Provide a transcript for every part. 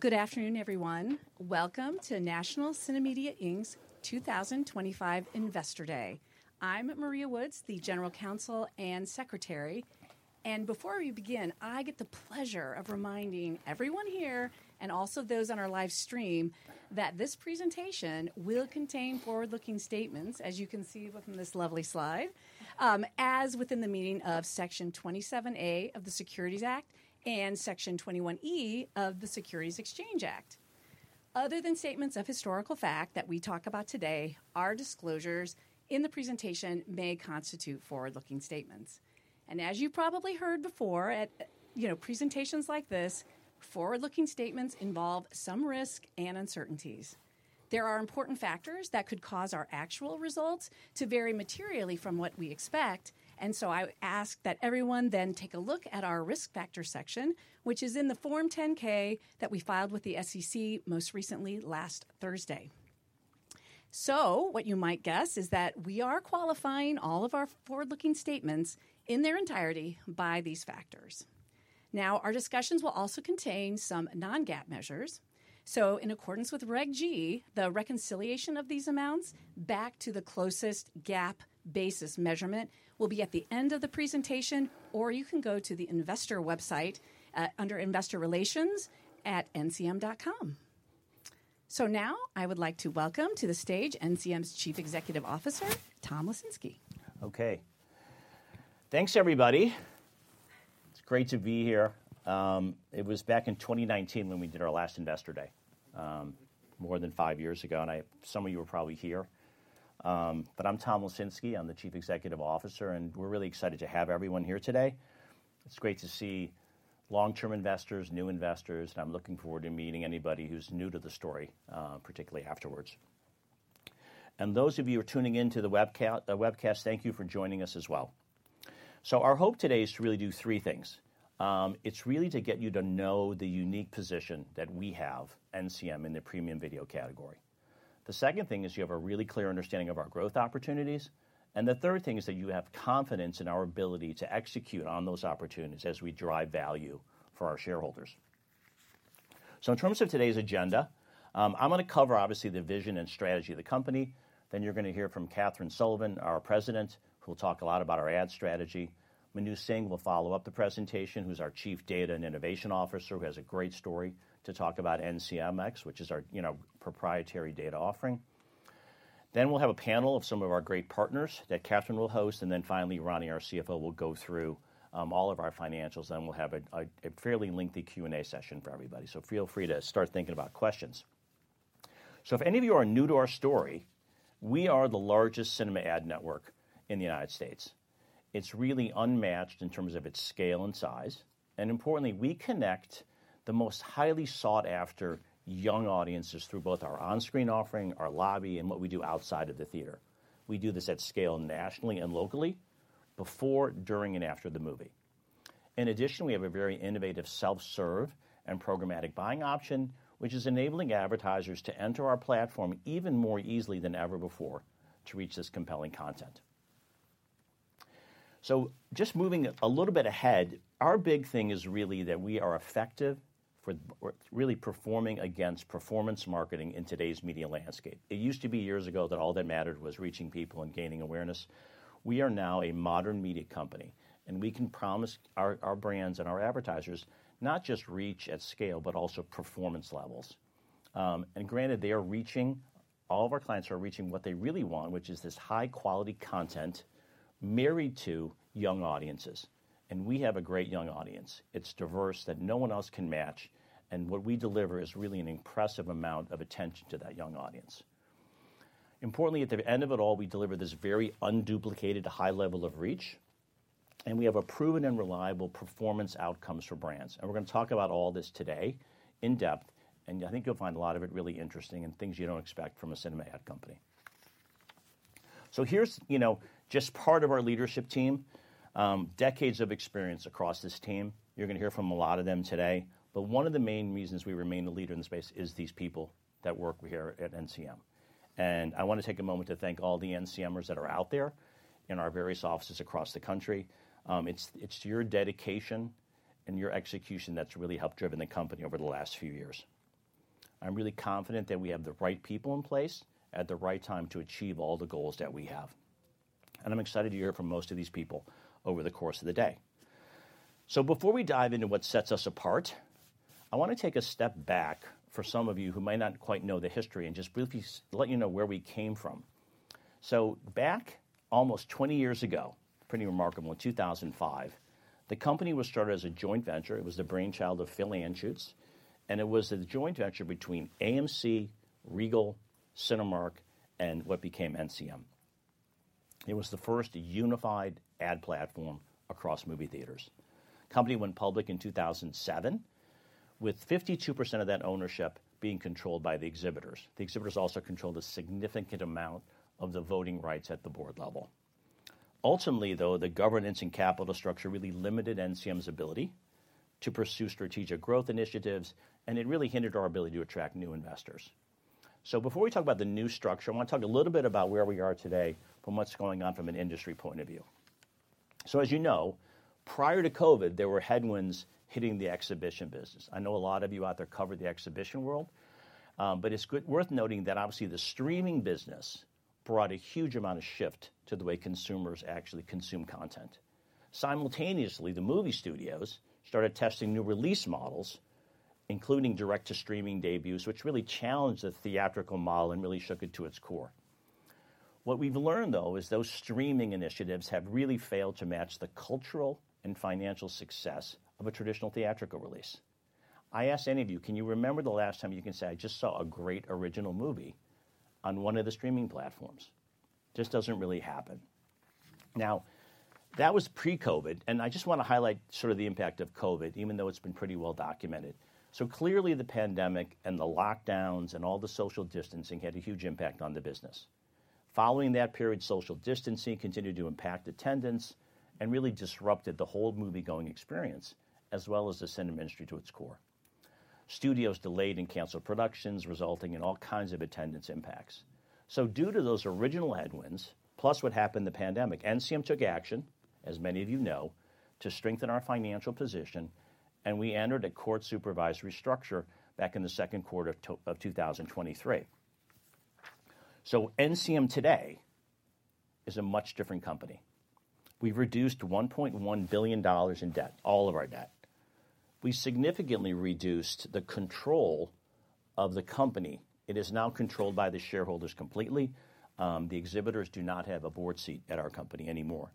Good afternoon, everyone. Welcome to National CineMedia's 2025 Investor Day. I'm Maria Woods, the General Counsel and Secretary. Before we begin, I get the pleasure of reminding everyone here, and also those on our live stream, that this presentation will contain forward-looking statements, as you can see from this lovely slide, as within the meaning of Section 27A of the Securities Act and Section 21E of the Securities Exchange Act. Other than statements of historical fact that we talk about today, our disclosures in the presentation may constitute forward-looking statements. As you probably heard before, at, you know, presentations like this, forward-looking statements involve some risk and uncertainties. There are important factors that could cause our actual results to vary materially from what we expect. I ask that everyone then take a look at our risk factor section, which is in the Form 10-K that we filed with the SEC most recently last Thursday. What you might guess is that we are qualifying all of our forward-looking statements in their entirety by these factors. Our discussions will also contain some non-GAAP measures. In accordance with Reg G, the reconciliation of these amounts back to the closest GAAP basis measurement will be at the end of the presentation, or you can go to the investor website under Investor Relations at ncm.com. I would like to welcome to the stage NCM's Chief Executive Officer, Tom Lesinski. Okay. Thanks, everybody. It's great to be here. It was back in 2019 when we did our last Investor Day, more than five years ago, and some of you are probably here. I'm Tom Lesinski. I'm the Chief Executive Officer, and we're really excited to have everyone here today. It's great to see long-term investors, new investors, and I'm looking forward to meeting anybody who's new to the story, particularly afterwards. Those of you who are tuning into the webcast, thank you for joining us as well. Our hope today is to really do three things. It's really to get you to know the unique position that we have, NCM, in the premium video category. The second thing is you have a really clear understanding of our growth opportunities. The third thing is that you have confidence in our ability to execute on those opportunities as we drive value for our shareholders. In terms of today's agenda, I'm going to cover, obviously, the vision and strategy of the company. You're going to hear from Catherine Sullivan, our President, who will talk a lot about our ad strategy. Manu Singh will follow up the presentation, who's our Chief Data and Innovation Officer, who has a great story to talk about NCMX, which is our, you know, proprietary data offering. We'll have a panel of some of our great partners that Catherine will host. Finally, Ronnie, our CFO, will go through all of our financials. We'll have a fairly lengthy Q&A session for everybody. Feel free to start thinking about questions. If any of you are new to our story, we are the largest cinema ad network in the United States. It's really unmatched in terms of its scale and size. Importantly, we connect the most highly sought-after young audiences through both our on-screen offering, our lobby, and what we do outside of the theater. We do this at scale nationally and locally, before, during, and after the movie. In addition, we have a very innovative self-serve and programmatic buying option, which is enabling advertisers to enter our platform even more easily than ever before to reach this compelling content. Just moving a little bit ahead, our big thing is really that we are effective for really performing against performance marketing in today's media landscape. It used to be years ago that all that mattered was reaching people and gaining awareness. We are now a modern media company. We can promise our brands and our advertisers not just reach at scale, but also performance levels. Granted, they are reaching, all of our clients are reaching what they really want, which is this high-quality content married to young audiences. We have a great young audience. It's diverse that no one else can match. What we deliver is really an impressive amount of attention to that young audience. Importantly, at the end of it all, we deliver this very unduplicated high level of reach. We have a proven and reliable performance outcomes for brands. We are going to talk about all this today in depth. I think you'll find a lot of it really interesting and things you don't expect from a cinema ad company. Here's, you know, just part of our leadership team, decades of experience across this team. You're going to hear from a lot of them today. One of the main reasons we remain the leader in the space is these people that work here at NCM. I want to take a moment to thank all the NCMers that are out there in our various offices across the country. It's your dedication and your execution that's really helped drive the company over the last few years. I'm really confident that we have the right people in place at the right time to achieve all the goals that we have. I'm excited to hear from most of these people over the course of the day. Before we dive into what sets us apart, I want to take a step back for some of you who might not quite know the history and just briefly let you know where we came from. Back almost 20 years ago, pretty remarkable, in 2005, the company was started as a joint venture. It was the brainchild of Philip Anschutz. It was a joint venture between AMC, Regal, Cinemark, and what became NCM. It was the first unified ad platform across movie theaters. The company went public in 2007, with 52% of that ownership being controlled by the exhibitors. The exhibitors also controlled a significant amount of the voting rights at the board level. Ultimately, though, the governance and capital structure really limited NCM's ability to pursue strategic growth initiatives, and it really hindered our ability to attract new investors. Before we talk about the new structure, I want to talk a little bit about where we are today from what's going on from an industry point of view. As you know, prior to COVID, there were headwinds hitting the exhibition business. I know a lot of you out there cover the exhibition world. It's worth noting that, obviously, the streaming business brought a huge amount of shift to the way consumers actually consume content. Simultaneously, the movie studios started testing new release models, including direct-to-streaming debuts, which really challenged the theatrical model and really shook it to its core. What we've learned, though, is those streaming initiatives have really failed to match the cultural and financial success of a traditional theatrical release. I ask any of you, can you remember the last time you can say, "I just saw a great original movie on one of the streaming platforms"? Just doesn't really happen. That was pre-COVID. I just want to highlight sort of the impact of COVID, even though it's been pretty well documented. Clearly, the pandemic and the lockdowns and all the social distancing had a huge impact on the business. Following that period, social distancing continued to impact attendance and really disrupted the whole movie-going experience, as well as the cinema industry to its core. Studios delayed and canceled productions, resulting in all kinds of attendance impacts. Due to those original headwinds, plus what happened in the pandemic, NCM took action, as many of you know, to strengthen our financial position. We entered a court-supervised restructure back in the second quarter of 2023. NCM today is a much different company. We have reduced $1.1 billion in debt, all of our debt. We significantly reduced the control of the company. It is now controlled by the shareholders completely. The exhibitors do not have a board seat at our company anymore.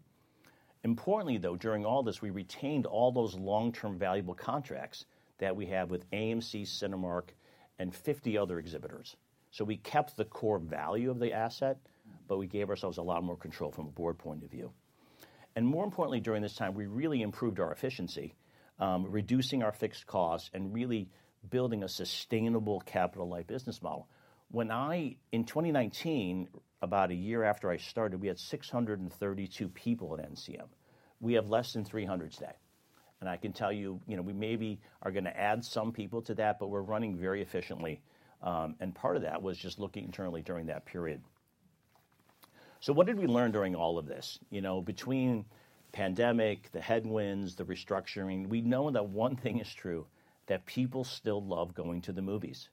Importantly, though, during all this, we retained all those long-term valuable contracts that we have with AMC, Cinemark, and 50 other exhibitors. We kept the core value of the asset, but we gave ourselves a lot more control from a board point of view. More importantly, during this time, we really improved our efficiency, reducing our fixed costs and really building a sustainable capital-light business model. When I, in 2019, about a year after I started, we had 632 people at NCM. We have less than 300 today. I can tell you, you know, we maybe are going to add some people to that, but we're running very efficiently. Part of that was just looking internally during that period. What did we learn during all of this? You know, between pandemic, the headwinds, the restructuring, we know that one thing is true, that people still love going to the movies.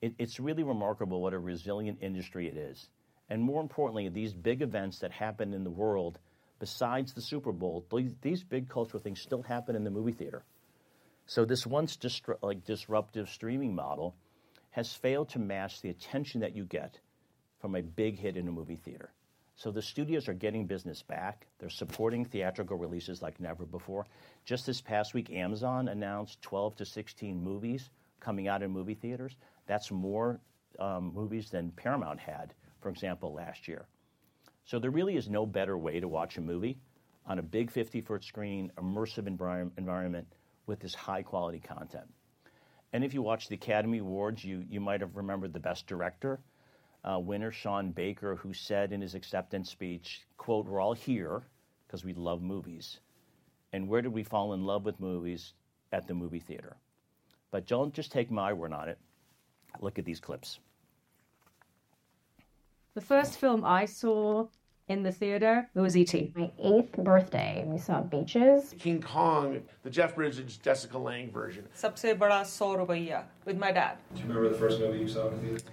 It's really remarkable what a resilient industry it is. More importantly, these big events that happen in the world, besides the Super Bowl, these big cultural things still happen in the movie theater. This once disruptive streaming model has failed to match the attention that you get from a big hit in a movie theater. The studios are getting business back. They're supporting theatrical releases like never before. Just this past week, Amazon announced 12-16 movies coming out in movie theaters. That's more movies than Paramount had, for example, last year. There really is no better way to watch a movie on a big 50-foot screen, immersive environment with this high-quality content. If you watched the Academy Awards, you might have remembered the best director, winner, Sean Baker, who said in his acceptance speech, "We're all here because we love movies." Where did we fall in love with movies? At the movie theater. Don't just take my word on it. Look at these clips. The first film I saw in the theater, it was E.T. My eighth birthday, we saw Beaches. King Kong, the Jeff Bridges, Jessica Lange version. सबसे बड़ा INR 100 with my dad. Do you remember the first movie you saw in the theater?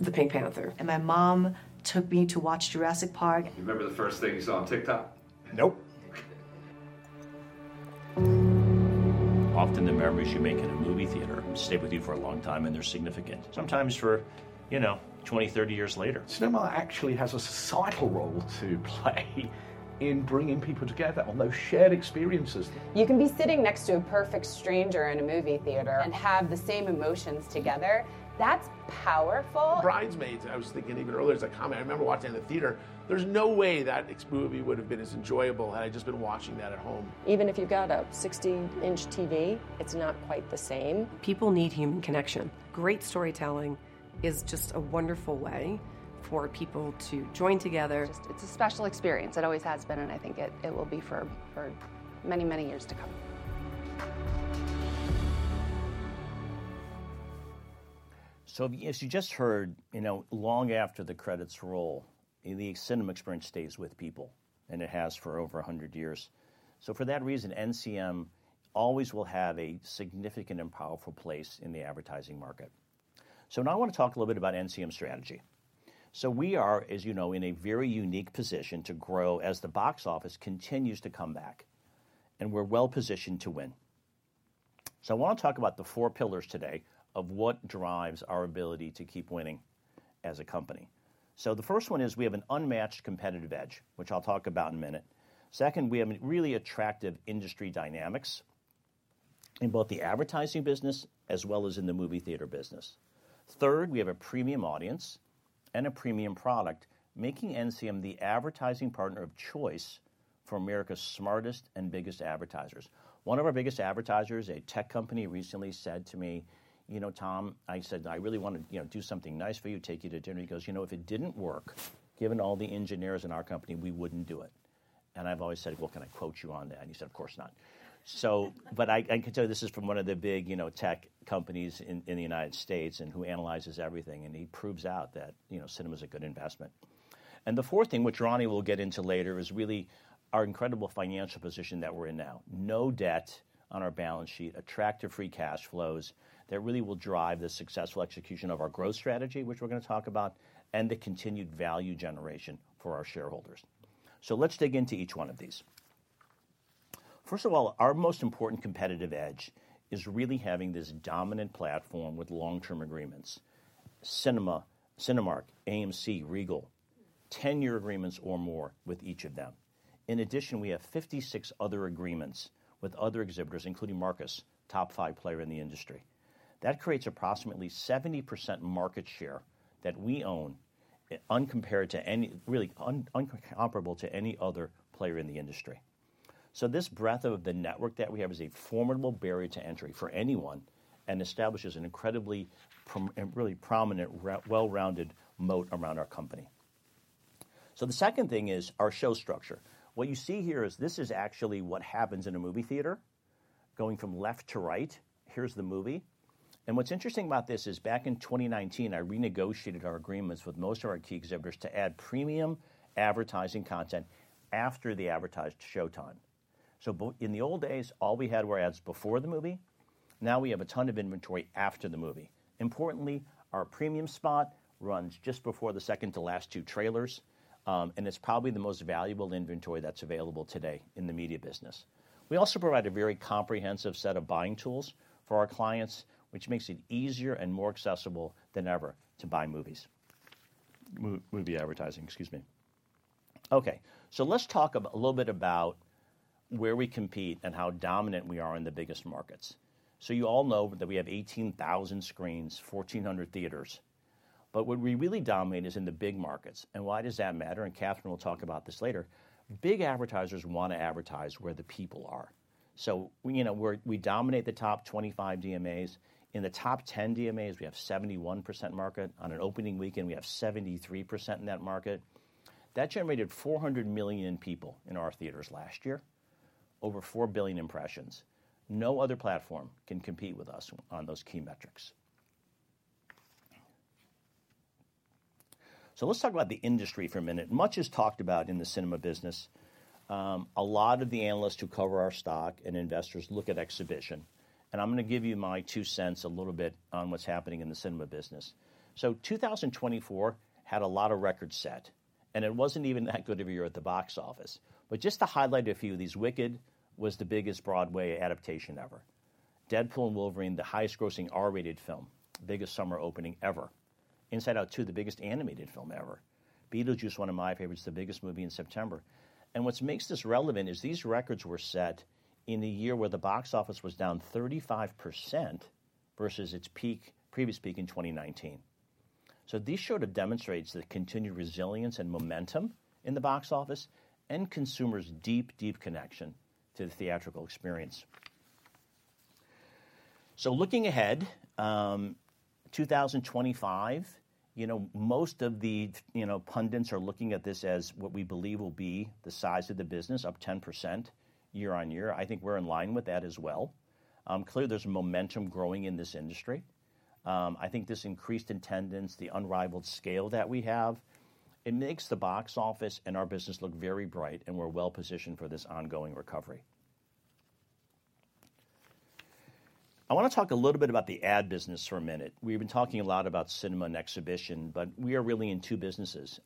The Pink Panther. My mom took me to watch Jurassic Park. Do you remember the first thing you saw on TikTok? Nope. Often the memories you make in a movie theater stay with you for a long time, and they're significant. Sometimes for, you know, 20, 30 years later. Cinema actually has a societal role to play in bringing people together on those shared experiences. You can be sitting next to a perfect stranger in a movie theater and have the same emotions together. That's powerful. Bridesmaids, I was thinking even earlier as I commented, I remember watching it in the theater. There is no way that movie would have been as enjoyable had I just been watching that at home. Even if you've got a 60-inch TV, it's not quite the same. People need human connection. Great storytelling is just a wonderful way for people to join together. It's a special experience. It always has been, and I think it will be for many, many years to come. As you just heard, you know, long after the credits roll, the cinema experience stays with people, and it has for over 100 years. For that reason, NCM always will have a significant and powerful place in the advertising market. Now I want to talk a little bit about NCM's strategy. We are, as you know, in a very unique position to grow as the box office continues to come back, and we're well positioned to win. I want to talk about the four pillars today of what drives our ability to keep winning as a company. The first one is we have an unmatched competitive edge, which I'll talk about in a minute. Second, we have really attractive industry dynamics in both the advertising business as well as in the movie theater business. Third, we have a premium audience and a premium product making NCM the advertising partner of choice for America's smartest and biggest advertisers. One of our biggest advertisers, a tech company, recently said to me, "You know, Tom," I said, "I really want to do something nice for you, take you to dinner." He goes, "You know, if it didn't work, given all the engineers in our company, we wouldn't do it." I have always said, "Well, can I quote you on that?" He said, "Of course not." I can tell you this is from one of the big, you know, tech companies in the United States and who analyzes everything. He proves out that, you know, cinema is a good investment. The fourth thing, which Ronnie will get into later, is really our incredible financial position that we're in now. No debt on our balance sheet, attractive free cash flows that really will drive the successful execution of our growth strategy, which we're going to talk about, and the continued value generation for our shareholders. Let's dig into each one of these. First of all, our most important competitive edge is really having this dominant platform with long-term agreements. Cinemark, AMC, Regal, 10-year agreements or more with each of them. In addition, we have 56 other agreements with other exhibitors, including Marcus, top five player in the industry. That creates approximately 70% market share that we own, uncomparable to any other player in the industry. This breadth of the network that we have is a formidable barrier to entry for anyone and establishes an incredibly really prominent, well-rounded moat around our company. The second thing is our show structure. What you see here is this is actually what happens in a movie theater. Going from left to right, here's the movie. And what's interesting about this is back in 2019, I renegotiated our agreements with most of our key exhibitors to add premium advertising content after the advertised show time. In the old days, all we had were ads before the movie. Now we have a ton of inventory after the movie. Importantly, our premium spot runs just before the second to last two trailers. It is probably the most valuable inventory that's available today in the media business. We also provide a very comprehensive set of buying tools for our clients, which makes it easier and more accessible than ever to buy movies. Movie advertising, excuse me. Okay. Let's talk a little bit about where we compete and how dominant we are in the biggest markets. You all know that we have 18,000 screens, 1,400 theaters. What we really dominate is in the big markets. Why does that matter? Catherine will talk about this later. Big advertisers want to advertise where the people are. You know, we dominate the top 25 DMAs. In the top 10 DMAs, we have 71% market. On an opening weekend, we have 73% in that market. That generated 400 million people in our theaters last year, over 4 billion impressions. No other platform can compete with us on those key metrics. Let's talk about the industry for a minute. Much is talked about in the cinema business. A lot of the analysts who cover our stock and investors look at exhibition. I'm going to give you my two cents a little bit on what's happening in the cinema business. 2024 had a lot of records set. It was not even that good of a year at the box office. Just to highlight a few, Wicked was the biggest Broadway adaptation ever. Deadpool and Wolverine, the highest-grossing R-rated film, biggest summer opening ever. Inside Out 2, the biggest animated film ever. Beetlejuice, one of my favorites, the biggest movie in September. What makes this relevant is these records were set in a year where the box office was down 35% versus its previous peak in 2019. This demonstrates the continued resilience and momentum in the box office and consumers' deep, deep connection to the theatrical experience. Looking ahead, 2025, you know, most of the, you know, pundits are looking at this as what we believe will be the size of the business, up 10% year-on-year. I think we're in line with that as well. Clearly, there's momentum growing in this industry. I think this increased attendance, the unrivaled scale that we have, it makes the box office and our business look very bright and we're well positioned for this ongoing recovery. I want to talk a little bit about the ad business for a minute. We've been talking a lot about cinema and exhibition, but we are really in two businesses.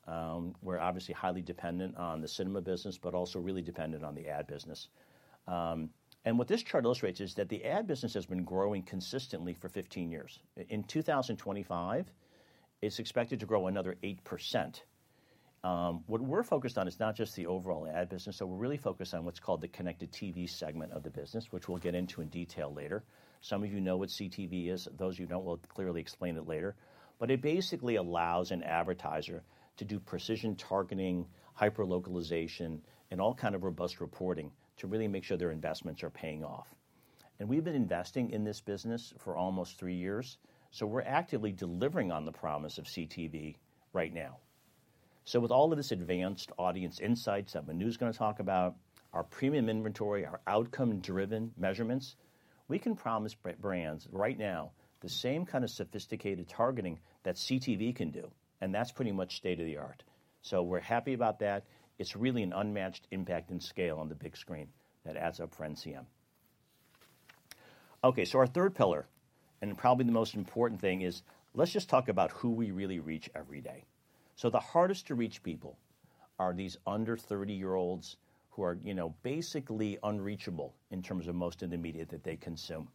We're obviously highly dependent on the cinema business, but also really dependent on the ad business. What this chart illustrates is that the ad business has been growing consistently for 15 years. In 2025, it's expected to grow another 8%. What we're focused on is not just the overall ad business. We're really focused on what's called the connected TV segment of the business, which we'll get into in detail later. Some of you know what CTV is. Those of you who do not, we will clearly explain it later. It basically allows an advertiser to do precision targeting, hyperlocalization, and all kinds of robust reporting to really make sure their investments are paying off. We have been investing in this business for almost three years. We are actively delivering on the promise of CTV right now. With all of this advanced audience insights that Manu is going to talk about, our premium inventory, our outcome-driven measurements, we can promise brands right now the same kind of sophisticated targeting that CTV can do. That is pretty much state of the art. We are happy about that. It is really an unmatched impact and scale on the big screen that adds up for NCM. Okay, so our third pillar, and probably the most important thing, is let's just talk about who we really reach every day. The hardest to reach people are these under 30-year-olds who are, you know, basically unreachable in terms of most of the media that they consume.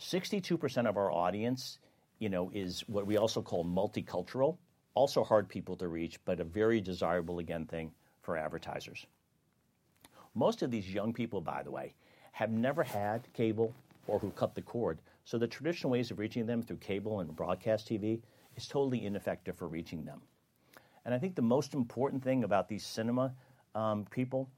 62% of our audience, you know, is what we also call multicultural, also hard people to reach, but a very desirable, again, thing for advertisers. Most of these young people, by the way, have never had cable or who cut the cord. The traditional ways of reaching them through cable and broadcast TV is totally ineffective for reaching them. I think the most important thing about these cinema people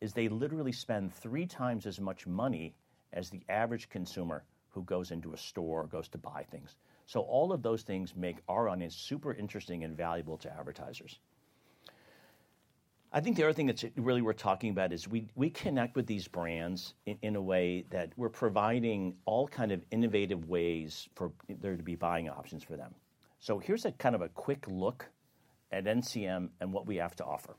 is they literally spend three times as much money as the average consumer who goes into a store or goes to buy things. All of those things make our audience super interesting and valuable to advertisers. I think the other thing that really we're talking about is we connect with these brands in a way that we're providing all kinds of innovative ways for there to be buying options for them. Here's a kind of a quick look at NCM and what we have to offer.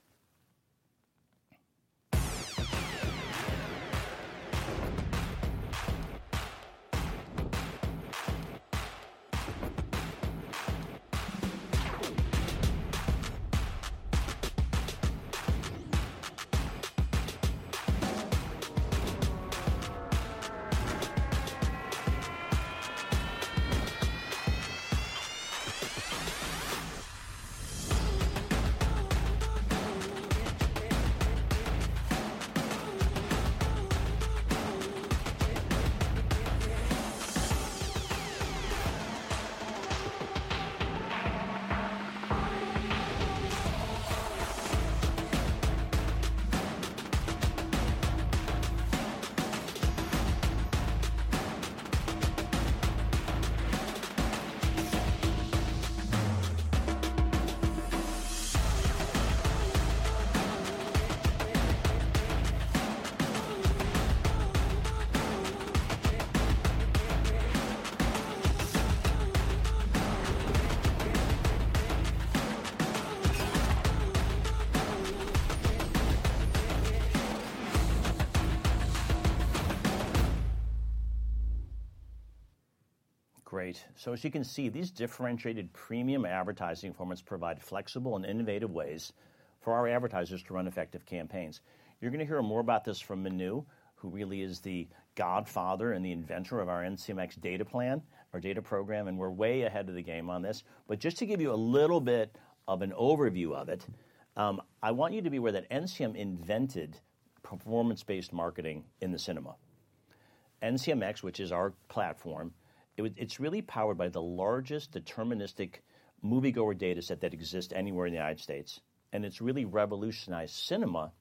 Great. As you can see, these differentiated premium advertising formats provide flexible and innovative ways for our advertisers to run effective campaigns. You're going to hear more about this from Manu, who really is the godfather and the inventor of our NCMX data plan, our data program. We're way ahead of the game on this. Just to give you a little bit of an overview of it, I want you to be aware that NCM invented performance-based marketing in the cinema. NCMX, which is our platform, it's really powered by the largest deterministic moviegoer data set that exists anywhere in the United States. It's really revolutionized cinema,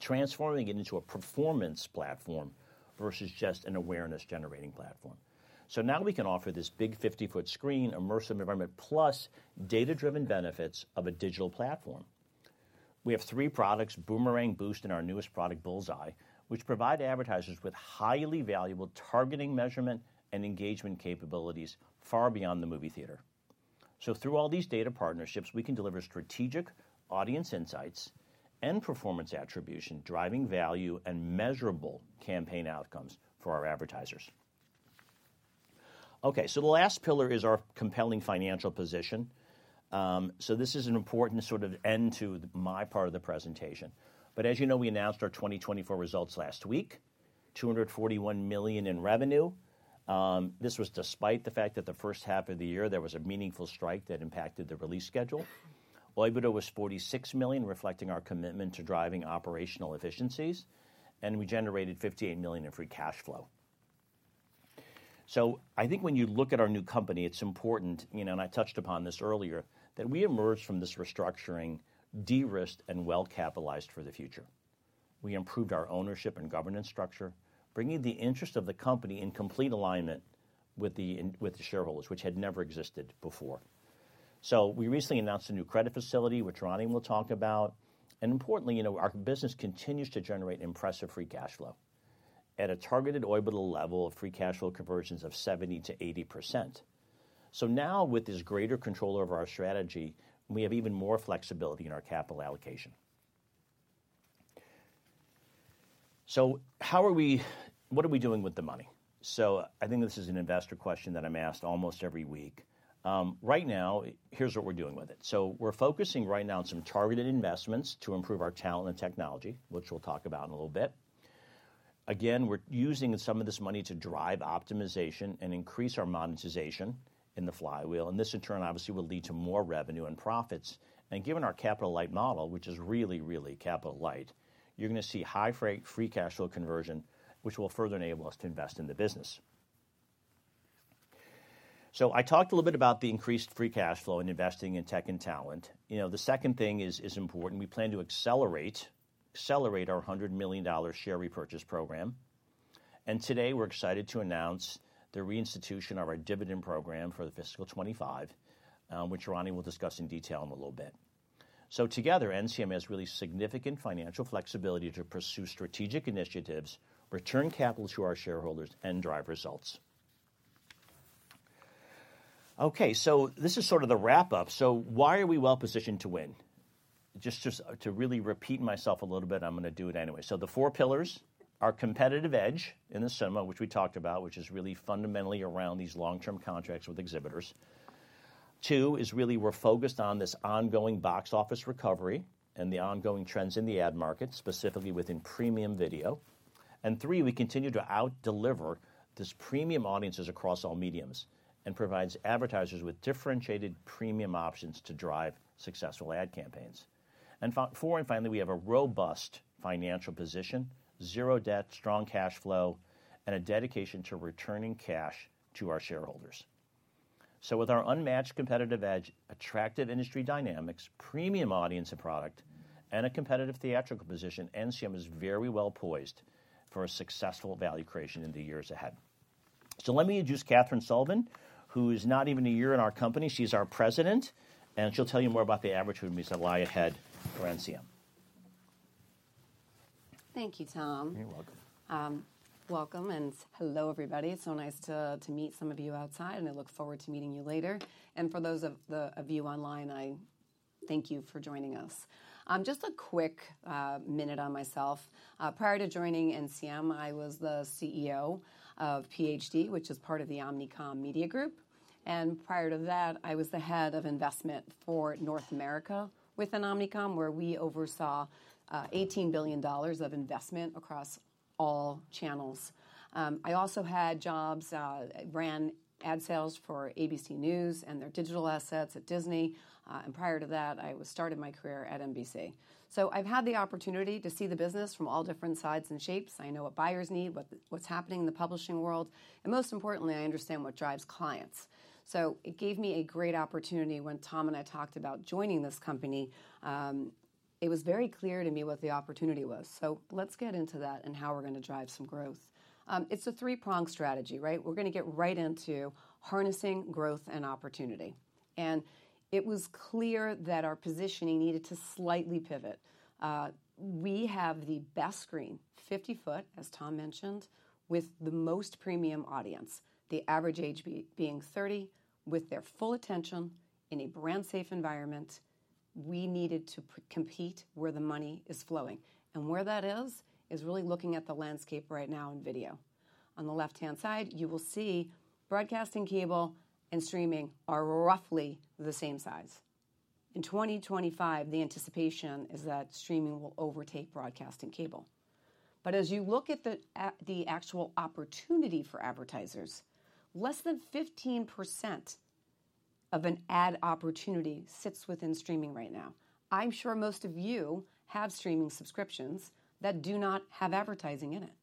transforming it into a performance platform versus just an awareness-generating platform. Now we can offer this big 50-foot screen, immersive environment, plus data-driven benefits of a digital platform. We have three products, Boomerang, Boost, and our newest product, Bullseye, which provide advertisers with highly valuable targeting, measurement, and engagement capabilities far beyond the movie theater. Through all these data partnerships, we can deliver strategic audience insights and performance attribution, driving value and measurable campaign outcomes for our advertisers. The last pillar is our compelling financial position. This is an important sort of end to my part of the presentation. As you know, we announced our 2024 results last week, $241 million in revenue. This was despite the fact that the first half of the year, there was a meaningful strike that impacted the release schedule. EBITDA was $46 million, reflecting our commitment to driving operational efficiencies. And we generated $58 million in free cash flow. I think when you look at our new company, it's important, you know, and I touched upon this earlier, that we emerged from this restructuring de-risked and well-capitalized for the future. We improved our ownership and governance structure, bringing the interest of the company in complete alignment with the shareholders, which had never existed before. We recently announced a new credit facility, which Ronnie will talk about. Importantly, you know, our business continues to generate impressive free cash flow at a targeted EBITDA level of free cash flow conversions of 70%-80%. Now with this greater control over our strategy, we have even more flexibility in our capital allocation. How are we, what are we doing with the money? I think this is an investor question that I'm asked almost every week. Right now, here's what we're doing with it. We're focusing right now on some targeted investments to improve our talent and technology, which we'll talk about in a little bit. Again, we're using some of this money to drive optimization and increase our monetization in the flywheel. This, in turn, obviously will lead to more revenue and profits. Given our capital-light model, which is really, really capital-light, you're going to see high free cash flow conversion, which will further enable us to invest in the business. I talked a little bit about the increased free cash flow and investing in tech and talent. You know, the second thing is important. We plan to accelerate our $100 million share repurchase program. Today we're excited to announce the reinstitution of our dividend program for the fiscal 2025, which Ronnie will discuss in detail in a little bit. Together, NCM has really significant financial flexibility to pursue strategic initiatives, return capital to our shareholders, and drive results. This is sort of the wrap-up. Why are we well positioned to win? Just to really repeat myself a little bit, I'm going to do it anyway. The four pillars are competitive edge in the cinema, which we talked about, which is really fundamentally around these long-term contracts with exhibitors. Two is really we're focused on this ongoing box office recovery and the ongoing trends in the ad market, specifically within premium video. We continue to outdeliver this premium audiences across all mediums and provide advertisers with differentiated premium options to drive successful ad campaigns. Four, and finally, we have a robust financial position, zero debt, strong cash flow, and a dedication to returning cash to our shareholders. With our unmatched competitive edge, attractive industry dynamics, premium audience and product, and a competitive theatrical position, NCM is very well poised for a successful value creation in the years ahead. Let me introduce Catherine Sullivan, who is not even a year in our company. She's our President. She'll tell you more about the average who needs to lie ahead for NCM. Thank you, Tom. You're welcome. Welcome. Hello, everybody. It's so nice to meet some of you outside. I look forward to meeting you later. For those of you online, I thank you for joining us. Just a quick minute on myself. Prior to joining NCM, I was the CEO of PhD, which is part of the Omnicom Media Group. Prior to that, I was the head of investment for North America within Omnicom, where we oversaw $18 billion of investment across all channels. I also had jobs, ran ad sales for ABC News and their digital assets at Disney. Prior to that, I started my career at NBC. I have had the opportunity to see the business from all different sides and shapes. I know what buyers need, what is happening in the publishing world. Most importantly, I understand what drives clients. It gave me a great opportunity when Tom and I talked about joining this company. It was very clear to me what the opportunity was. Let's get into that and how we're going to drive some growth. It's a three-pronged strategy, right? We're going to get right into harnessing growth and opportunity. It was clear that our positioning needed to slightly pivot. We have the best screen, 50 foot, as Tom mentioned, with the most premium audience, the average age being 30, with their full attention in a brand-safe environment. We needed to compete where the money is flowing. Where that is, is really looking at the landscape right now in video. On the left-hand side, you will see broadcasting cable and streaming are roughly the same size. In 2025, the anticipation is that streaming will overtake broadcasting cable. As you look at the actual opportunity for advertisers, less than 15% of an ad opportunity sits within streaming right now. I'm sure most of you have streaming subscriptions that do not have advertising in it.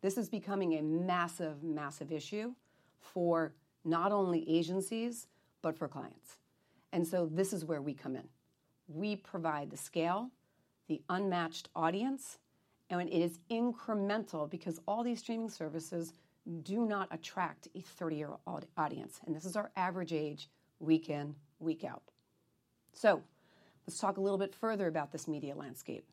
This is becoming a massive, massive issue for not only agencies, but for clients. This is where we come in. We provide the scale, the unmatched audience, and it is incremental because all these streaming services do not attract a 30-year-old audience. This is our average age week in, week out. Let's talk a little bit further about this media landscape.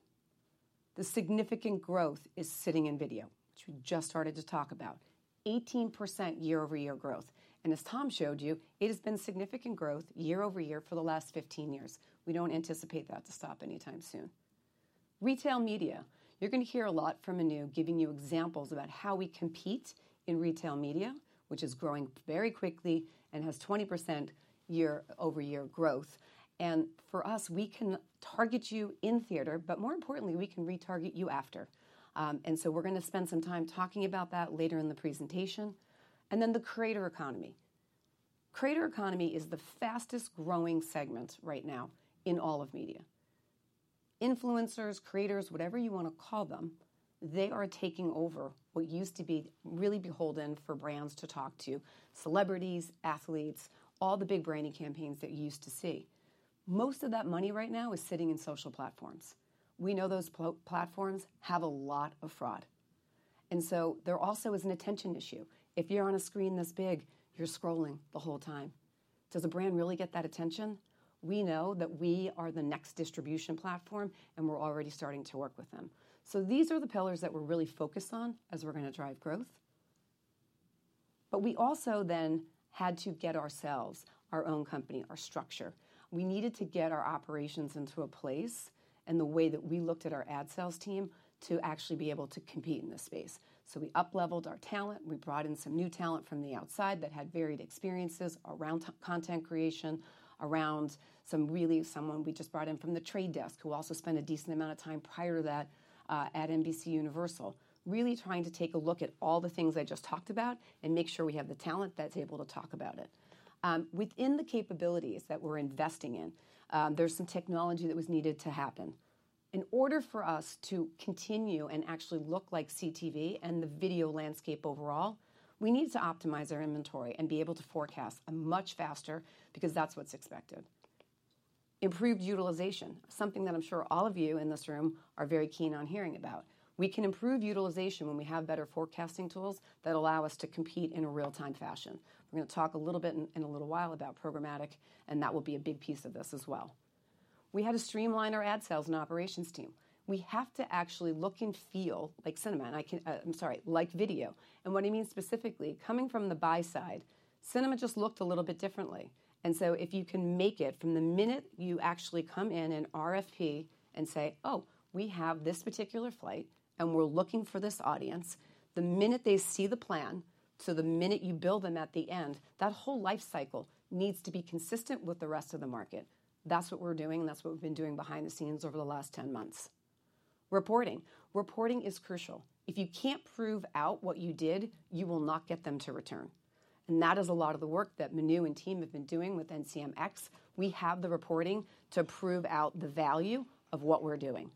The significant growth is sitting in video, which we just started to talk about. 18% year-over-year growth. As Tom showed you, it has been significant growth year-over-year for the last 15 years. We do not anticipate that to stop anytime soon. Retail media, you're going to hear a lot from Manu giving you examples about how we compete in retail media, which is growing very quickly and has 20% year-over-year growth. For us, we can target you in theater, but more importantly, we can retarget you after. We are going to spend some time talking about that later in the presentation. The creator economy is the fastest-growing segment right now in all of media. Influencers, creators, whatever you want to call them, they are taking over what used to be really beholden for brands to talk to, celebrities, athletes, all the big branding campaigns that you used to see. Most of that money right now is sitting in social platforms. We know those platforms have a lot of fraud. There also is an attention issue. If you're on a screen this big, you're scrolling the whole time. Does a brand really get that attention? We know that we are the next distribution platform, and we're already starting to work with them. These are the pillars that we're really focused on as we're going to drive growth. We also then had to get ourselves, our own company, our structure. We needed to get our operations into a place and the way that we looked at our ad sales team to actually be able to compete in this space. We upleveled our talent. We brought in some new talent from the outside that had varied experiences around content creation, around some really someone we just brought in from The Trade Desk who also spent a decent amount of time prior to that at NBC Universal, really trying to take a look at all the things I just talked about and make sure we have the talent that's able to talk about it. Within the capabilities that we're investing in, there's some technology that was needed to happen. In order for us to continue and actually look like CTV and the video landscape overall, we need to optimize our inventory and be able to forecast much faster because that's what's expected. Improved utilization, something that I'm sure all of you in this room are very keen on hearing about. We can improve utilization when we have better forecasting tools that allow us to compete in a real-time fashion. We're going to talk a little bit in a little while about programmatic, and that will be a big piece of this as well. We had to streamline our ad sales and operations team. We have to actually look and feel like cinema. I can, I'm sorry, like video. What I mean specifically, coming from the buy side, cinema just looked a little bit differently. If you can make it from the minute you actually come in and RFP and say, "Oh, we have this particular flight and we're looking for this audience," the minute they see the plan, to the minute you bill them at the end, that whole life cycle needs to be consistent with the rest of the market. That's what we're doing, and that's what we've been doing behind the scenes over the last 10 months. Reporting. Reporting is crucial. If you can't prove out what you did, you will not get them to return. That is a lot of the work that Manu and team have been doing with NCMX. We have the reporting to prove out the value of what we're doing.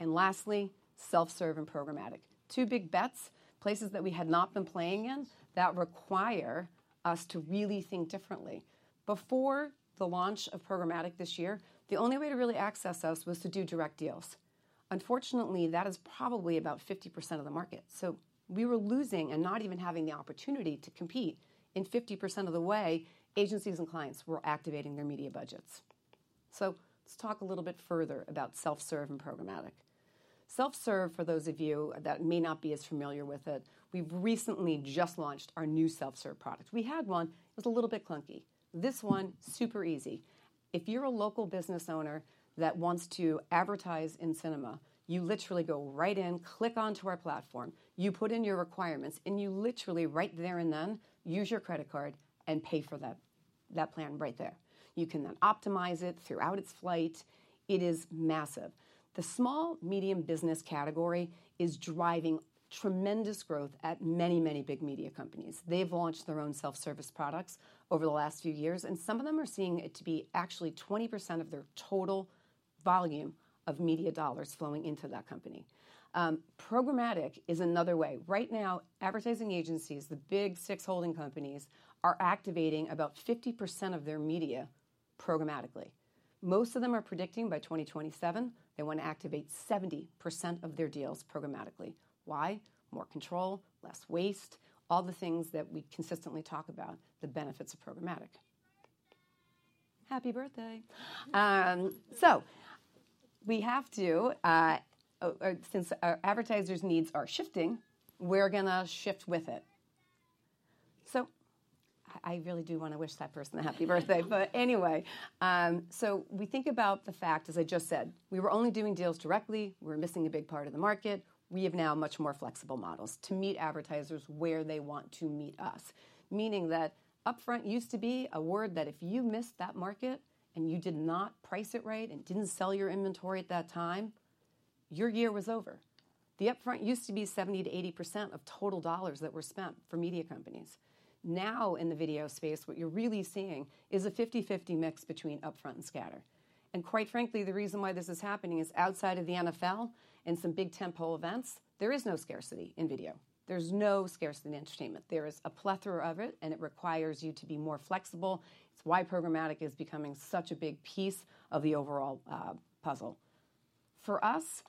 Lastly, self-serve and programmatic. Two big bets, places that we had not been playing in that require us to really think differently. Before the launch of programmatic this year, the only way to really access us was to do direct deals. Unfortunately, that is probably about 50% of the market. We were losing and not even having the opportunity to compete. In 50% of the way, agencies and clients were activating their media budgets. Let's talk a little bit further about self-serve and programmatic. Self-serve, for those of you that may not be as familiar with it, we've recently just launched our new self-serve product. We had one. It was a little bit clunky. This one, super easy. If you're a local business owner that wants to advertise in cinema, you literally go right in, click onto our platform, you put in your requirements, and you literally right there and then use your credit card and pay for that plan right there. You can then optimize it throughout its flight. It is massive. The small, medium business category is driving tremendous growth at many, many big media companies. They've launched their own self-serve products over the last few years, and some of them are seeing it to be actually 20% of their total volume of media dollars flowing into that company. Programmatic is another way. Right now, advertising agencies, the big six holding companies, are activating about 50% of their media programmatically. Most of them are predicting by 2027, they want to activate 70% of their deals programmatically. Why? More control, less waste, all the things that we consistently talk about, the benefits of programmatic. Happy birthday. We have to, since our advertisers' needs are shifting, we're going to shift with it. I really do want to wish that person a happy birthday. Anyway, we think about the fact, as I just said, we were only doing deals directly. We were missing a big part of the market. We have now much more flexible models to meet advertisers where they want to meet us. Meaning that upfront used to be a word that if you missed that market and you did not price it right and did not sell your inventory at that time, your year was over. The upfront used to be 70%-80% of total dollars that were spent for media companies. Now in the video space, what you are really seeing is a 50-50 mix between upfront and scatter. Quite frankly, the reason why this is happening is outside of the NFL and some big tempo events, there is no scarcity in video. There is no scarcity in entertainment. There is a plethora of it, and it requires you to be more flexible. It is why programmatic is becoming such a big piece of the overall puzzle. For us,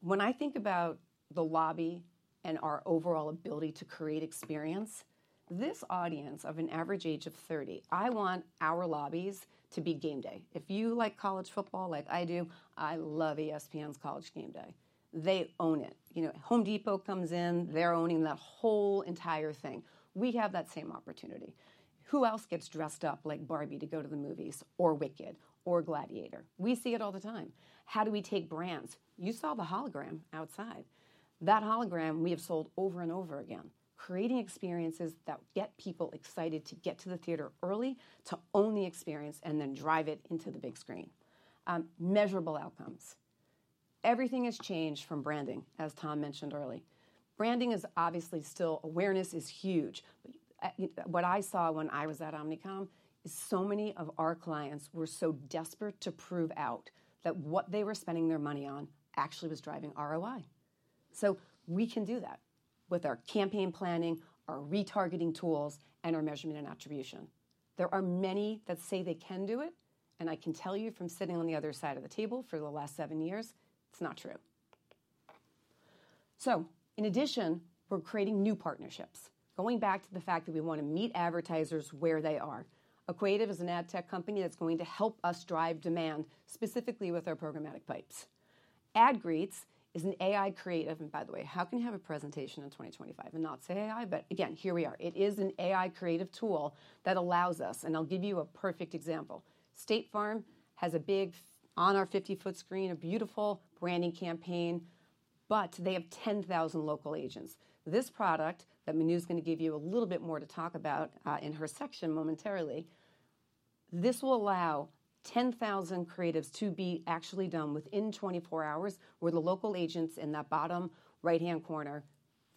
when I think about the lobby and our overall ability to create experience, this audience of an average age of 30, I want our lobbies to be game day. If you like college football like I do, I love ESPN's college game day. They own it. You know, Home Depot comes in. They're owning that whole entire thing. We have that same opportunity. Who else gets dressed up like Barbie to go to the movies or Wicked or Gladiator? We see it all the time. How do we take brands? You saw the hologram outside. That hologram we have sold over and over again, creating experiences that get people excited to get to the theater early, to own the experience, and then drive it into the big screen. Measurable outcomes. Everything has changed from branding, as Tom mentioned early. Branding is obviously still awareness is huge. What I saw when I was at Omnicom is so many of our clients were so desperate to prove out that what they were spending their money on actually was driving ROI. We can do that with our campaign planning, our retargeting tools, and our measurement and attribution. There are many that say they can do it. I can tell you from sitting on the other side of the table for the last seven years, it's not true. In addition, we're creating new partnerships. Going back to the fact that we want to meet advertisers where they are. Equative is an ad tech company that's going to help us drive demand specifically with our programmatic pipes. AdGreetz is an AI creative. By the way, how can you have a presentation in 2025 and not say AI? Again, here we are. It is an AI creative tool that allows us, and I'll give you a perfect example. State Farm has a big on our 50-foot screen, a beautiful branding campaign, but they have 10,000 local agents. This product that Manu is going to give you a little bit more to talk about in her section momentarily, this will allow 10,000 creatives to be actually done within 24 hours with the local agents in that bottom right-hand corner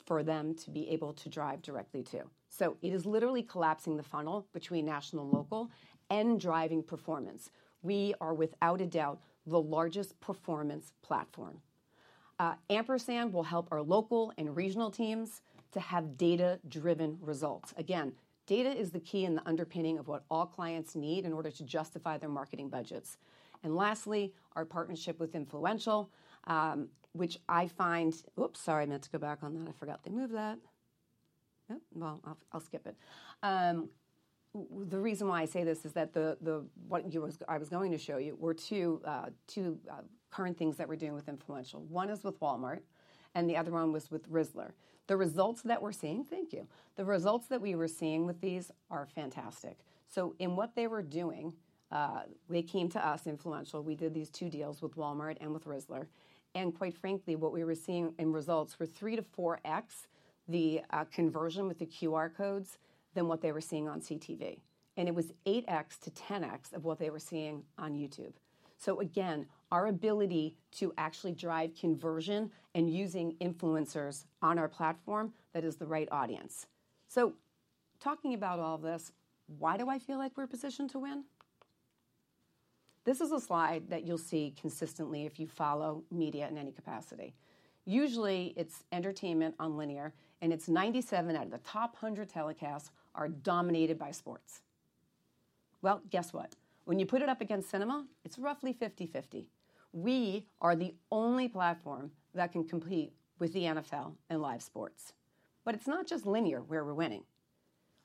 for them to be able to drive directly to. It is literally collapsing the funnel between national and local and driving performance. We are, without a doubt, the largest performance platform. Ampersand will help our local and regional teams to have data-driven results. Again, data is the key in the underpinning of what all clients need in order to justify their marketing budgets. Lastly, our partnership with Influential, which I find, oops, sorry, I meant to go back on that. I forgot they moved that. I'll skip it. The reason why I say this is that what I was going to show you were two current things that we're doing with Influential. One is with Walmart, and the other one was with Rizzler. The results that we're seeing, thank you. The results that we were seeing with these are fantastic. In what they were doing, they came to us, Influential. We did these two deals with Walmart and with Rizzler. Quite frankly, what we were seeing in results were three to four X the conversion with the QR codes than what they were seeing on CTV. It was 8X to 10X of what they were seeing on YouTube. Again, our ability to actually drive conversion and using influencers on our platform, that is the right audience. Talking about all this, why do I feel like we're positioned to win? This is a slide that you'll see consistently if you follow media in any capacity. Usually, it's entertainment on linear, and it's 97 out of the top 100 telecasts are dominated by sports. Guess what? When you put it up against cinema, it's roughly 50-50. We are the only platform that can compete with the NFL and live sports. It's not just linear where we're winning.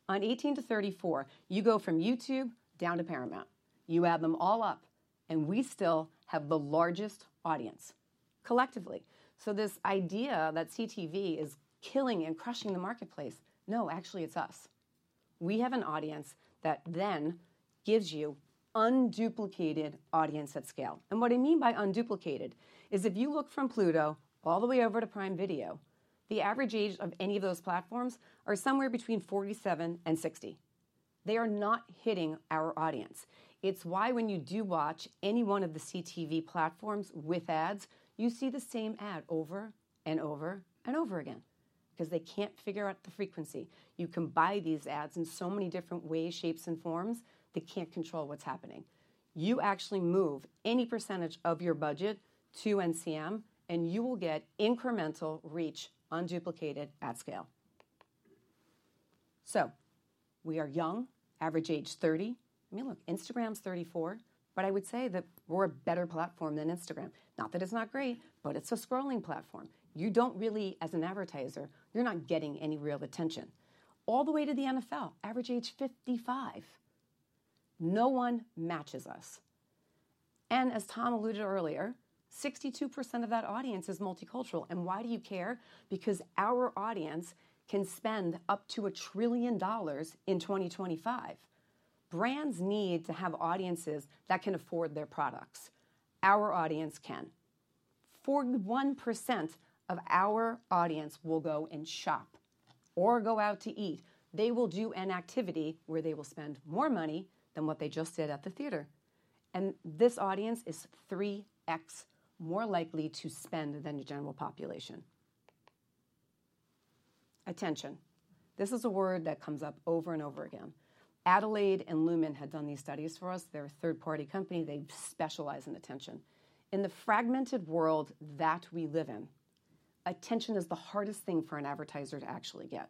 On 18 to 34, you go from YouTube down to Paramount. You add them all up, and we still have the largest audience collectively. This idea that CTV is killing and crushing the marketplace, no, actually it's us. We have an audience that then gives you unduplicated audience at scale. What I mean by unduplicated is if you look from Pluto all the way over to Prime Video, the average age of any of those platforms are somewhere between 47 and 60. They are not hitting our audience. It is why when you do watch any one of the CTV platforms with ads, you see the same ad over and over and over again because they cannot figure out the frequency. You can buy these ads in so many different ways, shapes, and forms. They cannot control what is happening. You actually move any percentage of your budget to NCM, and you will get incremental reach unduplicated at scale. We are young, average age 30. I mean, look, Instagram's 34, but I would say that we are a better platform than Instagram. Not that it's not great, but it's a scrolling platform. You don't really, as an advertiser, you're not getting any real attention. All the way to the NFL, average age 55. No one matches us. As Tom alluded earlier, 62% of that audience is multicultural. Why do you care? Because our audience can spend up to $1 trillion in 2025. Brands need to have audiences that can afford their products. Our audience can. 41% of our audience will go and shop or go out to eat. They will do an activity where they will spend more money than what they just did at the theater. This audience is 3X more likely to spend than the general population. Attention. This is a word that comes up over and over again. Adelaide and Lumen had done these studies for us. They're a third-party company. They specialize in attention. In the fragmented world that we live in, attention is the hardest thing for an advertiser to actually get.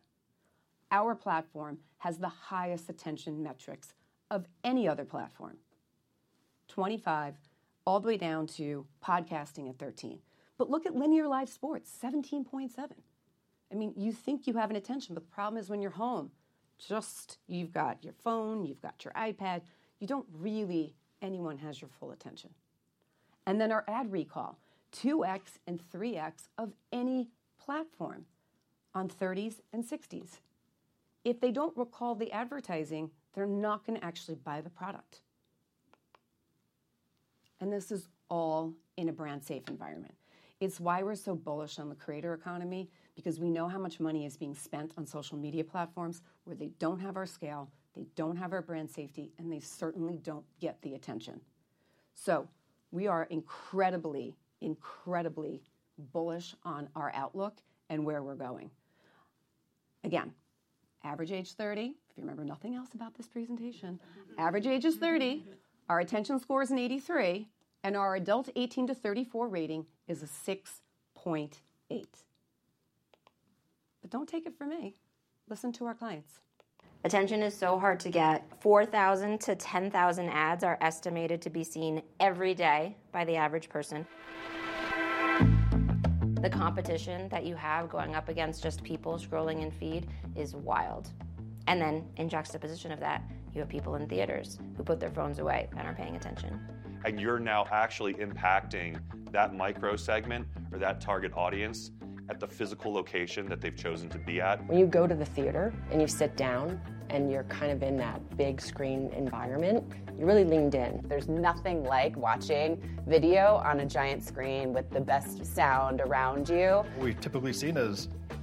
Our platform has the highest attention metrics of any other platform, 25 all the way down to podcasting at 13. Look at linear live sports, 17.7. I mean, you think you have an attention, but the problem is when you're home, just you've got your phone, you've got your iPad. You don't really have anyone who has your full attention. Then our ad recall, 2X and 3X of any platform on 30s and 60s. If they don't recall the advertising, they're not going to actually buy the product. This is all in a brand-safe environment. It's why we're so bullish on the creator economy because we know how much money is being spent on social media platforms where they don't have our scale, they don't have our brand safety, and they certainly don't get the attention. We are incredibly, incredibly bullish on our outlook and where we're going. Again, average age 30. If you remember nothing else about this presentation, average age is 30. Our attention score is an 83, and our adult 18-34 rating is a 6.8. Don't take it from me. Listen to our clients. Attention is so hard to get. 4,000-10,000 ads are estimated to be seen every day by the average person. The competition that you have going up against just people scrolling in feed is wild. In juxtaposition of that, you have people in theaters who put their phones away and aren't paying attention. You're now actually impacting that micro segment or that target audience at the physical location that they've chosen to be at. When you go to the theater and you sit down and you're kind of in that big screen environment, you're really leaned in. There's nothing like watching video on a giant screen with the best sound around you. We've typically seen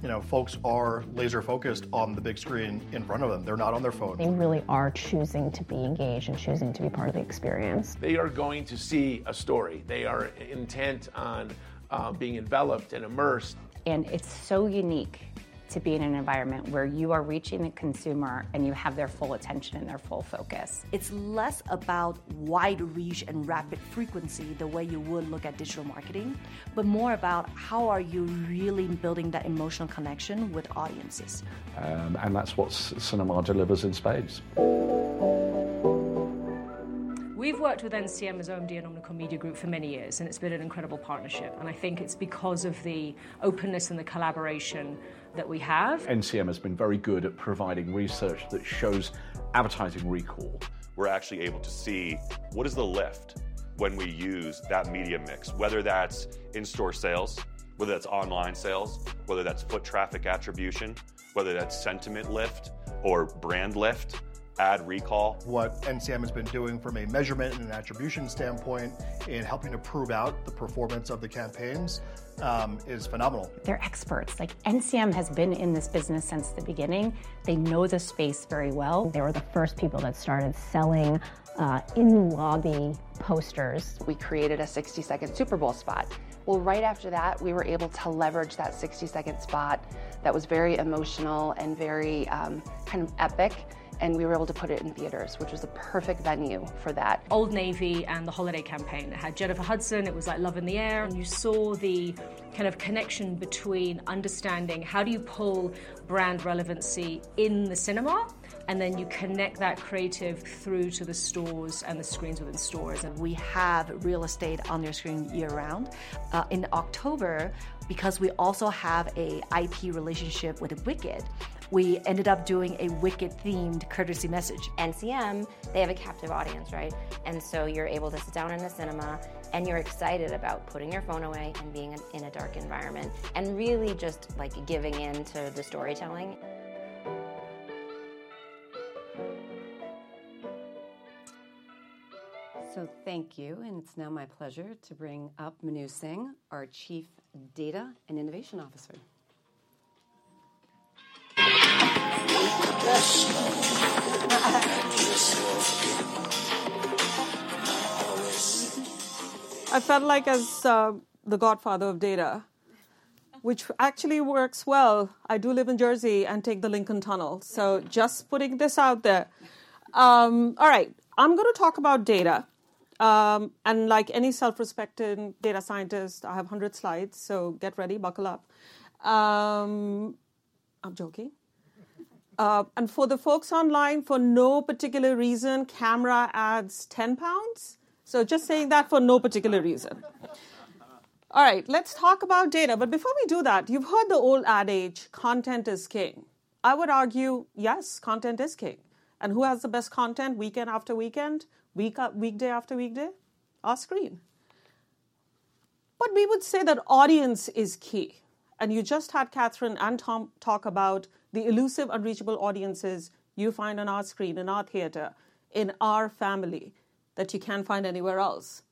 as folks are laser-focused on the big screen in front of them. They're not on their phone. They really are choosing to be engaged and choosing to be part of the experience. They are going to see a story. They are intent on being enveloped and immersed. It is so unique to be in an environment where you are reaching the consumer and you have their full attention and their full focus. It is less about wide reach and rapid frequency the way you would look at digital marketing, but more about how are you really building that emotional connection with audiences. That is what Cinema delivers in spades. We have worked with NCM as OMD and Omnicom Media Group for many years, and it has been an incredible partnership. I think it is because of the openness and the collaboration that we have. NCM has been very good at providing research that shows advertising recall. We are actually able to see what is the lift when we use that media mix, whether that is in-store sales, whether that is online sales, whether that is foot traffic attribution, whether that is sentiment lift or brand lift, ad recall. What NCM has been doing from a measurement and an attribution standpoint in helping to prove out the performance of the campaigns is phenomenal. They're experts. Like NCM has been in this business since the beginning. They know the space very well. They were the first people that started selling in-lobby posters. We created a 60-second Super Bowl spot. Right after that, we were able to leverage that 60-second spot that was very emotional and very kind of epic. We were able to put it in theaters, which was the perfect venue for that. Old Navy and the holiday campaign. It had Jennifer Hudson. It was like Love in the Air. You saw the kind of connection between understanding how do you pull brand relevancy in the cinema, and then you connect that creative through to the stores and the screens within stores. We have real estate on their screen year-round. In October, because we also have an IP relationship with Wicked, we ended up doing a Wicked-themed courtesy message. NCM, they have a captive audience, right? You are able to sit down in the cinema, and you are excited about putting your phone away and being in a dark environment and really just giving in to the storytelling. Thank you. It is now my pleasure to bring up Manu Singh, our Chief Data and Innovation Officer. I felt like as the godfather of data, which actually works well. I do live in Jersey and take the Lincoln Tunnel. Just putting this out there. All right, I am going to talk about data. Like any self-respecting data scientist, I have 100 slides. Get ready, buckle up. I am joking. For the folks online, for no particular reason, camera adds £10. Just saying that for no particular reason. All right, let's talk about data. Before we do that, you've heard the old adage, content is king. I would argue, yes, content is king. Who has the best content weekend after weekend, weekday after weekday? Our screen. We would say that audience is key. You just had Catherine and Tom talk about the elusive, unreachable audiences you find on our screen, in our theater, in our family that you can't find anywhere else.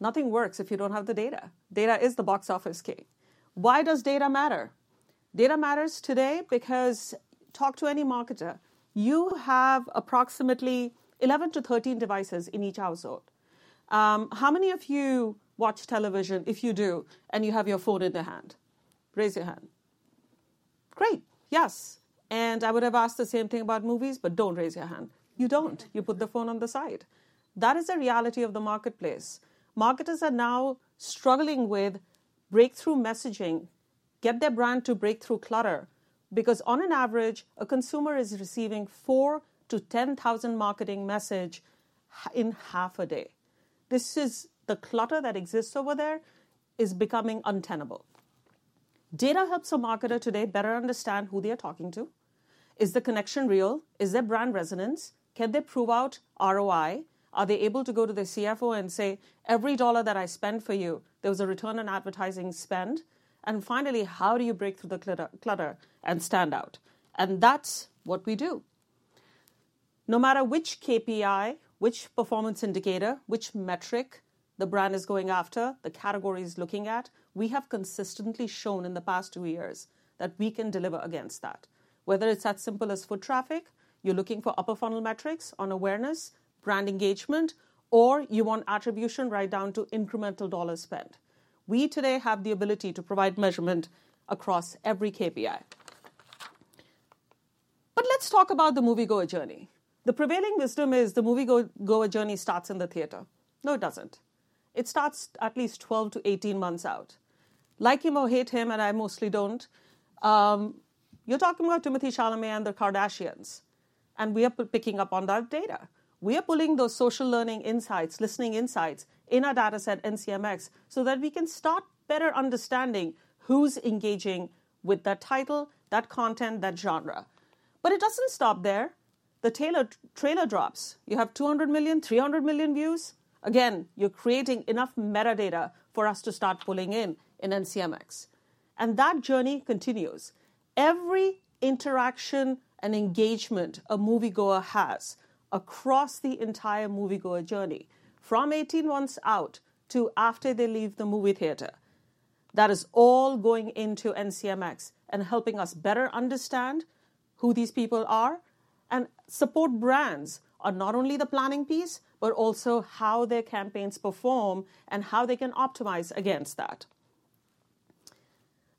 Nothing works if you don't have the data. Data is the box office king. Why does data matter? Data matters today because talk to any marketer. You have approximately 11-13 devices in each household. How many of you watch television, if you do, and you have your phone in the hand? Raise your hand. Great. Yes. I would have asked the same thing about movies, but do not raise your hand. You do not. You put the phone on the side. That is the reality of the marketplace. Marketers are now struggling with breakthrough messaging, get their brand to break through clutter, because on an average, a consumer is receiving 4,000-10,000 marketing messages in half a day. This is the clutter that exists over there and is becoming untenable. Data helps a marketer today better understand who they are talking to. Is the connection real? Is there brand resonance? Can they prove out ROI? Are they able to go to their CFO and say, "Every dollar that I spend for you, there was a return on advertising spend?" Finally, how do you break through the clutter and stand out? That is what we do. No matter which KPI, which performance indicator, which metric the brand is going after, the category is looking at, we have consistently shown in the past two years that we can deliver against that. Whether it's as simple as foot traffic, you're looking for upper-funnel metrics on awareness, brand engagement, or you want attribution right down to incremental dollar spent. We today have the ability to provide measurement across every KPI. Let's talk about the moviegoer journey. The prevailing wisdom is the moviegoer journey starts in the theater. No, it doesn't. It starts at least 12-18 months out. Like him or hate him, and I mostly don't, you're talking about Timothée Chalamet and the Kardashians. We are picking up on that data. We are pulling those social learning insights, listening insights in our data set, NCMX, so that we can start better understanding who's engaging with that title, that content, that genre. It does not stop there. The trailer drops. You have 200 million, 300 million views. Again, you're creating enough metadata for us to start pulling in in NCMX. That journey continues. Every interaction and engagement a moviegoer has across the entire moviegoer journey, from 18 months out to after they leave the movie theater, that is all going into NCMX and helping us better understand who these people are. Support brands are not only the planning piece, but also how their campaigns perform and how they can optimize against that.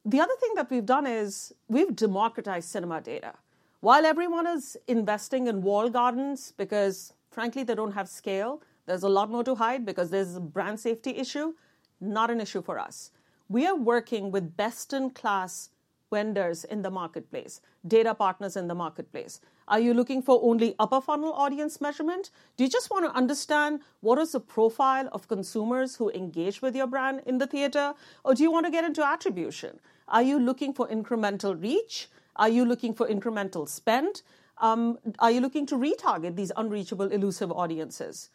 The other thing that we've done is we've democratized cinema data. While everyone is investing in walled gardens because, frankly, they don't have scale, there's a lot more to hide because there's a brand safety issue, not an issue for us. We are working with best-in-class vendors in the marketplace, data partners in the marketplace. Are you looking for only upper-funnel audience measurement? Do you just want to understand what is the profile of consumers who engage with your brand in the theater, or do you want to get into attribution? Are you looking for incremental reach? Are you looking for incremental spend? Are you looking to retarget these unreachable, elusive audiences?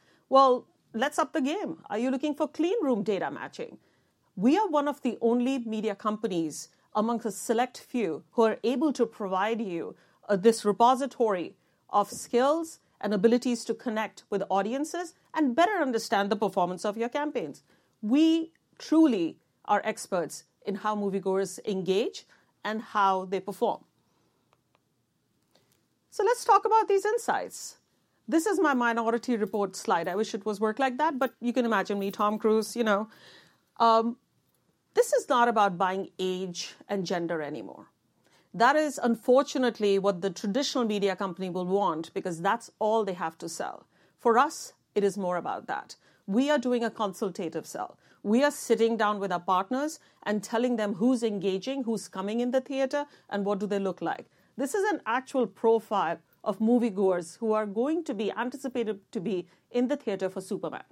Let's up the game. Are you looking for clean room data matching? We are one of the only media companies amongst a select few who are able to provide you this repository of skills and abilities to connect with audiences and better understand the performance of your campaigns. We truly are experts in how moviegoers engage and how they perform. Let's talk about these insights. This is my minority report slide. I wish it worked like that, but you can imagine me, Tom Cruise. This is not about buying age and gender anymore. That is, unfortunately, what the traditional media company will want because that's all they have to sell. For us, it is more about that. We are doing a consultative sell. We are sitting down with our partners and telling them who's engaging, who's coming in the theater, and what do they look like. This is an actual profile of moviegoers who are going to be anticipated to be in the theater for Superman,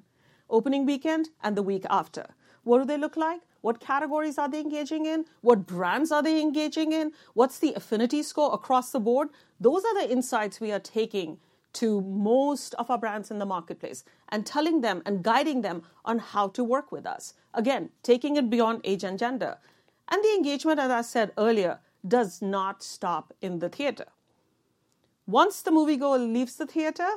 opening weekend and the week after. What do they look like? What categories are they engaging in? What brands are they engaging in? What's the affinity score across the board? Those are the insights we are taking to most of our brands in the marketplace and telling them and guiding them on how to work with us. Again, taking it beyond age and gender. The engagement, as I said earlier, does not stop in the theater. Once the moviegoer leaves the theater,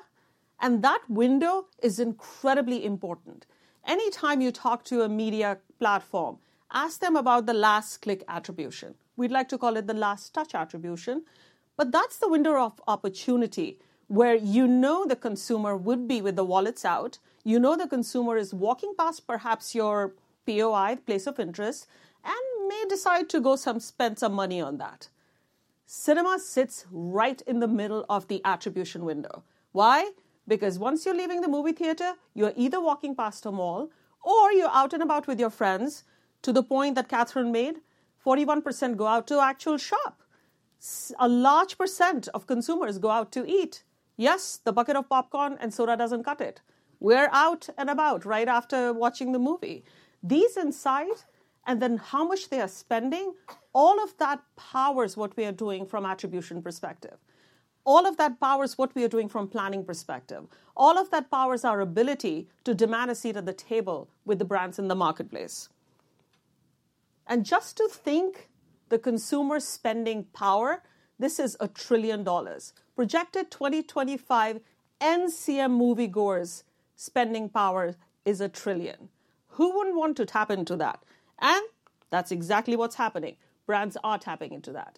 and that window is incredibly important. Anytime you talk to a media platform, ask them about the last-click attribution. We'd like to call it the last-touch attribution. That is the window of opportunity where you know the consumer would be with the wallets out. You know the consumer is walking past perhaps your POI, place of interest, and may decide to go spend some money on that. Cinema sits right in the middle of the attribution window. Why? Because once you're leaving the movie theater, you're either walking past a mall or you're out and about with your friends to the point that Catherine made, 41% go out to an actual shop. A large percent of consumers go out to eat. Yes, the bucket of popcorn and soda doesn't cut it. We're out and about right after watching the movie. These insights and then how much they are spending, all of that powers what we are doing from an attribution perspective. All of that powers what we are doing from a planning perspective. All of that powers our ability to demand a seat at the table with the brands in the marketplace. Just to think the consumer spending power, this is a trillion dollars. Projected 2025 NCM moviegoers' spending power is a trillion. Who wouldn't want to tap into that? That's exactly what's happening. Brands are tapping into that.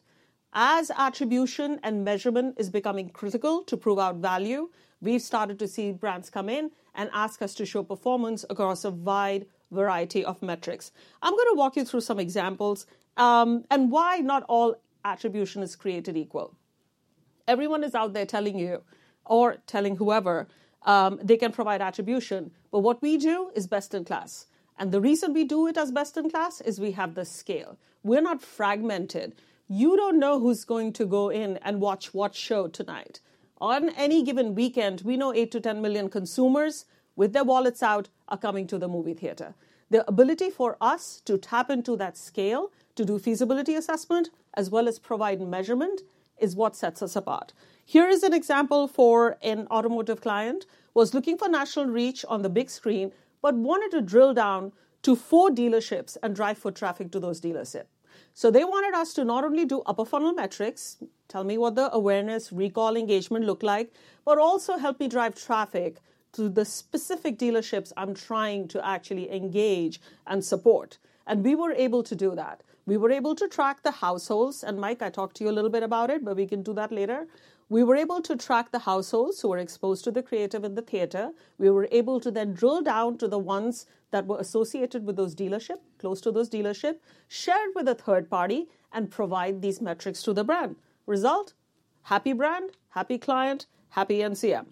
As attribution and measurement is becoming critical to prove out value, we've started to see brands come in and ask us to show performance across a wide variety of metrics. I'm going to walk you through some examples and why not all attribution is created equal. Everyone is out there telling you or telling whoever they can provide attribution. What we do is best in class. The reason we do it as best in class is we have the scale. We're not fragmented. You don't know who's going to go in and watch what show tonight. On any given weekend, we know 8 million-10 million consumers with their wallets out are coming to the movie theater. The ability for us to tap into that scale, to do feasibility assessment, as well as provide measurement, is what sets us apart. Here is an example for an automotive client who was looking for national reach on the big screen, but wanted to drill down to four dealerships and drive foot traffic to those dealerships. They wanted us to not only do upper-funnel metrics, tell me what the awareness, recall, engagement look like, but also help me drive traffic to the specific dealerships I'm trying to actually engage and support. We were able to do that. We were able to track the households. Mike, I talked to you a little bit about it, but we can do that later. We were able to track the households who were exposed to the creative in the theater. We were able to then drill down to the ones that were associated with those dealerships, close to those dealerships, share it with a third party, and provide these metrics to the brand. Result? Happy brand, happy client, happy NCM.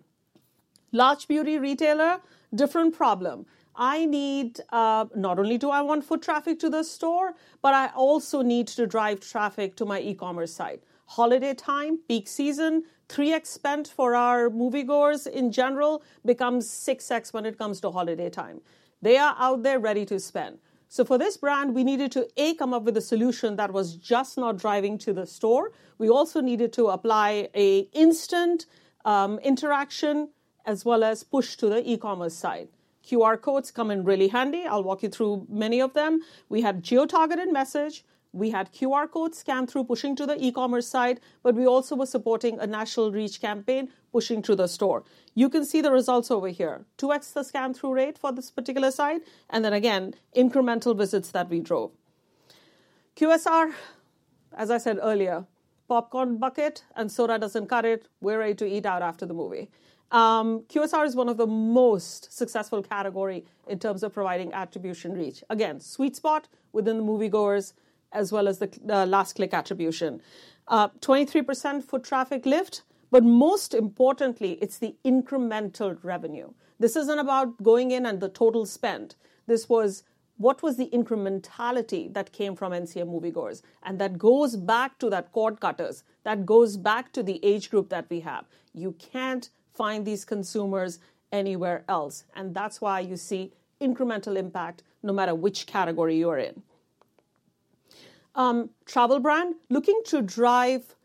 Large beauty retailer, different problem. I need not only do I want foot traffic to the store, but I also need to drive traffic to my e-commerce site. Holiday time, peak season, 3x spent for our moviegoers in general becomes 6x when it comes to holiday time. They are out there ready to spend. For this brand, we needed to, A, come up with a solution that was just not driving to the store. We also needed to apply an instant interaction as well as push to the e-commerce side. QR codes come in really handy. I'll walk you through many of them. We had geo-targeted message. We had QR code scan-through pushing to the e-commerce site. We also were supporting a national reach campaign pushing to the store. You can see the results over here, 2x the scan-through rate for this particular site. Again, incremental visits that we drove. QSR, as I said earlier, popcorn bucket and soda does not cut it. We are ready to eat out after the movie. QSR is one of the most successful categories in terms of providing attribution reach. Again, sweet spot within the moviegoers as well as the last-click attribution. 23% foot traffic lift. Most importantly, it is the incremental revenue. This is not about going in and the total spend. This was what was the incrementality that came from NCM moviegoers. That goes back to that cord cutters. That goes back to the age group that we have. You cannot find these consumers anywhere else. That is why you see incremental impact no matter which category you are in. Travel brand, looking to drive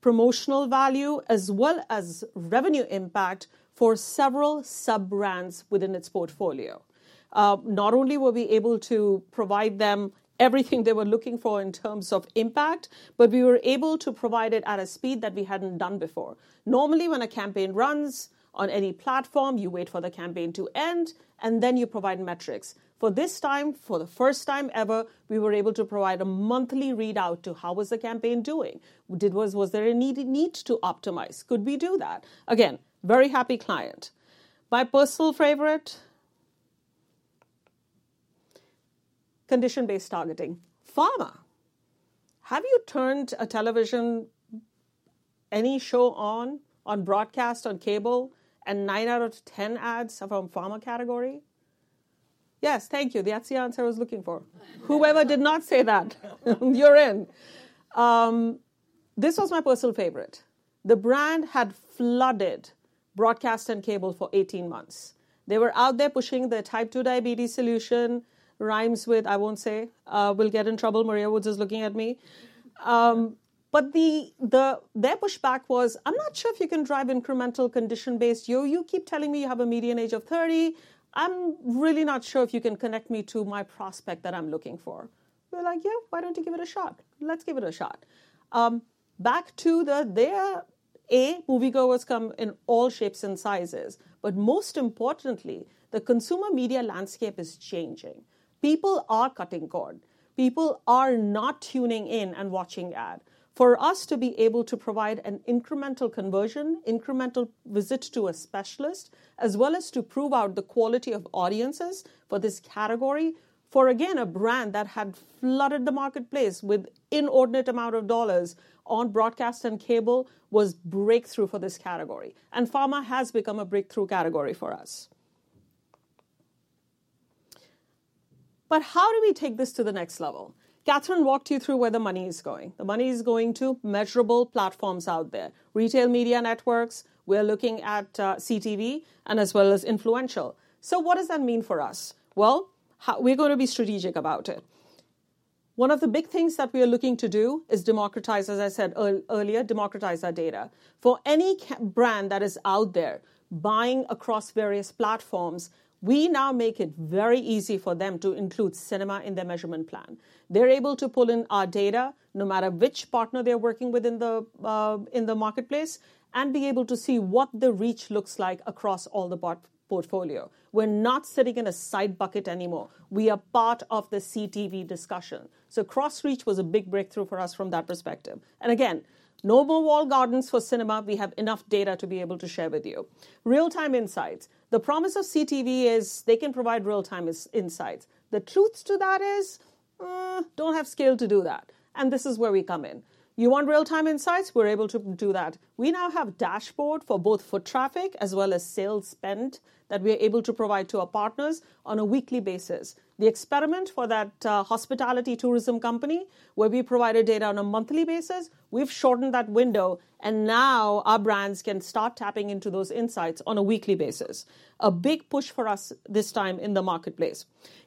promotional value as well as revenue impact for several sub-brands within its portfolio. Not only were we able to provide them everything they were looking for in terms of impact, but we were able to provide it at a speed that we had not done before. Normally, when a campaign runs on any platform, you wait for the campaign to end, and then you provide metrics. For this time, for the first time ever, we were able to provide a monthly readout to how was the campaign doing. Was there a need to optimize? Could we do that? Again, very happy client. My personal favorite, condition-based targeting. Pharma. Have you turned a television, any show on, on broadcast, on cable, and 9 out of 10 ads are from pharma category? Yes. Thank you. That is the answer I was looking for. Whoever did not say that, you're in. This was my personal favorite. The brand had flooded broadcast and cable for 18 months. They were out there pushing the type 2 diabetes solution, rhymes with, I won't say, we'll get in trouble. Maria Woods is looking at me. Their pushback was, "I'm not sure if you can drive incremental condition-based. You keep telling me you have a median age of 30. I'm really not sure if you can connect me to my prospect that I'm looking for." We're like, "Yeah, why don't you give it a shot? Let's give it a shot." Back to the A, moviegoers come in all shapes and sizes. Most importantly, the consumer media landscape is changing. People are cutting corn. People are not tuning in and watching ad. For us to be able to provide an incremental conversion, incremental visit to a specialist, as well as to prove out the quality of audiences for this category, for again, a brand that had flooded the marketplace with an inordinate amount of dollars on broadcast and cable was breakthrough for this category. Pharma has become a breakthrough category for us. How do we take this to the next level? Catherine walked you through where the money is going. The money is going to measurable platforms out there, retail media networks. We are looking at CTV and as well as Influential. What does that mean for us? We are going to be strategic about it. One of the big things that we are looking to do is democratize, as I said earlier, democratize our data. For any brand that is out there buying across various platforms, we now make it very easy for them to include cinema in their measurement plan. They're able to pull in our data no matter which partner they're working with in the marketplace and be able to see what the reach looks like across all the portfolio. We're not sitting in a side bucket anymore. We are part of the CTV discussion. Cross-reach was a big breakthrough for us from that perspective. No more wall gardens for cinema. We have enough data to be able to share with you. Real-time insights. The promise of CTV is they can provide real-time insights. The truth to that is, don't have skill to do that. This is where we come in. You want real-time insights? We're able to do that. We now have a dashboard for both foot traffic as well as sales spent that we are able to provide to our partners on a weekly basis. The experiment for that hospitality tourism company where we provided data on a monthly basis, we have shortened that window. Now our brands can start tapping into those insights on a weekly basis. A big push for us this time in the marketplace.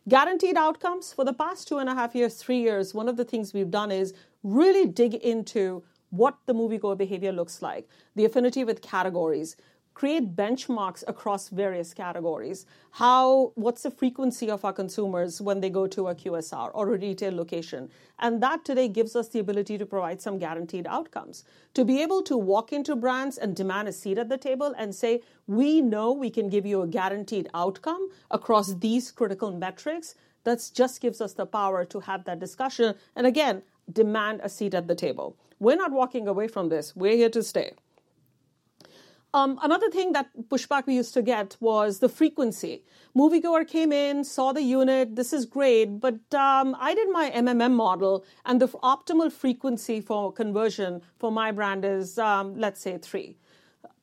Guaranteed outcomes for the past two and a half years, three years, one of the things we have done is really dig into what the moviegoer behavior looks like, the affinity with categories, create benchmarks across various categories, what is the frequency of our consumers when they go to a QSR or a retail location. That today gives us the ability to provide some guaranteed outcomes. To be able to walk into brands and demand a seat at the table and say, "We know we can give you a guaranteed outcome across these critical metrics." That just gives us the power to have that discussion and again, demand a seat at the table. We're not walking away from this. We're here to stay. Another thing that pushback we used to get was the frequency. Moviegoer came in, saw the unit. This is great. But I did my model. And the optimal frequency for conversion for my brand is, let's say, three.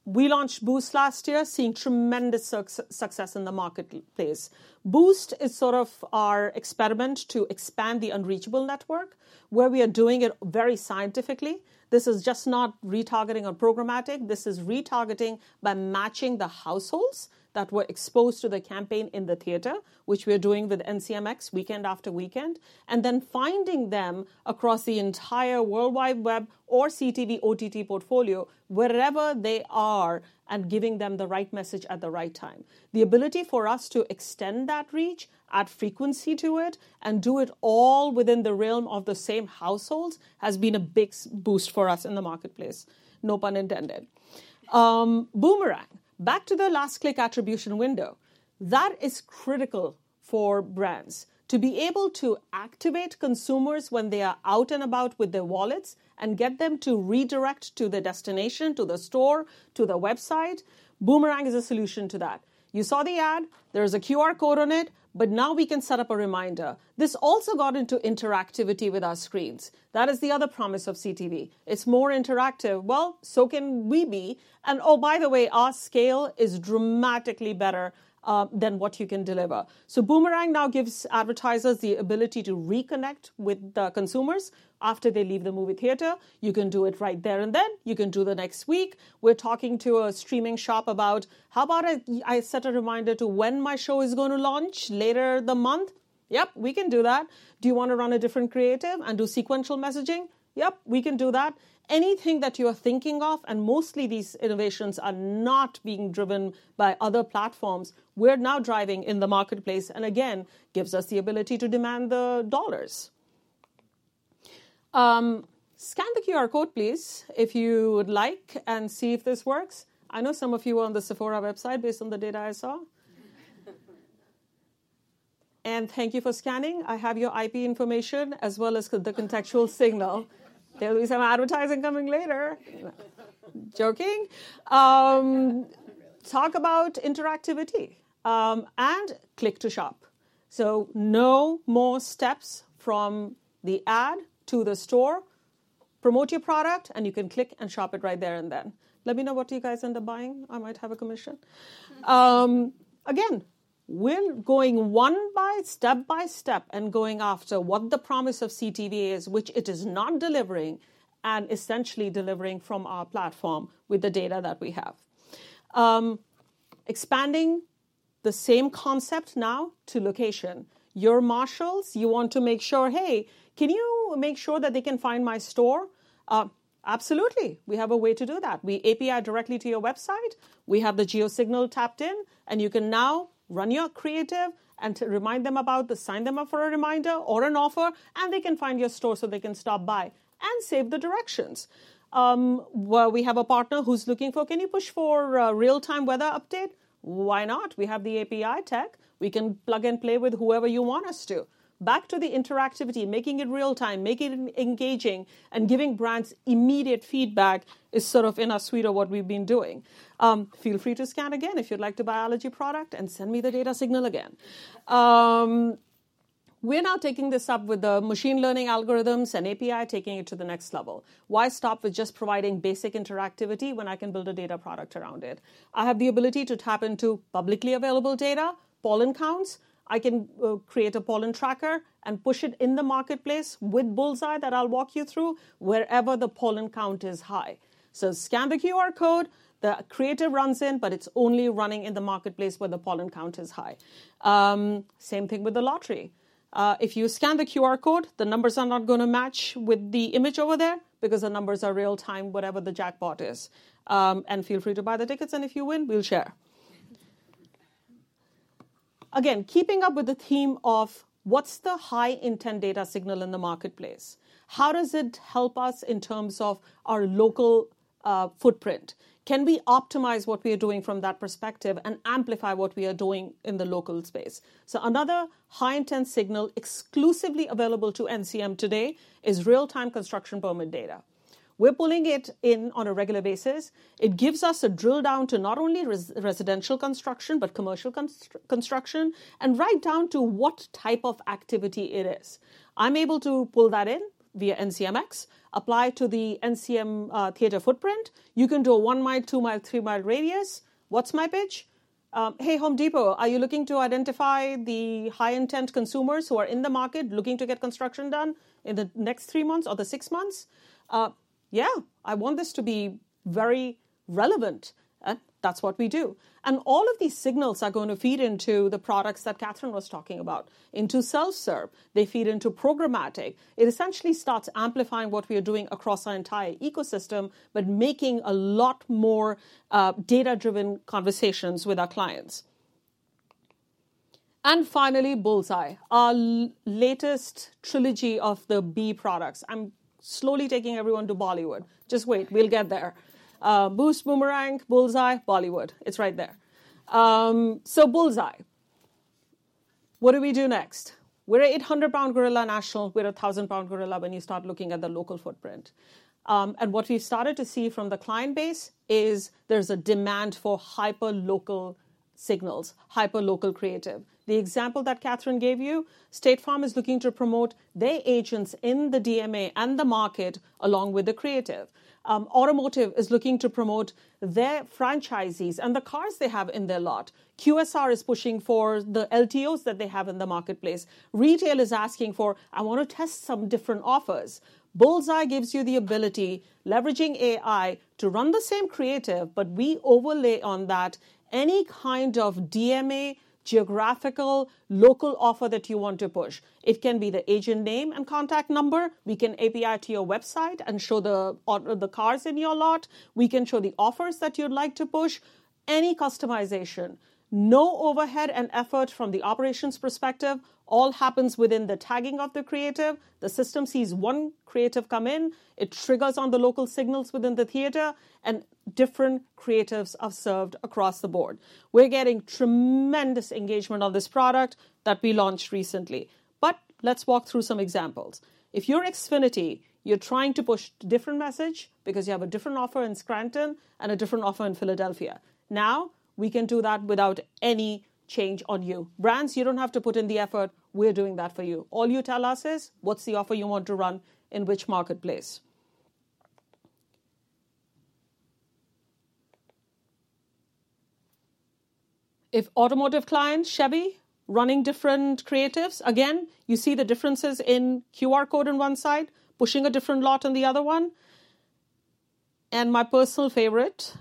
We launched Boost last year, seeing tremendous success in the marketplace. Boost is sort of our experiment to expand the unreachable network where we are doing it very scientifically. This is just not retargeting or programmatic. This is retargeting by matching the households that were exposed to the campaign in the theater, which we are doing with NCMX weekend after weekend, and then finding them across the entire World Wide Web or CTV/OTT portfolio, wherever they are, and giving them the right message at the right time. The ability for us to extend that reach, add frequency to it, and do it all within the realm of the same households has been a big boost for us in the marketplace, no pun intended. Boomerang. Back to the last-click attribution window. That is critical for brands to be able to activate consumers when they are out and about with their wallets and get them to redirect to the destination, to the store, to the website. Boomerang is a solution to that. You saw the ad. There is a QR code on it. Now we can set up a reminder. This also got into interactivity with our screens. That is the other promise of CTV. It's more interactive. We can be, too. Oh, by the way, our scale is dramatically better than what you can deliver. Boomerang now gives advertisers the ability to reconnect with the consumers after they leave the movie theater. You can do it right there and then. You can do the next week. We're talking to a streaming shop about, "How about I set a reminder to when my show is going to launch later the month?" Yep, we can do that. Do you want to run a different creative and do sequential messaging? Yep, we can do that. Anything that you are thinking of, and mostly these innovations are not being driven by other platforms, we're now driving in the marketplace. It gives us the ability to demand the dollars. Scan the QR code, please, if you would like, and see if this works. I know some of you are on the Sephora website based on the data I saw. Thank you for scanning. I have your IP information as well as the contextual signal. There will be some advertising coming later. Joking. Talk about interactivity and click to shop. No more steps from the ad to the store. Promote your product, and you can click and shop it right there and then. Let me know what you guys end up buying. I might have a commission. We are going step by step and going after what the promise of CTV is, which it is not delivering and essentially delivering from our platform with the data that we have. Expanding the same concept now to location. Your marshals, you want to make sure, "Hey, can you make sure that they can find my store?" Absolutely. We have a way to do that. We API directly to your website. We have the geo signal tapped in. You can now run your creative and remind them about the sign them up for a reminder or an offer, and they can find your store so they can stop by and save the directions. We have a partner who's looking for, "Can you push for a real-time weather update?" Why not? We have the API tech. We can plug and play with whoever you want us to. Back to the interactivity, making it real-time, making it engaging, and giving brands immediate feedback is sort of in our suite of what we've been doing. Feel free to scan again if you'd like to buy allergy product and send me the data signal again. We're now taking this up with the machine learning algorithms and API, taking it to the next level. Why stop with just providing basic interactivity when I can build a data product around it? I have the ability to tap into publicly available data, pollen counts. I can create a pollen tracker and push it in the marketplace with Bullseye that I'll walk you through wherever the pollen count is high. Scan the QR code. The creative runs in, but it's only running in the marketplace where the pollen count is high. Same thing with the lottery. If you scan the QR code, the numbers are not going to match with the image over there because the numbers are real-time, whatever the jackpot is. Feel free to buy the tickets. And if you win, we'll share. Again, keeping up with the theme of what's the high-intent data signal in the marketplace? How does it help us in terms of our local footprint? Can we optimize what we are doing from that perspective and amplify what we are doing in the local space? Another high-intent signal exclusively available to NCM today is real-time construction permit data. We're pulling it in on a regular basis. It gives us a drill down to not only residential construction but commercial construction and right down to what type of activity it is. I'm able to pull that in via NCMX, apply to the NCM theater footprint. You can do a one-mile, two-mile, three-mile radius. What's my pitch? Hey, Home Depot, are you looking to identify the high-intent consumers who are in the market looking to get construction done in the next three months or the six months? Yeah, I want this to be very relevant. That's what we do. All of these signals are going to feed into the products that Catherine was talking about, into self-serve. They feed into programmatic. It essentially starts amplifying what we are doing across our entire ecosystem but making a lot more data-driven conversations with our clients. Finally, Bullseye, our latest trilogy of the B products. I'm slowly taking everyone to Bollywood. Just wait. We'll get there. Boost, Boomerang, Bullseye, Bollywood. It's right there. Bullseye, what do we do next? We're an 800-pound gorilla national. We're a 1,000-pound gorilla when you start looking at the local footprint. What we've started to see from the client base is there's a demand for hyper-local signals, hyper-local creative. The example that Catherine gave you, State Farm is looking to promote their agents in the DMA and the market along with the creative. Automotive is looking to promote their franchisees and the cars they have in their lot. QSR is pushing for the LTOs that they have in the marketplace. Retail is asking for, "I want to test some different offers." Bullseye gives you the ability, leveraging AI, to run the same creative, but we overlay on that any kind of DMA, geographical, local offer that you want to push. It can be the agent name and contact number. We can API to your website and show the cars in your lot. We can show the offers that you'd like to push, any customization. No overhead and effort from the operations perspective. All happens within the tagging of the creative. The system sees one creative come in. It triggers on the local signals within the theater, and different creatives are served across the board. We are getting tremendous engagement on this product that we launched recently. Let us walk through some examples. If you are Xfinity, you are trying to push a different message because you have a different offer in Scranton and a different offer in Philadelphia. Now we can do that without any change on you. Brands, you do not have to put in the effort. We are doing that for you. All you tell us is, "What is the offer you want to run in which marketplace?" If automotive clients, Chevy, running different creatives, again, you see the differences in QR code on one side, pushing a different lot on the other one. My personal favorite.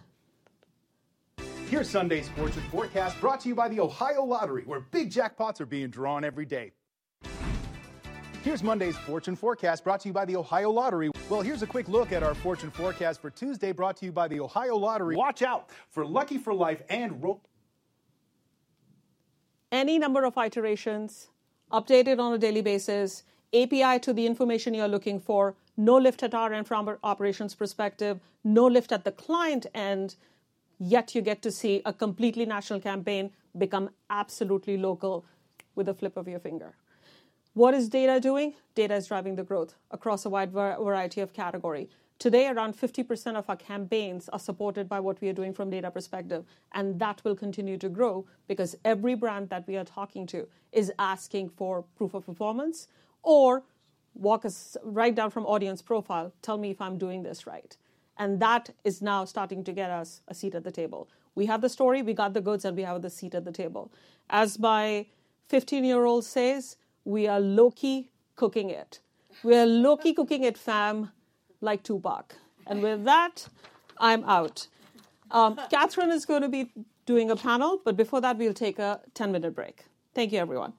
Here's Sunday's fortune forecast brought to you by the Ohio Lottery, where big jackpots are being drawn every day. Here's Monday's fortune forecast brought to you by the Ohio Lottery. Here's a quick look at our fortune forecast for Tuesday, brought to you by the Ohio Lottery. Watch out for lucky for life and rope. Any number of iterations updated on a daily basis, API to the information you're looking for, no lift at our end from our operations perspective, no lift at the client end, yet you get to see a completely national campaign become absolutely local with a flip of your finger. What is data doing? Data is driving the growth across a wide variety of categories. Today, around 50% of our campaigns are supported by what we are doing from data perspective. That will continue to grow because every brand that we are talking to is asking for proof of performance or walk us right down from audience profile, tell me if I'm doing this right. That is now starting to get us a seat at the table. We have the story. We got the goods. We have the seat at the table. As my 15-year-old says, "We are low-key cooking it. We are low-key cooking it, fam, like Tupac." With that, I'm out. Catherine is going to be doing a panel. Before that, we'll take a 10-minute break. Thank you, everyone.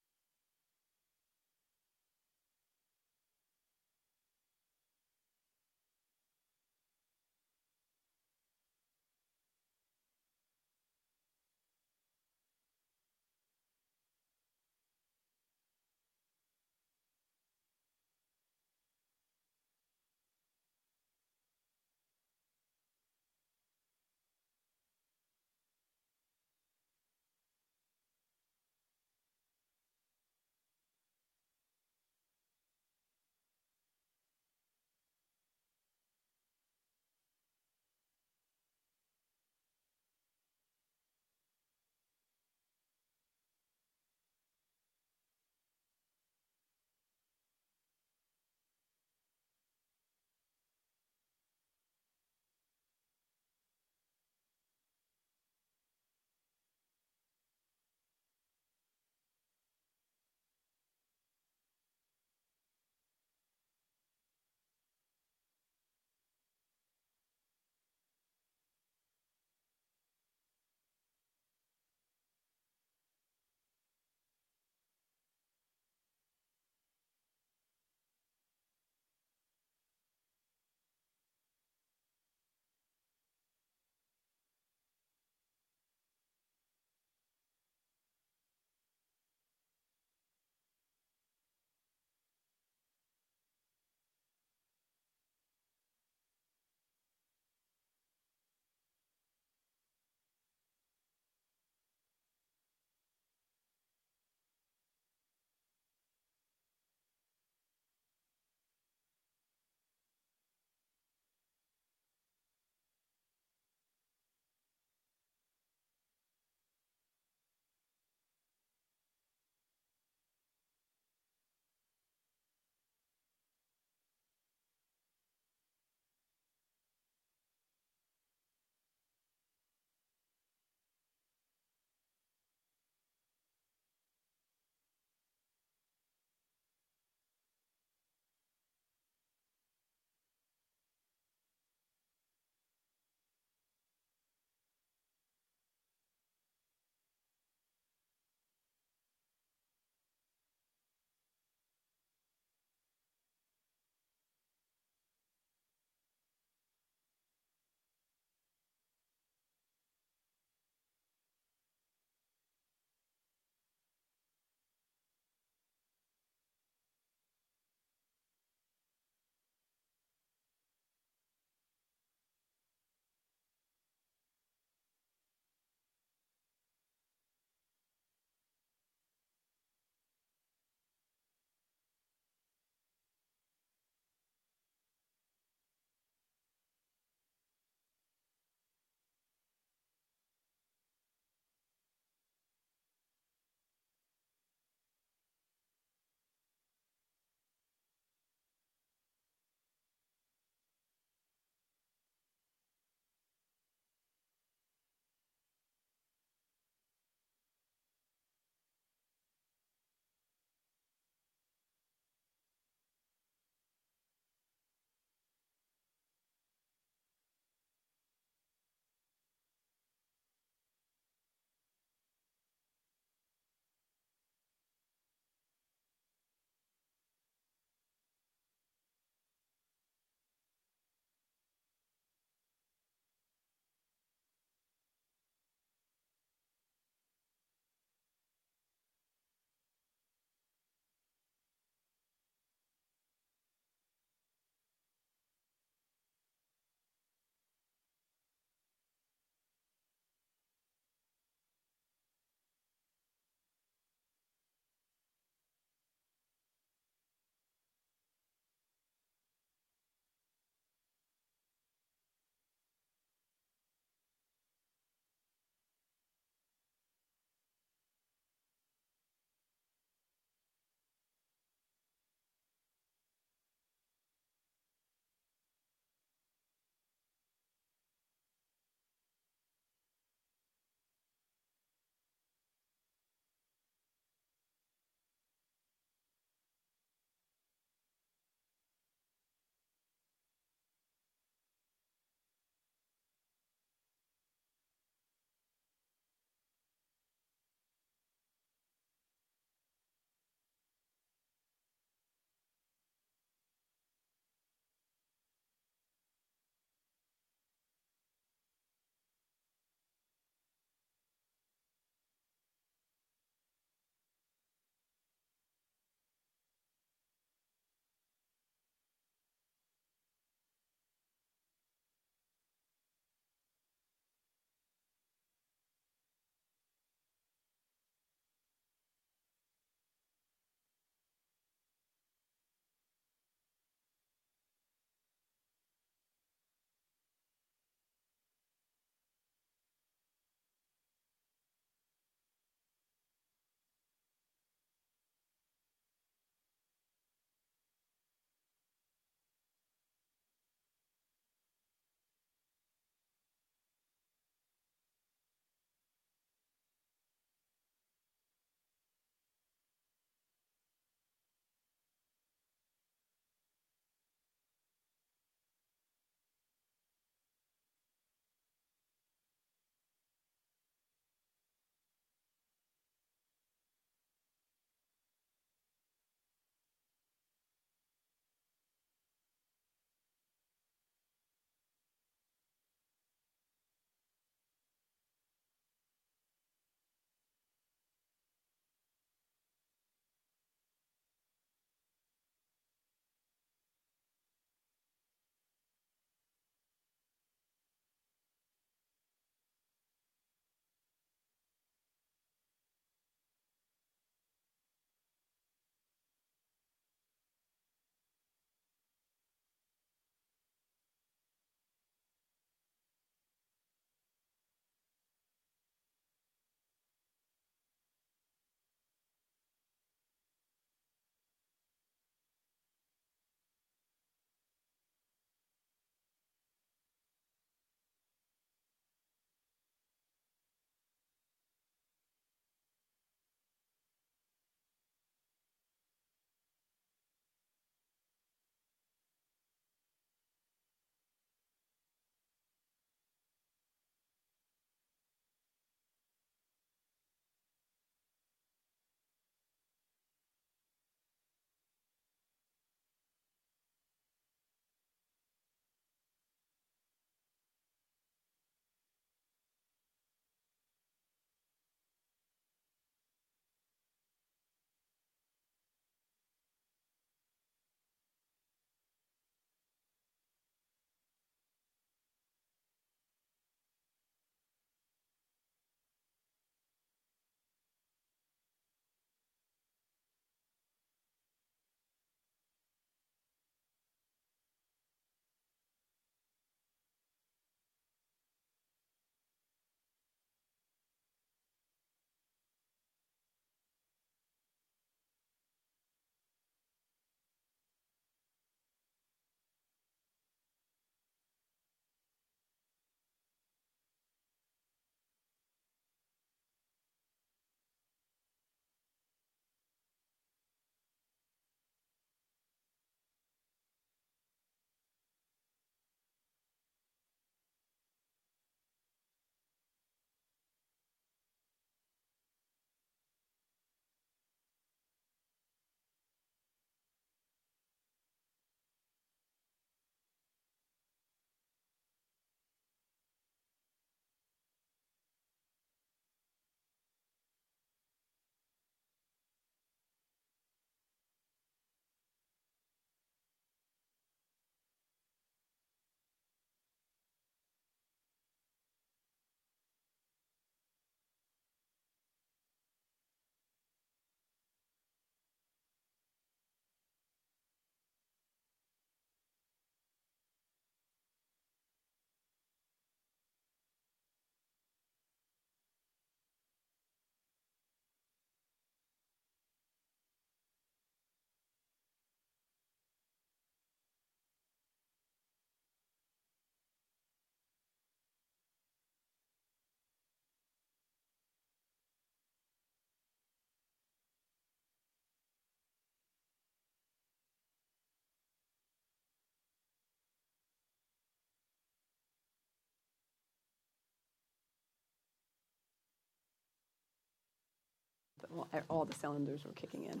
All the cylinders were kicking in.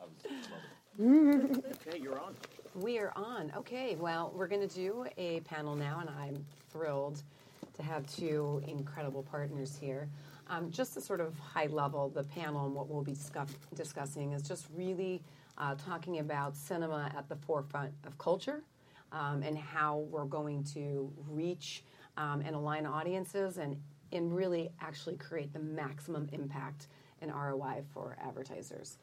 I was just smoking. OK, you're on. We are on. OK, we are going to do a panel now. I am thrilled to have two incredible partners here. Just to sort of high level, the panel and what we'll be discussing is just really talking about cinema at the forefront of culture and how we're going to reach and align audiences and really actually create the maximum impact and ROI for advertisers.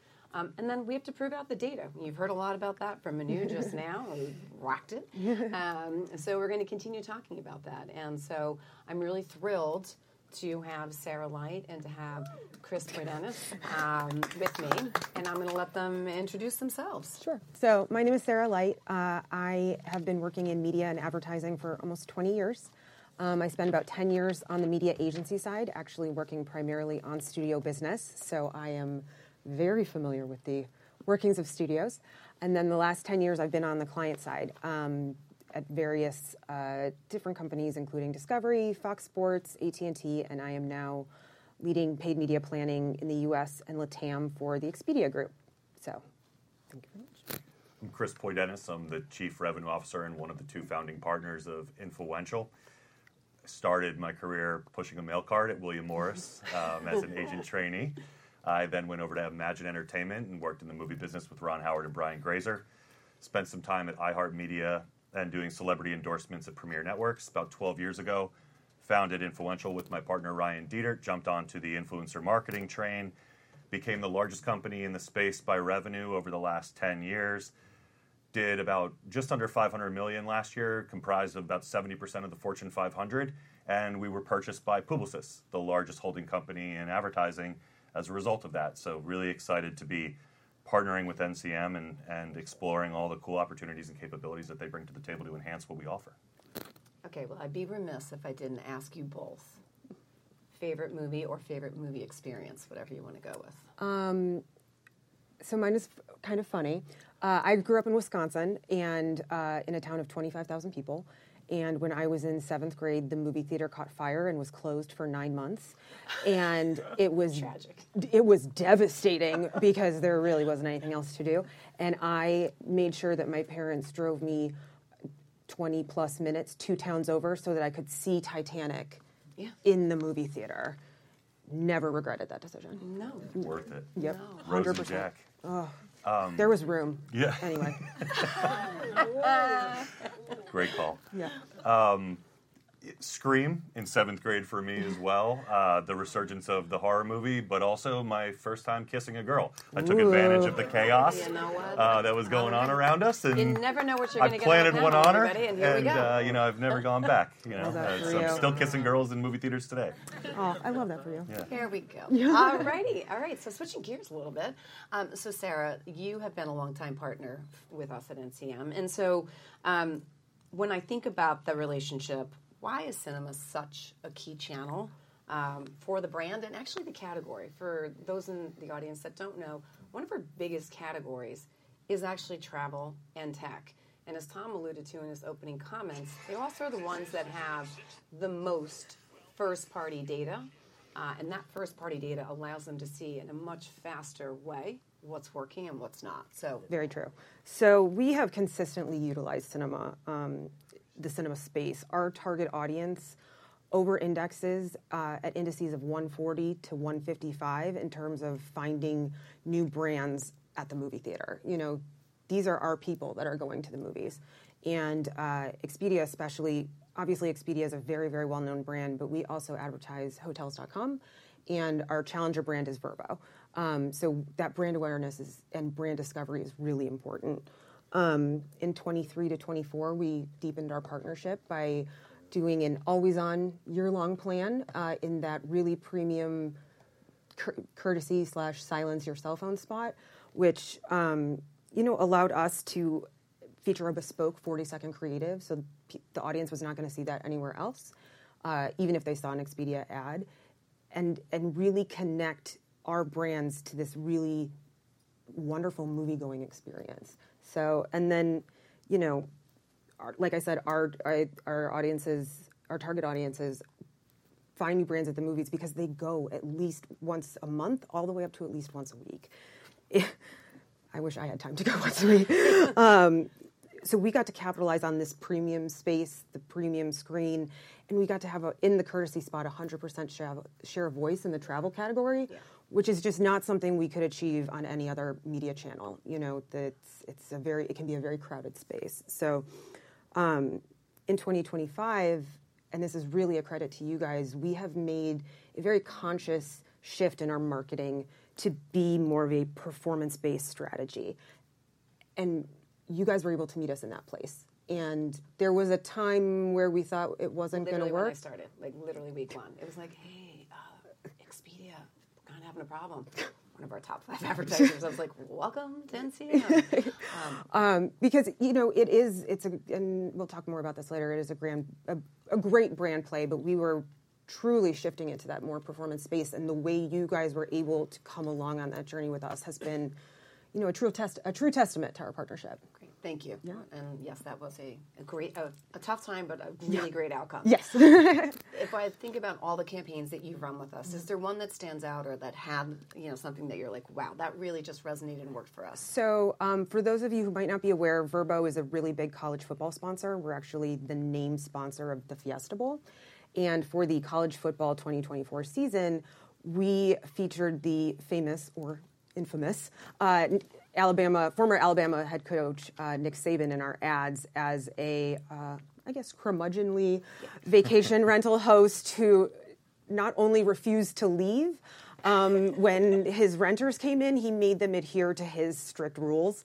Then we have to prove out the data. You've heard a lot about that from Manu just now. We rocked it. We're going to continue talking about that. I'm really thrilled to have Sarah Light and to have Chris Poydenis with me. I'm going to let them introduce themselves. Sure. My name is Sarah Light. I have been working in media and advertising for almost 20 years. I spent about 10 years on the media agency side, actually working primarily on studio business. I am very familiar with the workings of studios. The last 10 years, I've been on the client side at various different companies, including Discovery, Fox Sports, AT&T. I am now leading paid media planning in the U.S. and LATAM for the Expedia Group. Thank you very much. I'm Chris Poydenis. I'm the Chief Revenue Officer and one of the two founding partners of Influential. I started my career pushing a mail cart at William Morris as an agent trainee. I then went over to Imagine Entertainment and worked in the movie business with Ron Howard and Brian Grazer. Spent some time at iHeartMedia and doing celebrity endorsements at Premier Networks. About 12 years ago, I founded Influential with my partner, Ryan Dieter. Jumped onto the influencer marketing train. Became the largest company in the space by revenue over the last 10 years. Did about just under $500 million last year, comprised of about 70% of the Fortune 500. We were purchased by Publicis, the largest holding company in advertising as a result of that. Really excited to be partnering with NCM and exploring all the cool opportunities and capabilities that they bring to the table to enhance what we offer. OK, I'd be remiss if I didn't ask you both. Favorite movie or favorite movie experience, whatever you want to go with. Mine is kind of funny. I grew up in Wisconsin in a town of 25,000 people. When I was in seventh grade, the movie theater caught fire and was closed for nine months. It was tragic. It was devastating because there really wasn't anything else to do. I made sure that my parents drove me 20-plus minutes two towns over so that I could see Titanic in the movie theater. Never regretted that decision. No. Worth it. Yep, 100%. There was room. Yeah. Anyway. Great call. Yeah. Scream in seventh grade for me as well. The resurgence of the horror movie, but also my first time kissing a girl. I took advantage of the chaos that was going on around us. You never know what you're going to get in front of everybody. Here we go. You know I've never gone back. I'm still kissing girls in movie theaters today. Oh, I love that for you. Yeah. Here we go. All righty. All right, switching gears a little bit. Sarah, you have been a longtime partner with us at NCM. When I think about the relationship, why is cinema such a key channel for the brand and actually the category? For those in the audience that do not know, one of our biggest categories is actually travel and tech. As Tom alluded to in his opening comments, they also are the ones that have the most first-party data. That first-party data allows them to see in a much faster way what is working and what is not. Very true. We have consistently utilized cinema, the cinema space. Our target audience over-indexes at indices of 140-155 in terms of finding new brands at the movie theater. These are our people that are going to the movies. Expedia, especially, obviously Expedia is a very, very well-known brand. We also advertise Hotels.com. Our challenger brand is Vrbo. That brand awareness and brand discovery is really important. In 2023 to 2024, we deepened our partnership by doing an always-on, year-long plan in that really premium courtesy/slash silence-your-cellphone spot, which allowed us to feature a bespoke 40-second creative. The audience was not going to see that anywhere else, even if they saw an Expedia ad, and really connect our brands to this really wonderful movie-going experience. Like I said, our target audiences find new brands at the movies because they go at least once a month all the way up to at least once a week. I wish I had time to go once a week. We got to capitalize on this premium space, the premium screen. We got to have, in the courtesy spot, a 100% share of voice in the travel category, which is just not something we could achieve on any other media channel. It can be a very crowded space. In 2025, and this is really a credit to you guys, we have made a very conscious shift in our marketing to be more of a performance-based strategy. You guys were able to meet us in that place. There was a time where we thought it was not going to work. We did not know when we started, literally week one. It was like, hey, Expedia, we are kind of having a problem. One of our top five advertisers. I was like, welcome to NCM. Because it is, and we will talk more about this later, it is a great brand play. We were truly shifting into that more performance space. The way you guys were able to come along on that journey with us has been a true testament to our partnership. Great. Thank you. Yes, that was a tough time, but a really great outcome. Yes. If I think about all the campaigns that you've run with us, is there one that stands out or that had something that you're like, wow, that really just resonated and worked for us? For those of you who might not be aware, Vrbo is a really big college football sponsor. We're actually the name sponsor of the Fiesta Bowl. For the college football 2024 season, we featured the famous or infamous former Alabama head coach, Nick Saban, in our ads as a, I guess, curmudgeonly vacation rental host who not only refused to leave, when his renters came in, he made them adhere to his strict rules.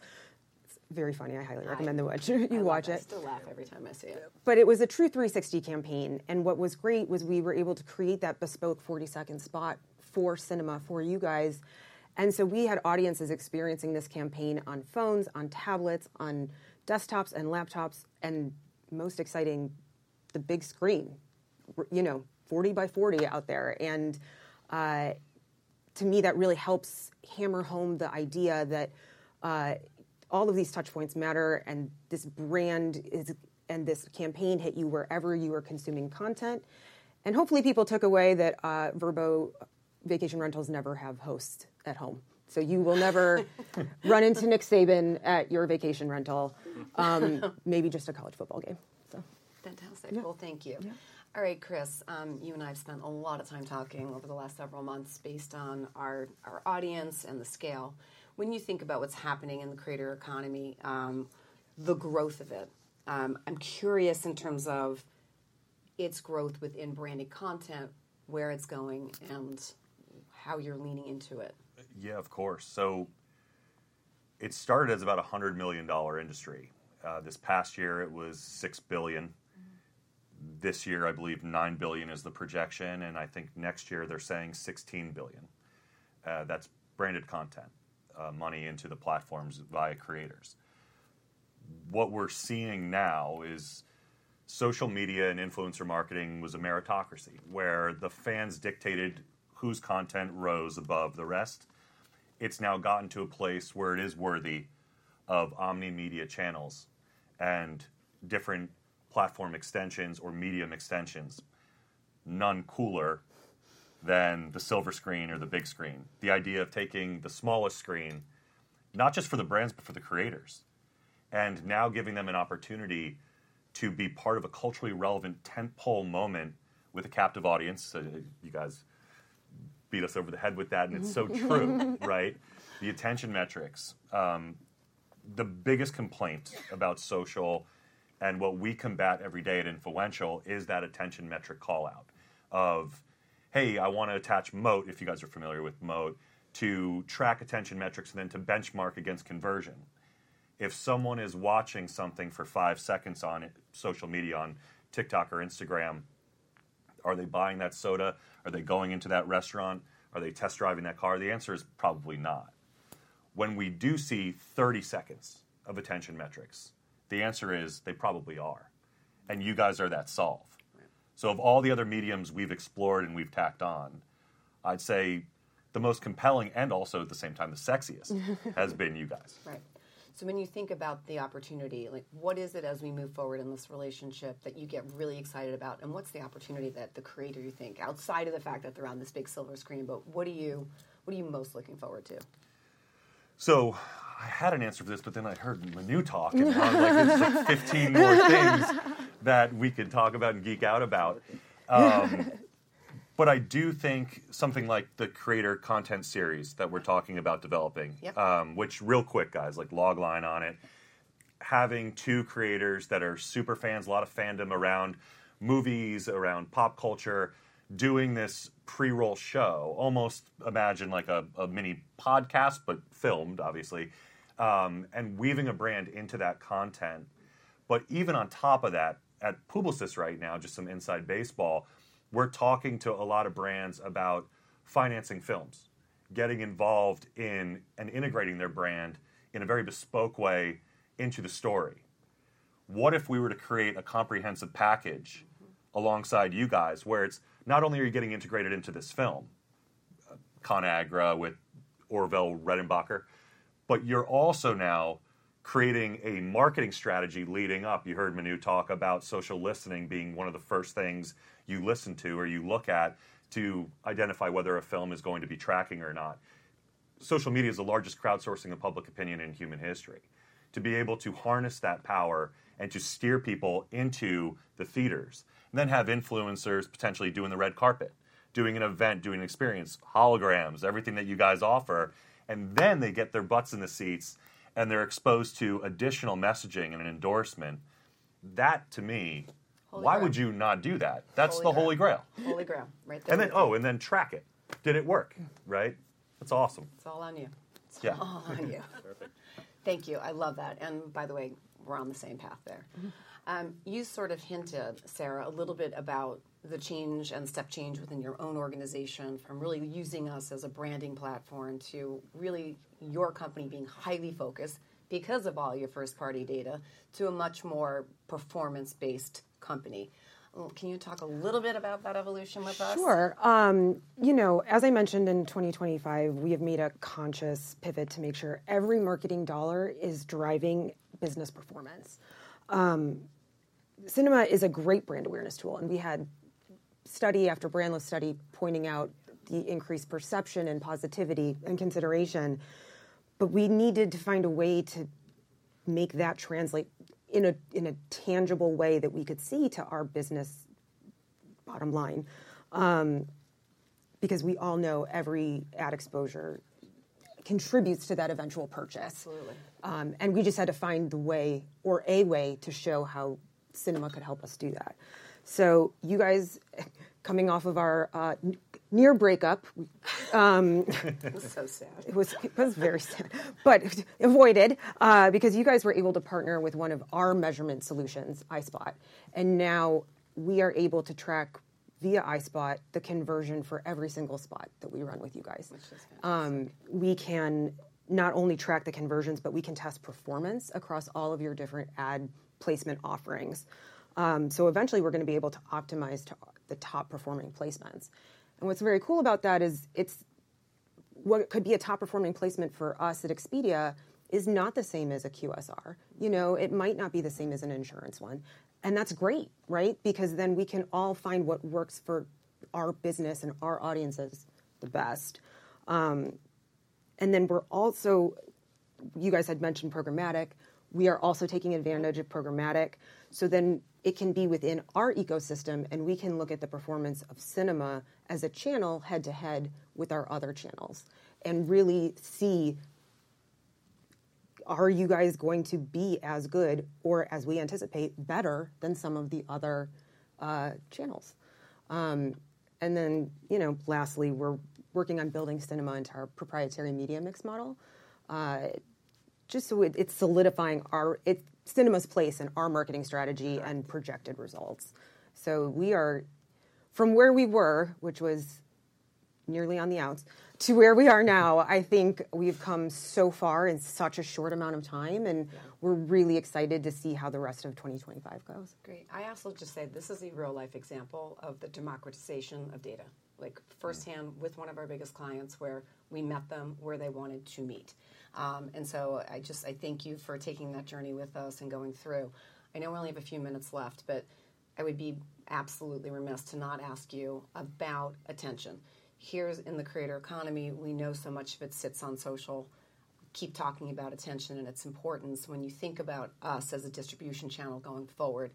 It's very funny. I highly recommend that you watch it. I still laugh every time I see it. It was a true 360 campaign. What was great was we were able to create that bespoke 40-second spot for cinema for you guys. We had audiences experiencing this campaign on phones, on tablets, on desktops, and laptops. Most exciting, the big screen, 40 by 40 out there. To me, that really helps hammer home the idea that all of these touch points matter and this brand and this campaign hit you wherever you are consuming content. Hopefully, people took away that Vrbo vacation rentals never have hosts at home. You will never run into Nick Saban at your vacation rental, maybe just a college football game. Fantastic. Thank you. All right, Chris, you and I have spent a lot of time talking over the last several months based on our audience and the scale. When you think about what's happening in the creator economy, the growth of it, I'm curious in terms of its growth within branded content, where it's going, and how you're leaning into it. Yeah, of course. It started as about a $100 million industry. This past year, it was $6 billion. This year, I believe, $9 billion is the projection. I think next year, they're saying $16 billion. That's branded content money into the platforms by creators. What we're seeing now is social media and influencer marketing was a meritocracy where the fans dictated whose content rose above the rest. It's now gotten to a place where it is worthy of omni-media channels and different platform extensions or medium extensions, none cooler than the silver screen or the big screen. The idea of taking the smallest screen, not just for the brands, but for the creators, and now giving them an opportunity to be part of a culturally relevant tentpole moment with a captive audience. You guys beat us over the head with that. It's so true, right? The attention metrics. The biggest complaint about social and what we combat every day at Influential is that attention metric callout of, hey, I want to attach Moat, if you guys are familiar with Moat, to track attention metrics and then to benchmark against conversion. If someone is watching something for five seconds on social media, on TikTok or Instagram, are they buying that soda? Are they going into that restaurant? Are they test driving that car? The answer is probably not. When we do see 30 seconds of attention metrics, the answer is they probably are. You guys are that solve. Of all the other mediums we've explored and we've tacked on, I'd say the most compelling and also at the same time the sexiest has been you guys. Right. When you think about the opportunity, what is it as we move forward in this relationship that you get really excited about? What's the opportunity that the creator, you think, outside of the fact that they're on this big silver screen, but what are you most looking forward to? I had an answer for this, but then I heard Manu talk. I'm like, there's like 15 more things that we could talk about and geek out about. I do think something like the creator content series that we're talking about developing, which real quick, guys, like log line on it, having two creators that are super fans, a lot of fandom around movies, around pop culture, doing this pre-roll show, almost imagine like a mini podcast, but filmed, obviously, and weaving a brand into that content. Even on top of that, at Publicis right now, just some inside baseball, we're talking to a lot of brands about financing films, getting involved in and integrating their brand in a very bespoke way into the story. What if we were to create a comprehensive package alongside you guys where it's not only are you getting integrated into this film, Conagra with Orville Redenbacher, but you're also now creating a marketing strategy leading up. You heard Manu talk about social listening being one of the first things you listen to or you look at to identify whether a film is going to be tracking or not. Social media is the largest crowdsourcing of public opinion in human history. To be able to harness that power and to steer people into the theaters, then have influencers potentially doing the red carpet, doing an event, doing an experience, holograms, everything that you guys offer. They get their butts in the seats, and they're exposed to additional messaging and an endorsement. That, to me, why would you not do that? That's the Holy Grail. Holy Grail. Right there. Oh, and then track it. Did it work? Right? That's awesome. It's all on you. It's all on you. Perfect. Thank you. I love that. By the way, we're on the same path there. You sort of hinted, Sarah, a little bit about the change and step change within your own organization from really using us as a branding platform to really your company being highly focused because of all your first-party data to a much more performance-based company. Can you talk a little bit about that evolution with us? Sure. You know, as I mentioned in 2025, we have made a conscious pivot to make sure every marketing dollar is driving business performance. Cinema is a great brand awareness tool. We had study after brandless study pointing out the increased perception and positivity and consideration. We needed to find a way to make that translate in a tangible way that we could see to our business bottom line. Because we all know every ad exposure contributes to that eventual purchase. Absolutely. We just had to find the way or a way to show how cinema could help us do that. You guys, coming off of our near breakup, it was so sad. It was very sad, but avoided, because you guys were able to partner with one of our measurement solutions, iSpot. Now we are able to track via iSpot the conversion for every single spot that we run with you guys. We can not only track the conversions, but we can test performance across all of your different ad placement offerings. Eventually, we're going to be able to optimize to the top performing placements. What's very cool about that is what could be a top performing placement for us at Expedia is not the same as a QSR. It might not be the same as an insurance one. That's great, right? Because then we can all find what works for our business and our audiences the best. You guys had mentioned programmatic. We are also taking advantage of programmatic. It can be within our ecosystem, and we can look at the performance of cinema as a channel head to head with our other channels and really see, are you guys going to be as good or, as we anticipate, better than some of the other channels? Lastly, we're working on building cinema into our proprietary media mix model, just so it's solidifying cinema's place in our marketing strategy and projected results. From where we were, which was nearly on the outs, to where we are now, I think we've come so far in such a short amount of time. We're really excited to see how the rest of 2025 goes. Great. I also just say this is a real-life example of the democratization of data, firsthand with one of our biggest clients where we met them where they wanted to meet. I just thank you for taking that journey with us and going through. I know we only have a few minutes left, but I would be absolutely remiss to not ask you about attention. Here in the creator economy, we know so much of it sits on social. Keep talking about attention and its importance. When you think about us as a distribution channel going forward,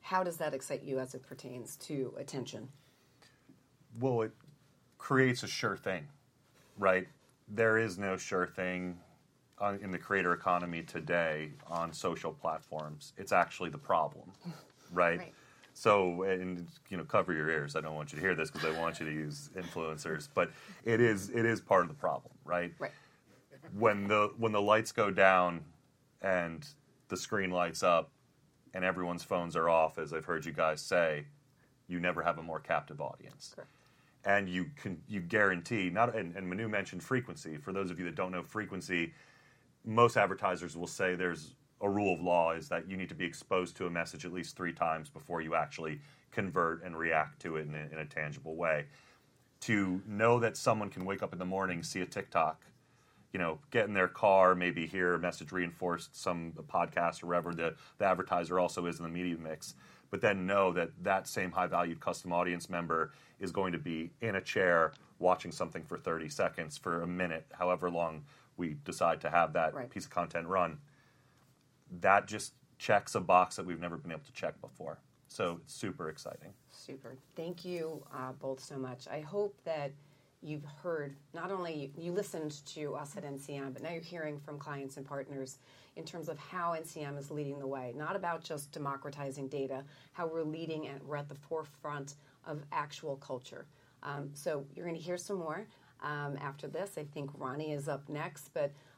how does that excite you as it pertains to attention? It creates a sure thing, right? There is no sure thing in the creator economy today on social platforms. It's actually the problem, right? And cover your ears. I don't want you to hear this because I want you to use influencers. It is part of the problem, right? When the lights go down and the screen lights up and everyone's phones are off, as I've heard you guys say, you never have a more captive audience. You guarantee, and Manu mentioned frequency. For those of you that don't know frequency, most advertisers will say there's a rule of law is that you need to be exposed to a message at least three times before you actually convert and react to it in a tangible way. To know that someone can wake up in the morning, see a TikTok, get in their car, maybe hear a message reinforced, some podcast or whatever, the advertiser also is in the media mix, but then know that that same high-valued custom audience member is going to be in a chair watching something for 30 seconds, for a minute, however long we decide to have that piece of content run, that just checks a box that we've never been able to check before. It is super exciting. Super. Thank you both so much. I hope that you've heard not only you listened to us at NCM, but now you're hearing from clients and partners in terms of how NCM is leading the way, not about just democratizing data, how we're leading at the forefront of actual culture. You are going to hear some more after this. I think Ronnie is up next.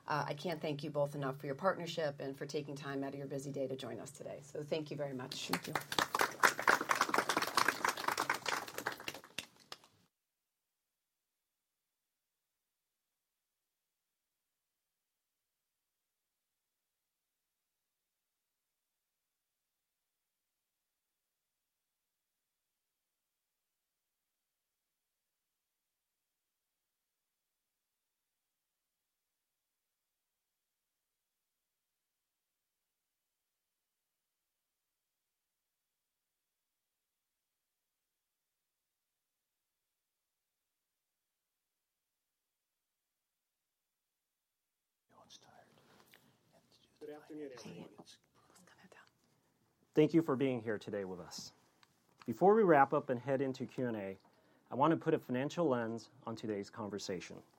I can't thank you both enough for your partnership and for taking time out of your busy day to join us today. Thank you very much. Thank you. You know, I'm tired. Good afternoon, everyone. I'm going to have to. Thank you for being here today with us. Before we wrap up and head into Q&A, I want to put a financial lens on today's conversation. Oh,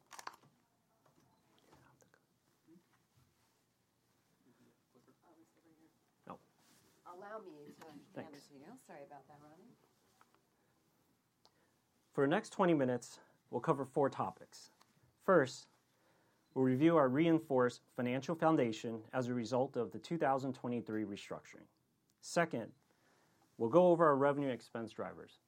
it's over here. Oh. Allow me to hand it to you. Sorry about that, Ronnie. For the next 20 minutes, we'll cover four topics. First, we'll review our reinforced financial foundation as a result of the 2023 restructuring. Second, we'll go over our revenue expense drivers.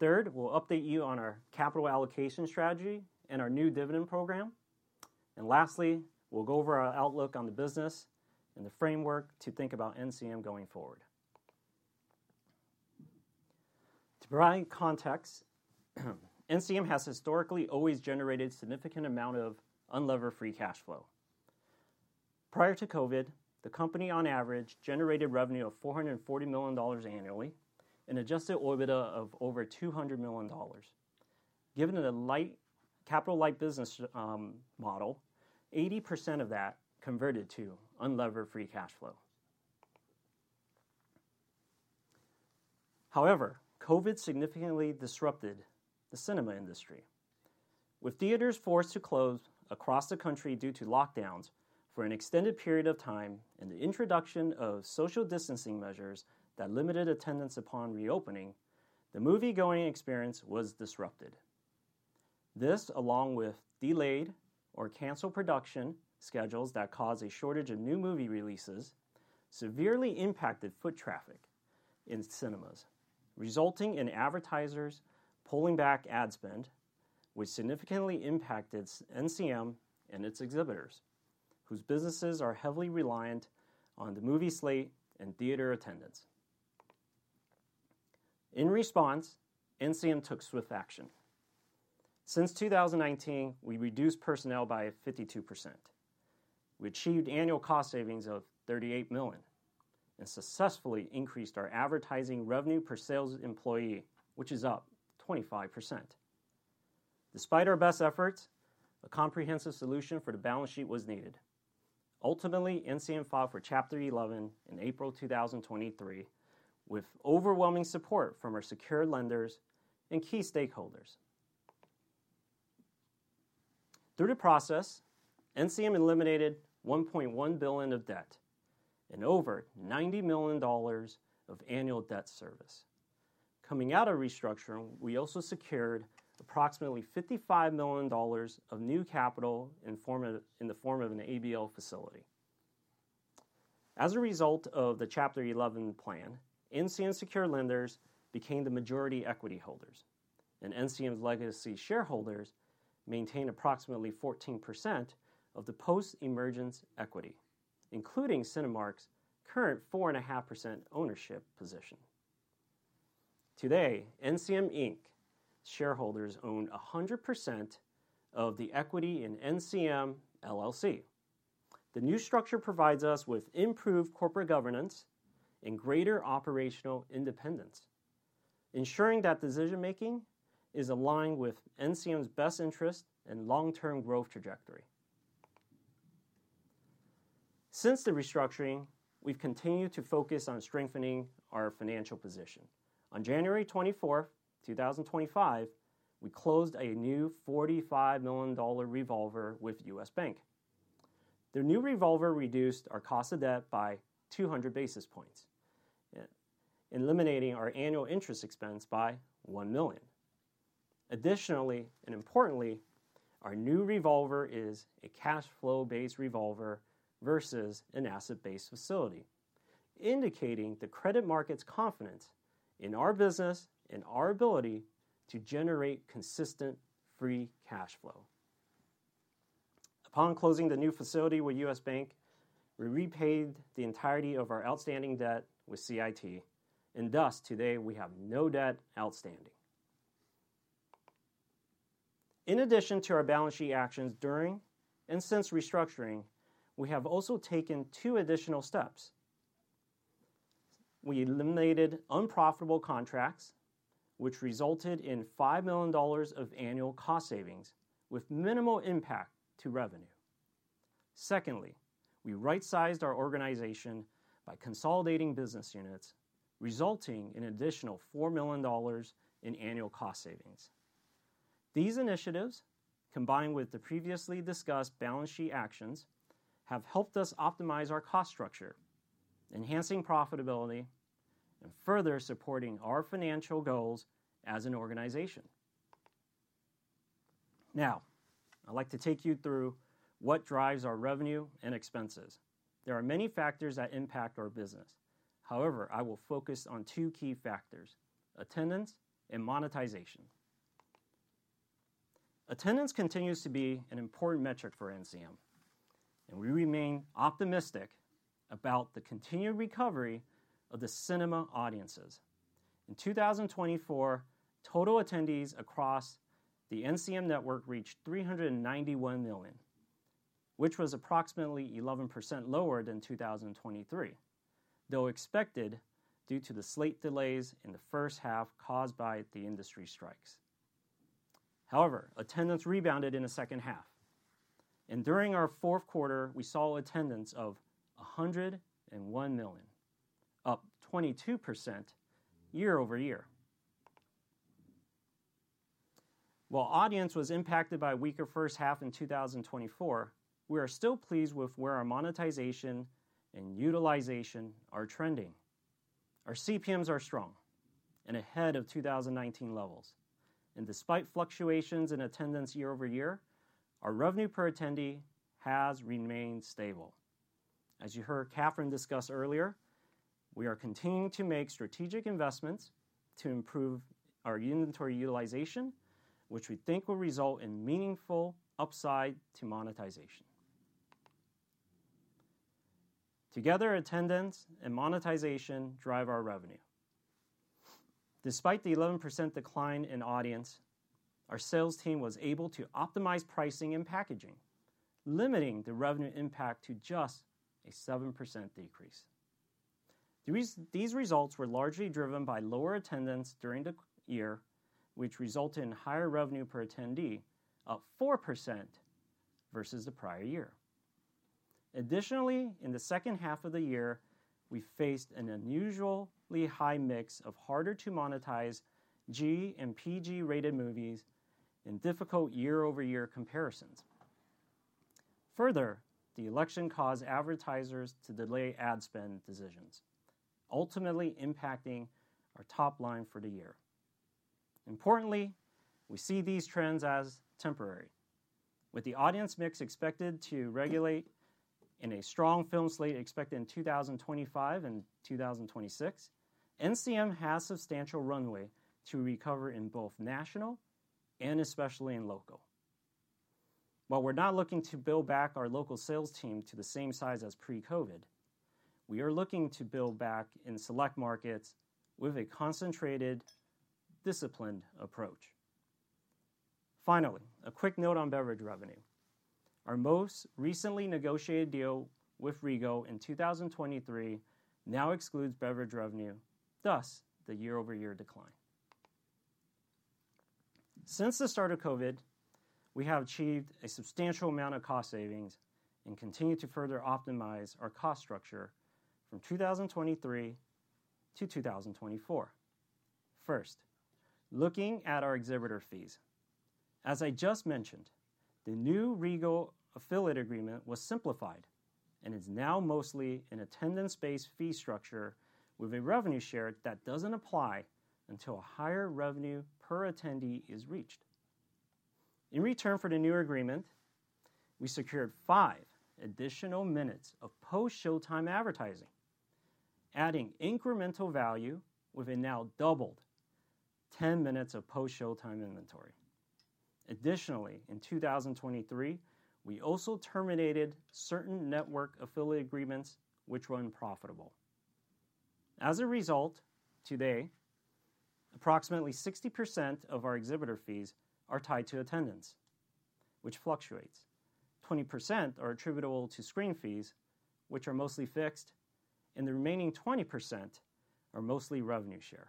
Third, we'll update you on our capital allocation strategy and our new dividend program. Lastly, we'll go over our outlook on the business and the framework to think about NCM going forward. To provide context, NCM has historically always generated a significant amount of unlevered free cash flow. Prior to COVID, the company on average generated revenue of $440 million annually and adjusted EBITDA of over $200 million. Given a capital-light business model, 80% of that converted to unlevered free cash flow. However, COVID significantly disrupted the cinema industry. With theaters forced to close across the country due to lockdowns for an extended period of time and the introduction of social distancing measures that limited attendance upon reopening, the movie-going experience was disrupted. This, along with delayed or canceled production schedules that caused a shortage of new movie releases, severely impacted foot traffic in cinemas, resulting in advertisers pulling back ad spend, which significantly impacted NCM and its exhibitors, whose businesses are heavily reliant on the movie slate and theater attendance. In response, NCM took swift action. Since 2019, we reduced personnel by 52%. We achieved annual cost savings of $38 million and successfully increased our advertising revenue per sales employee, which is up 25%. Despite our best efforts, a comprehensive solution for the balance sheet was needed. Ultimately, NCM filed for Chapter 11 in April 2023 with overwhelming support from our secure lenders and key stakeholders. Through the process, NCM eliminated $1.1 billion of debt and over $90 million of annual debt service. Coming out of restructuring, we also secured approximately $55 million of new capital in the form of an ABL facility. As a result of the Chapter 11 plan, NCM's secure lenders became the majority equity holders, and NCM's legacy shareholders maintain approximately 14% of the post-emergence equity, including Cinemark's current 4.5% ownership position. Today, NCM shareholders own 100% of the equity in NCM. The new structure provides us with improved corporate governance and greater operational independence, ensuring that decision-making is aligned with NCM's best interest and long-term growth trajectory. Since the restructuring, we've continued to focus on strengthening our financial position. On January 24, 2025, we closed a new $45 million revolver with U.S. Bank. The new revolver reduced our cost of debt by 200 basis points, eliminating our annual interest expense by $1 million. Additionally, and importantly, our new revolver is a cash flow-based revolver versus an asset-based facility, indicating the credit market's confidence in our business and our ability to generate consistent free cash flow. Upon closing the new facility with U.S. Bank, we repaid the entirety of our outstanding debt with CIT. Thus, today, we have no debt outstanding. In addition to our balance sheet actions during and since restructuring, we have also taken two additional steps. We eliminated unprofitable contracts, which resulted in $5 million of annual cost savings with minimal impact to revenue. Secondly, we right-sized our organization by consolidating business units, resulting in additional $4 million in annual cost savings. These initiatives, combined with the previously discussed balance sheet actions, have helped us optimize our cost structure, enhancing profitability and further supporting our financial goals as an organization. Now, I'd like to take you through what drives our revenue and expenses. There are many factors that impact our business. However, I will focus on two key factors: attendance and monetization. Attendance continues to be an important metric for NCM, and we remain optimistic about the continued recovery of the cinema audiences. In 2024, total attendees across the NCM network reached 391 million, which was approximately 11% lower than 2023, though expected due to the slate delays in the first half caused by the industry strikes. However, attendance rebounded in the second half. During our fourth quarter, we saw attendance of 101 million, up 22% year-over-year. While audience was impacted by weaker first half in 2024, we are still pleased with where our monetization and utilization are trending. Our CPMs are strong and ahead of 2019 levels. Despite fluctuations in attendance year-over-year, our revenue per attendee has remained stable. As you heard Catherine discuss earlier, we are continuing to make strategic investments to improve our inventory utilization, which we think will result in meaningful upside to monetization. Together, attendance and monetization drive our revenue. Despite the 11% decline in audience, our sales team was able to optimize pricing and packaging, limiting the revenue impact to just a 7% decrease. These results were largely driven by lower attendance during the year, which resulted in higher revenue per attendee, up 4% versus the prior year. Additionally, in the second half of the year, we faced an unusually high mix of harder-to-monetize G and PG-rated movies in difficult year-over-year comparisons. Further, the election caused advertisers to delay ad spend decisions, ultimately impacting our top line for the year. Importantly, we see these trends as temporary. With the audience mix expected to regulate and a strong film slate expected in 2025 and 2026, NCM has substantial runway to recover in both national and especially in local. While we're not looking to build back our local sales team to the same size as pre-COVID, we are looking to build back in select markets with a concentrated, disciplined approach. Finally, a quick note on beverage revenue. Our most recently negotiated deal with Regal in 2023 now excludes beverage revenue, thus the year-over-year decline. Since the start of COVID, we have achieved a substantial amount of cost savings and continue to further optimize our cost structure from 2023 to 2024. First, looking at our exhibitor fees. As I just mentioned, the new Regal affiliate agreement was simplified and is now mostly an attendance-based fee structure with a revenue share that does not apply until a higher revenue per attendee is reached. In return for the new agreement, we secured five additional minutes of post-showtime advertising, adding incremental value with a now doubled 10 minutes of post-showtime inventory. Additionally, in 2023, we also terminated certain network affiliate agreements, which were unprofitable. As a result, today, approximately 60% of our exhibitor fees are tied to attendance, which fluctuates. 20% are attributable to screen fees, which are mostly fixed, and the remaining 20% are mostly revenue share.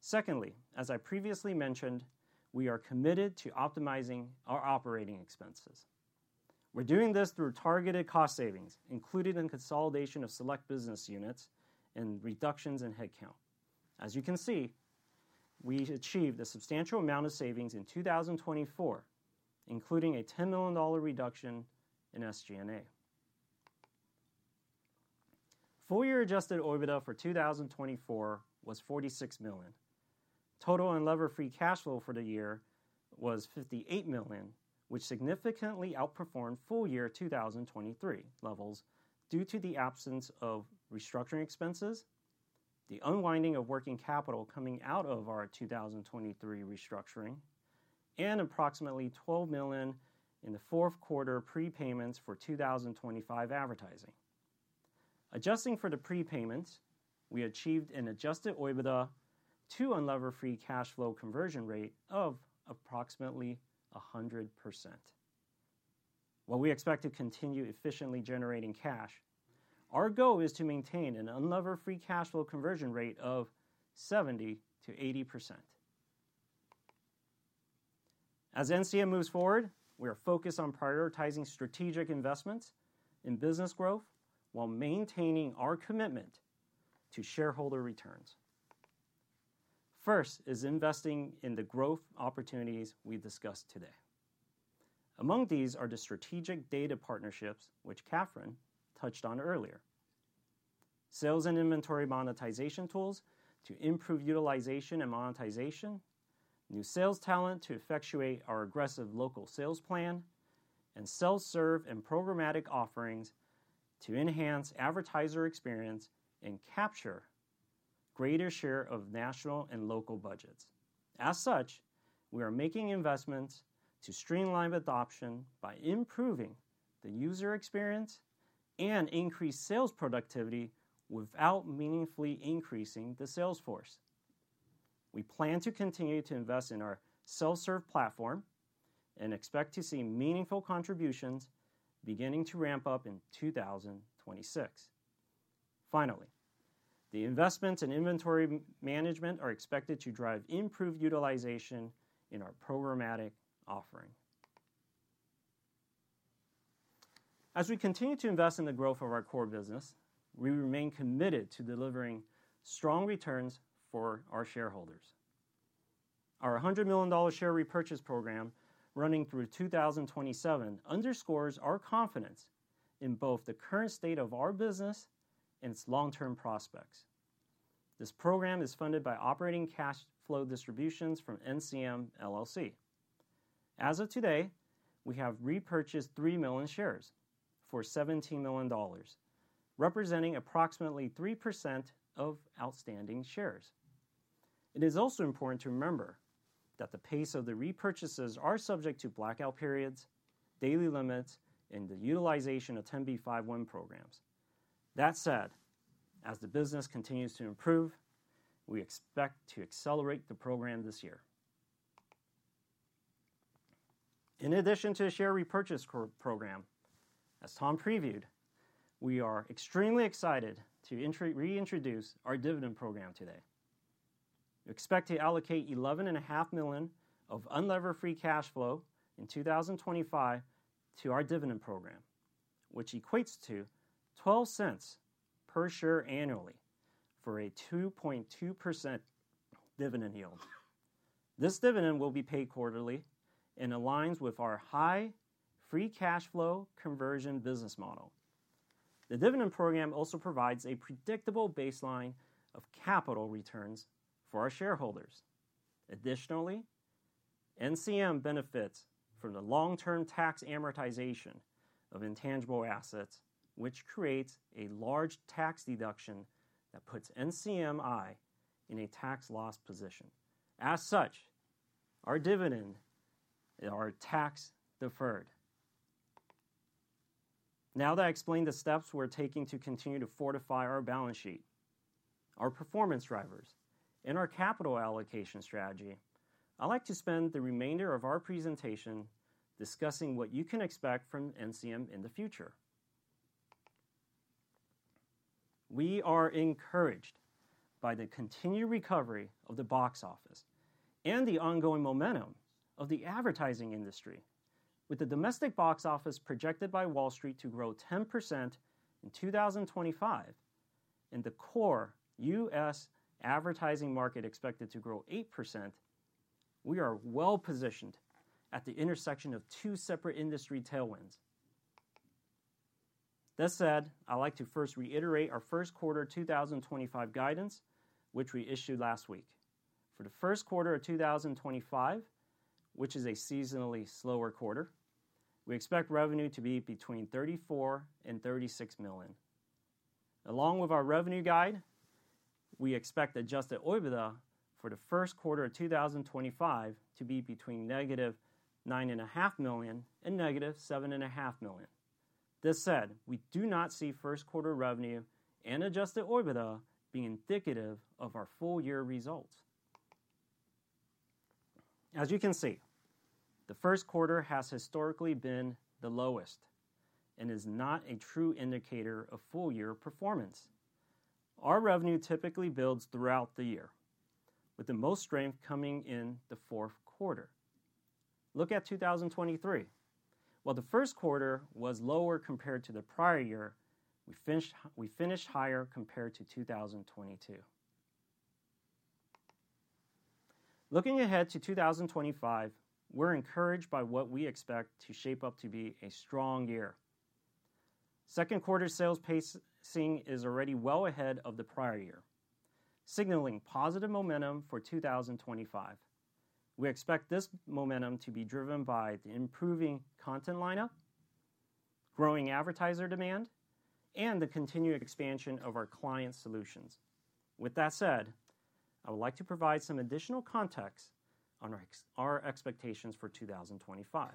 Secondly, as I previously mentioned, we are committed to optimizing our operating expenses. We are doing this through targeted cost savings included in consolidation of select business units and reductions in headcount. As you can see, we achieved a substantial amount of savings in 2024, including a $10 million reduction in SG&A. Full-year adjusted EBITDA for 2024 was $46 million. Total unlevered free cash flow for the year was $58 million, which significantly outperformed full-year 2023 levels due to the absence of restructuring expenses, the unwinding of working capital coming out of our 2023 restructuring, and approximately $12 million in the fourth quarter prepayments for 2025 advertising. Adjusting for the prepayments, we achieved an adjusted EBITDA to unlevered free cash flow conversion rate of approximately 100%. While we expect to continue efficiently generating cash, our goal is to maintain an unlevered free cash flow conversion rate of 70%-80%. As NCM moves forward, we are focused on prioritizing strategic investments in business growth while maintaining our commitment to shareholder returns. First is investing in the growth opportunities we discussed today. Among these are the strategic data partnerships, which Catherine touched on earlier, sales and inventory monetization tools to improve utilization and monetization, new sales talent to effectuate our aggressive local sales plan, and self-serve and programmatic offerings to enhance advertiser experience and capture a greater share of national and local budgets. As such, we are making investments to streamline adoption by improving the user experience and increased sales productivity without meaningfully increasing the sales force. We plan to continue to invest in our self-serve platform and expect to see meaningful contributions beginning to ramp up in 2026. Finally, the investments in inventory management are expected to drive improved utilization in our programmatic offering. As we continue to invest in the growth of our core business, we remain committed to delivering strong returns for our shareholders. Our $100 million share repurchase program running through 2027 underscores our confidence in both the current state of our business and its long-term prospects. This program is funded by operating cash flow distributions from NCM LLC. As of today, we have repurchased 3 million shares for $17 million, representing approximately 3% of outstanding shares. It is also important to remember that the pace of the repurchases is subject to blackout periods, daily limits, and the utilization of 10B51 programs. That said, as the business continues to improve, we expect to accelerate the program this year. In addition to the share repurchase program, as Tom previewed, we are extremely excited to reintroduce our dividend program today. We expect to allocate $11.5 million of unlevered free cash flow in 2025 to our dividend program, which equates to $0.12 per share annually for a 2.2% dividend yield. This dividend will be paid quarterly and aligns with our high free cash flow conversion business model. The dividend program also provides a predictable baseline of capital returns for our shareholders. Additionally, NCM benefits from the long-term tax amortization of intangible assets, which creates a large tax deduction that puts NCMI in a tax loss position. As such, our dividend is tax-deferred. Now that I explained the steps we're taking to continue to fortify our balance sheet, our performance drivers, and our capital allocation strategy, I'd like to spend the remainder of our presentation discussing what you can expect from NCM in the future. We are encouraged by the continued recovery of the box office and the ongoing momentum of the advertising industry. With the domestic box office projected by Wall Street to grow 10% in 2025 and the core U.S. Advertising market expected to grow 8%, we are well positioned at the intersection of two separate industry tailwinds. That said, I'd like to first reiterate our first quarter 2025 guidance, which we issued last week. For the first quarter of 2025, which is a seasonally slower quarter, we expect revenue to be between $34 million and $36 million. Along with our revenue guide, we expect adjusted EBITDA for the first quarter of 2025 to be between -$9.5 million and -$7.5 million. This said, we do not see first quarter revenue and adjusted EBITDA being indicative of our full-year results. As you can see, the first quarter has historically been the lowest and is not a true indicator of full-year performance. Our revenue typically builds throughout the year, with the most strength coming in the fourth quarter. Look at 2023. While the first quarter was lower compared to the prior year, we finished higher compared to 2022. Looking ahead to 2025, we're encouraged by what we expect to shape up to be a strong year. Second quarter sales pacing is already well ahead of the prior year, signaling positive momentum for 2025. We expect this momentum to be driven by the improving content lineup, growing advertiser demand, and the continued expansion of our client solutions. With that said, I would like to provide some additional context on our expectations for 2025.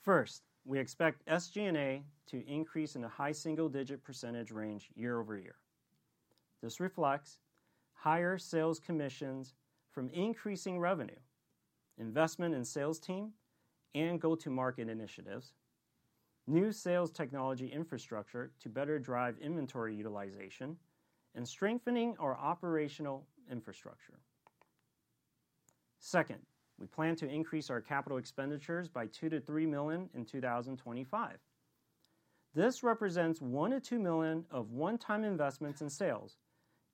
First, we expect SG&A to increase in a high single-digit % range year-over-year. This reflects higher sales commissions from increasing revenue, investment in sales team and go-to-market initiatives, new sales technology infrastructure to better drive inventory utilization, and strengthening our operational infrastructure. Second, we plan to increase our capital expenditures by $2 million-$3 million in 2025. This represents $1 million-$2 million of one-time investments in sales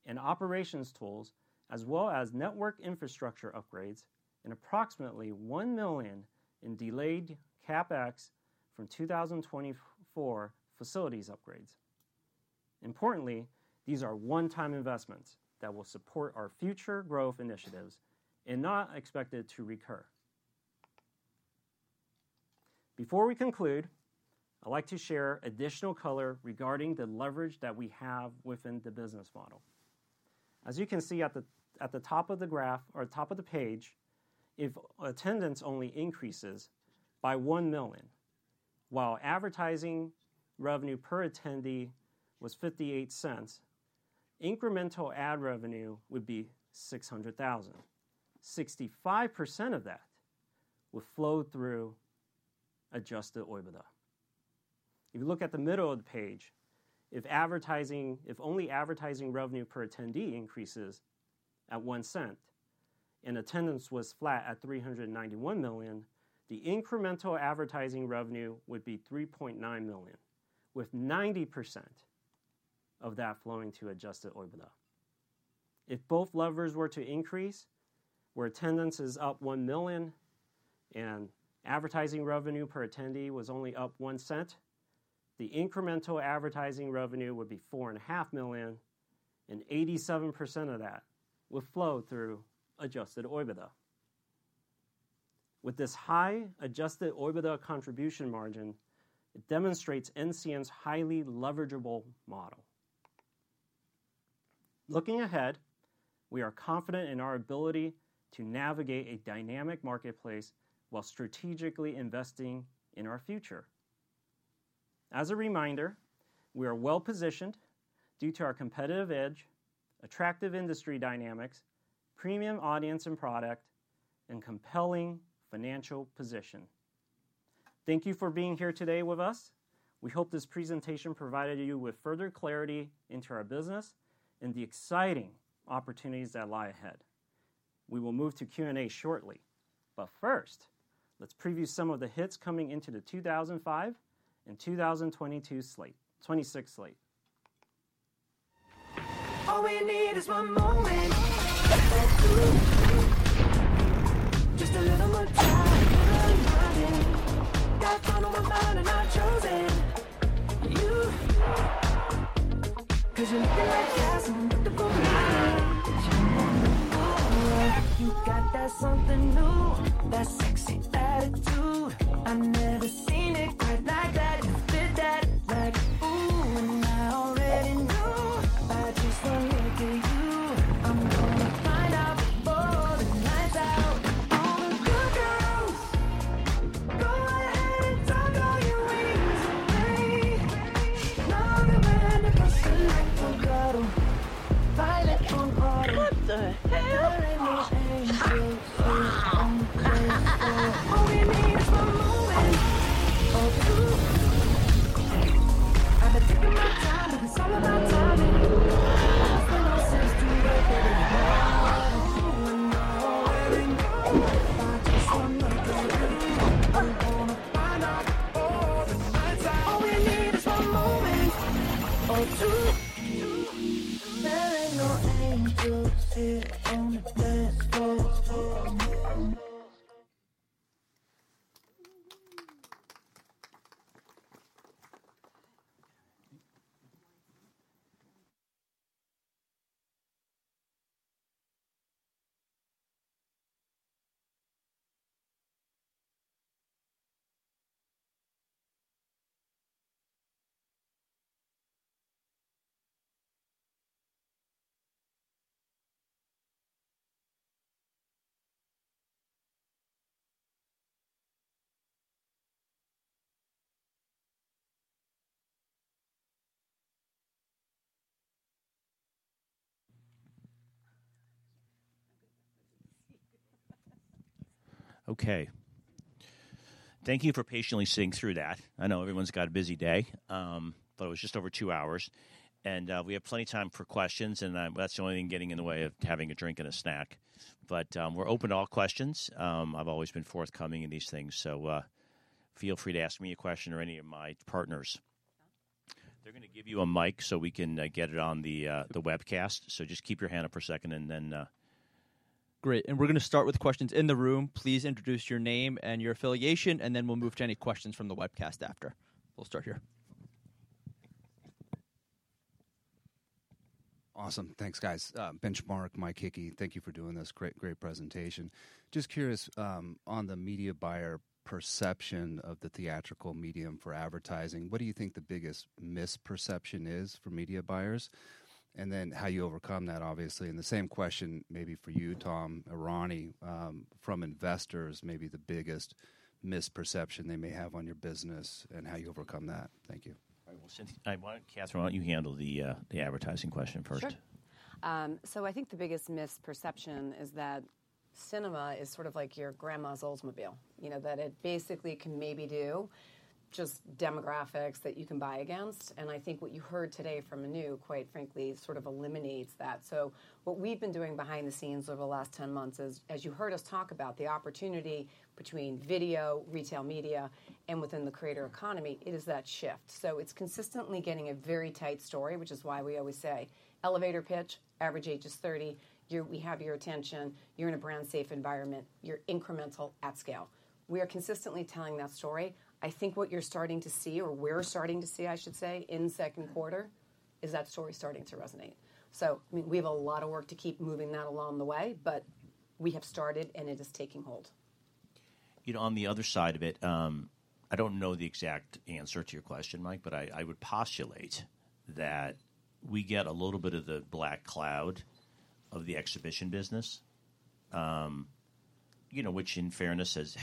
and operations tools, as well as network infrastructure upgrades, and approximately $1 million in delayed CapEx from 2024 facilities upgrades. Importantly, these are one-time investments that will support our future growth initiatives and are not expected to recur. Before we conclude, I'd like to share additional color regarding the leverage that we have within the business model. As you can see at the top of the graph or top of the page, if attendance only increases by 1 million, while advertising revenue per attendee was $0.58, incremental ad revenue would be $600,000. 65% of that would flow through adjusted EBITDA. If you look at the middle of the page, if only advertising revenue per attendee increases at $0.01 and attendance was flat at 391 million, the incremental advertising revenue would be $3.9 million, with 90% of that flowing to adjusted EBITDA. If both levers were to increase, where attendance is up 1 million and advertising revenue per attendee was only up $0.01, the incremental advertising revenue would be $4.5 million, and 87% of that would flow through adjusted EBITDA. With this high adjusted EBITDA contribution margin, it demonstrates NCM's highly leverageable model. Looking ahead, we are confident in our ability to navigate a dynamic marketplace while strategically investing in our future. As a reminder, we are well positioned due to our competitive edge, attractive industry dynamics, premium audience and product, and compelling financial position. Thank you for being here today with us. We hope this presentation provided you with further clarity into our business and the exciting opportunities that lie ahead. We will move to Q&A shortly, but first, let's preview some of the hits coming into the 2025 and 2026s late. All we need is one moment. Just a little more time, a little more nothing. Got someone on my mind and I've chosen you. 'Cause you're looking like jazz, and you're looking for money. You got that something new, that sexy attitude. I've never seen it quite like that. Great. We're going to start with questions in the room. Please introduce your name and your affiliation, and then we'll move to any questions from the webcast after. We'll start here. Awesome. Thanks, guys. Benchmark, Mike Hickey, thank you for doing this. Great, great presentation. Just curious on the media buyer perception of the theatrical medium for advertising. What do you think the biggest misperception is for media buyers? How you overcome that, obviously. The same question maybe for you, Tom, or Ronnie, from investors, maybe the biggest misperception they may have on your business and how you overcome that. Thank you. All right. Catherine, why don't you handle the advertising question first? Sure. I think the biggest misperception is that cinema is sort of like your grandma's Oldsmobile, that it basically can maybe do just demographics that you can buy against. I think what you heard today from Manu, quite frankly, sort of eliminates that. What we have been doing behind the scenes over the last 10 months is, as you heard us talk about, the opportunity between video, retail media, and within the creator economy, it is that shift. It is consistently getting a very tight story, which is why we always say, elevator pitch, average age is 30, we have your attention, you are in a brand-safe environment, you are incremental at scale. We are consistently telling that story. I think what you are starting to see, or we are starting to see, I should say, in second quarter, is that story starting to resonate. We have a lot of work to keep moving that along the way, but we have started and it is taking hold. On the other side of it, I don't know the exact answer to your question, Mike, but I would postulate that we get a little bit of the black cloud of the exhibition business, which in fairness has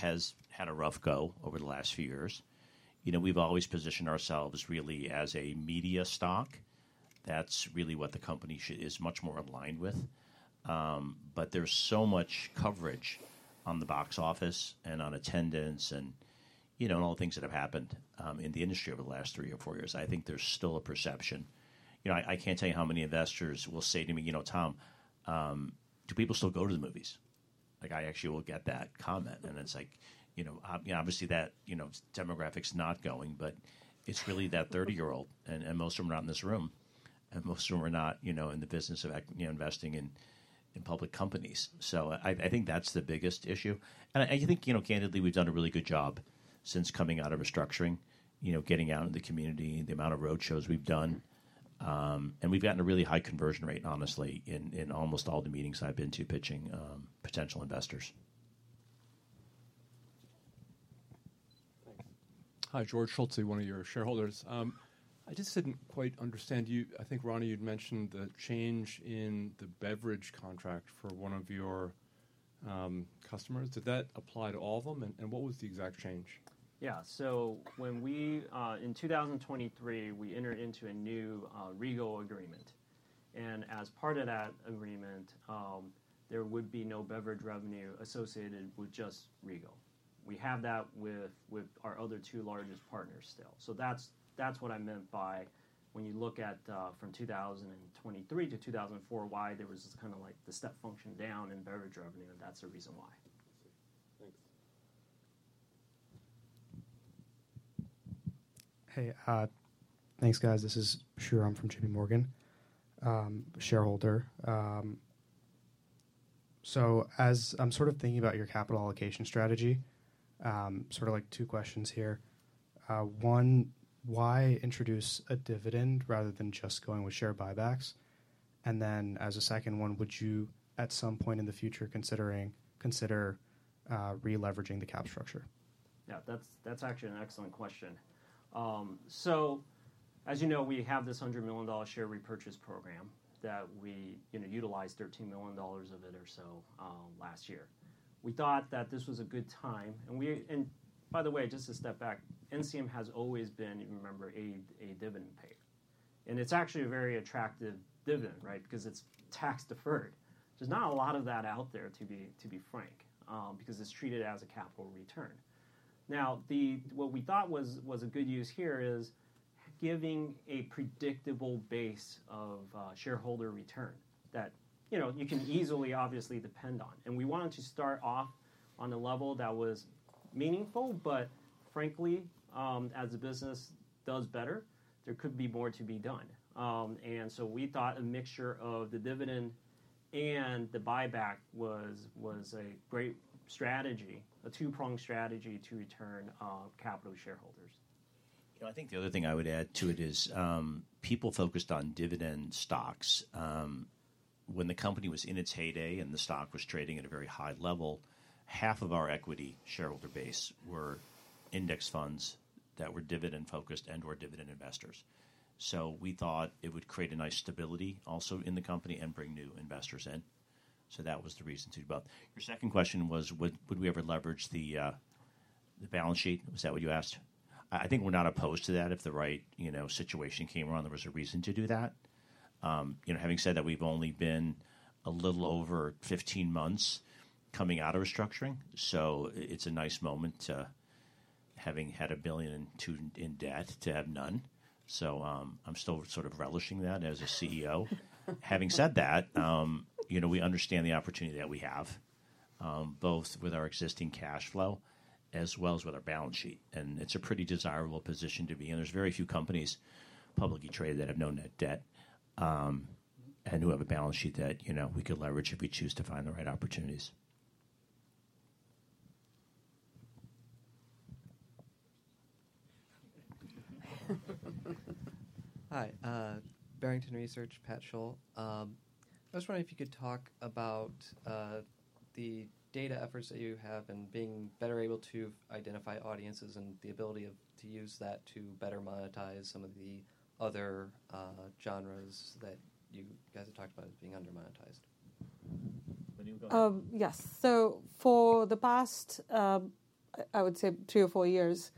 had a rough go over the last few years. We've always positioned ourselves really as a media stock. That's really what the company is much more aligned with. There is so much coverage on the box office and on attendance and all the things that have happened in the industry over the last three or four years. I think there's still a perception. I can't tell you how many investors will say to me, "Tom, do people still go to the movies?" I actually will get that comment. It's like, obviously, that demographic's not going, but it's really that 30-year-old, and most of them are not in this room, and most of them are not in the business of investing in public companies. I think that's the biggest issue. I think, candidly, we've done a really good job since coming out of restructuring, getting out in the community, the amount of roadshows we've done. We've gotten a really high conversion rate, honestly, in almost all the meetings I've been to pitching potential investors. Hi, George Schultze, one of your shareholders. I just didn't quite understand you. I think, Ronnie, you'd mentioned the change in the beverage contract for one of your customers. Did that apply to all of them? What was the exact change? Yeah. In 2023, we entered into a new REGO agreement. As part of that agreement, there would be no beverage revenue associated with just Regal. We have that with our other two largest partners still. That is what I meant by when you look at from 2023 to 2024, why there was kind of like the step function down in beverage revenue, and that is the reason why. Thanks. Hey. Thanks, guys. This is Sriram from JPMorgan, a shareholder. As I am sort of thinking about your capital allocation strategy, sort of like two questions here. One, why introduce a dividend rather than just going with share buybacks? And then as a second one, would you at some point in the future consider releveraging the cap structure? Yeah, that is actually an excellent question. As you know, we have this $100 million share repurchase program that we utilized $13 million of it or so last year. We thought that this was a good time. By the way, just to step back, NCM has always been, you remember, a dividend payer. It is actually a very attractive dividend, right, because it is tax-deferred. There is not a lot of that out there, to be frank, because it is treated as a capital return. Now, what we thought was a good use here is giving a predictable base of shareholder return that you can easily, obviously, depend on. We wanted to start off on a level that was meaningful, but frankly, as the business does better, there could be more to be done. We thought a mixture of the dividend and the buyback was a great strategy, a two-pronged strategy to return capital to shareholders. I think the other thing I would add to it is people focused on dividend stocks. When the company was in its heyday and the stock was trading at a very high level, half of our equity shareholder base were index funds that were dividend-focused and/or dividend investors. We thought it would create a nice stability also in the company and bring new investors in. That was the reason to develop. Your second question was, would we ever leverage the balance sheet? Was that what you asked? I think we're not opposed to that. If the right situation came around, there was a reason to do that. Having said that, we've only been a little over 15 months coming out of restructuring. It is a nice moment to having had $1 billion in debt to have none. I'm still sort of relishing that as a CEO. Having said that, we understand the opportunity that we have, both with our existing cash flow as well as with our balance sheet. It's a pretty desirable position to be in. There are very few companies publicly traded that have no net debt and who have a balance sheet that we could leverage if we choose to find the right opportunities. Hi. Barrington Research, Pat Sholl. I was wondering if you could talk about the data efforts that you have and being better able to identify audiences and the ability to use that to better monetize some of the other genres that you guys have talked about as being under-monetized. Yes. For the past, I would say, three or four years,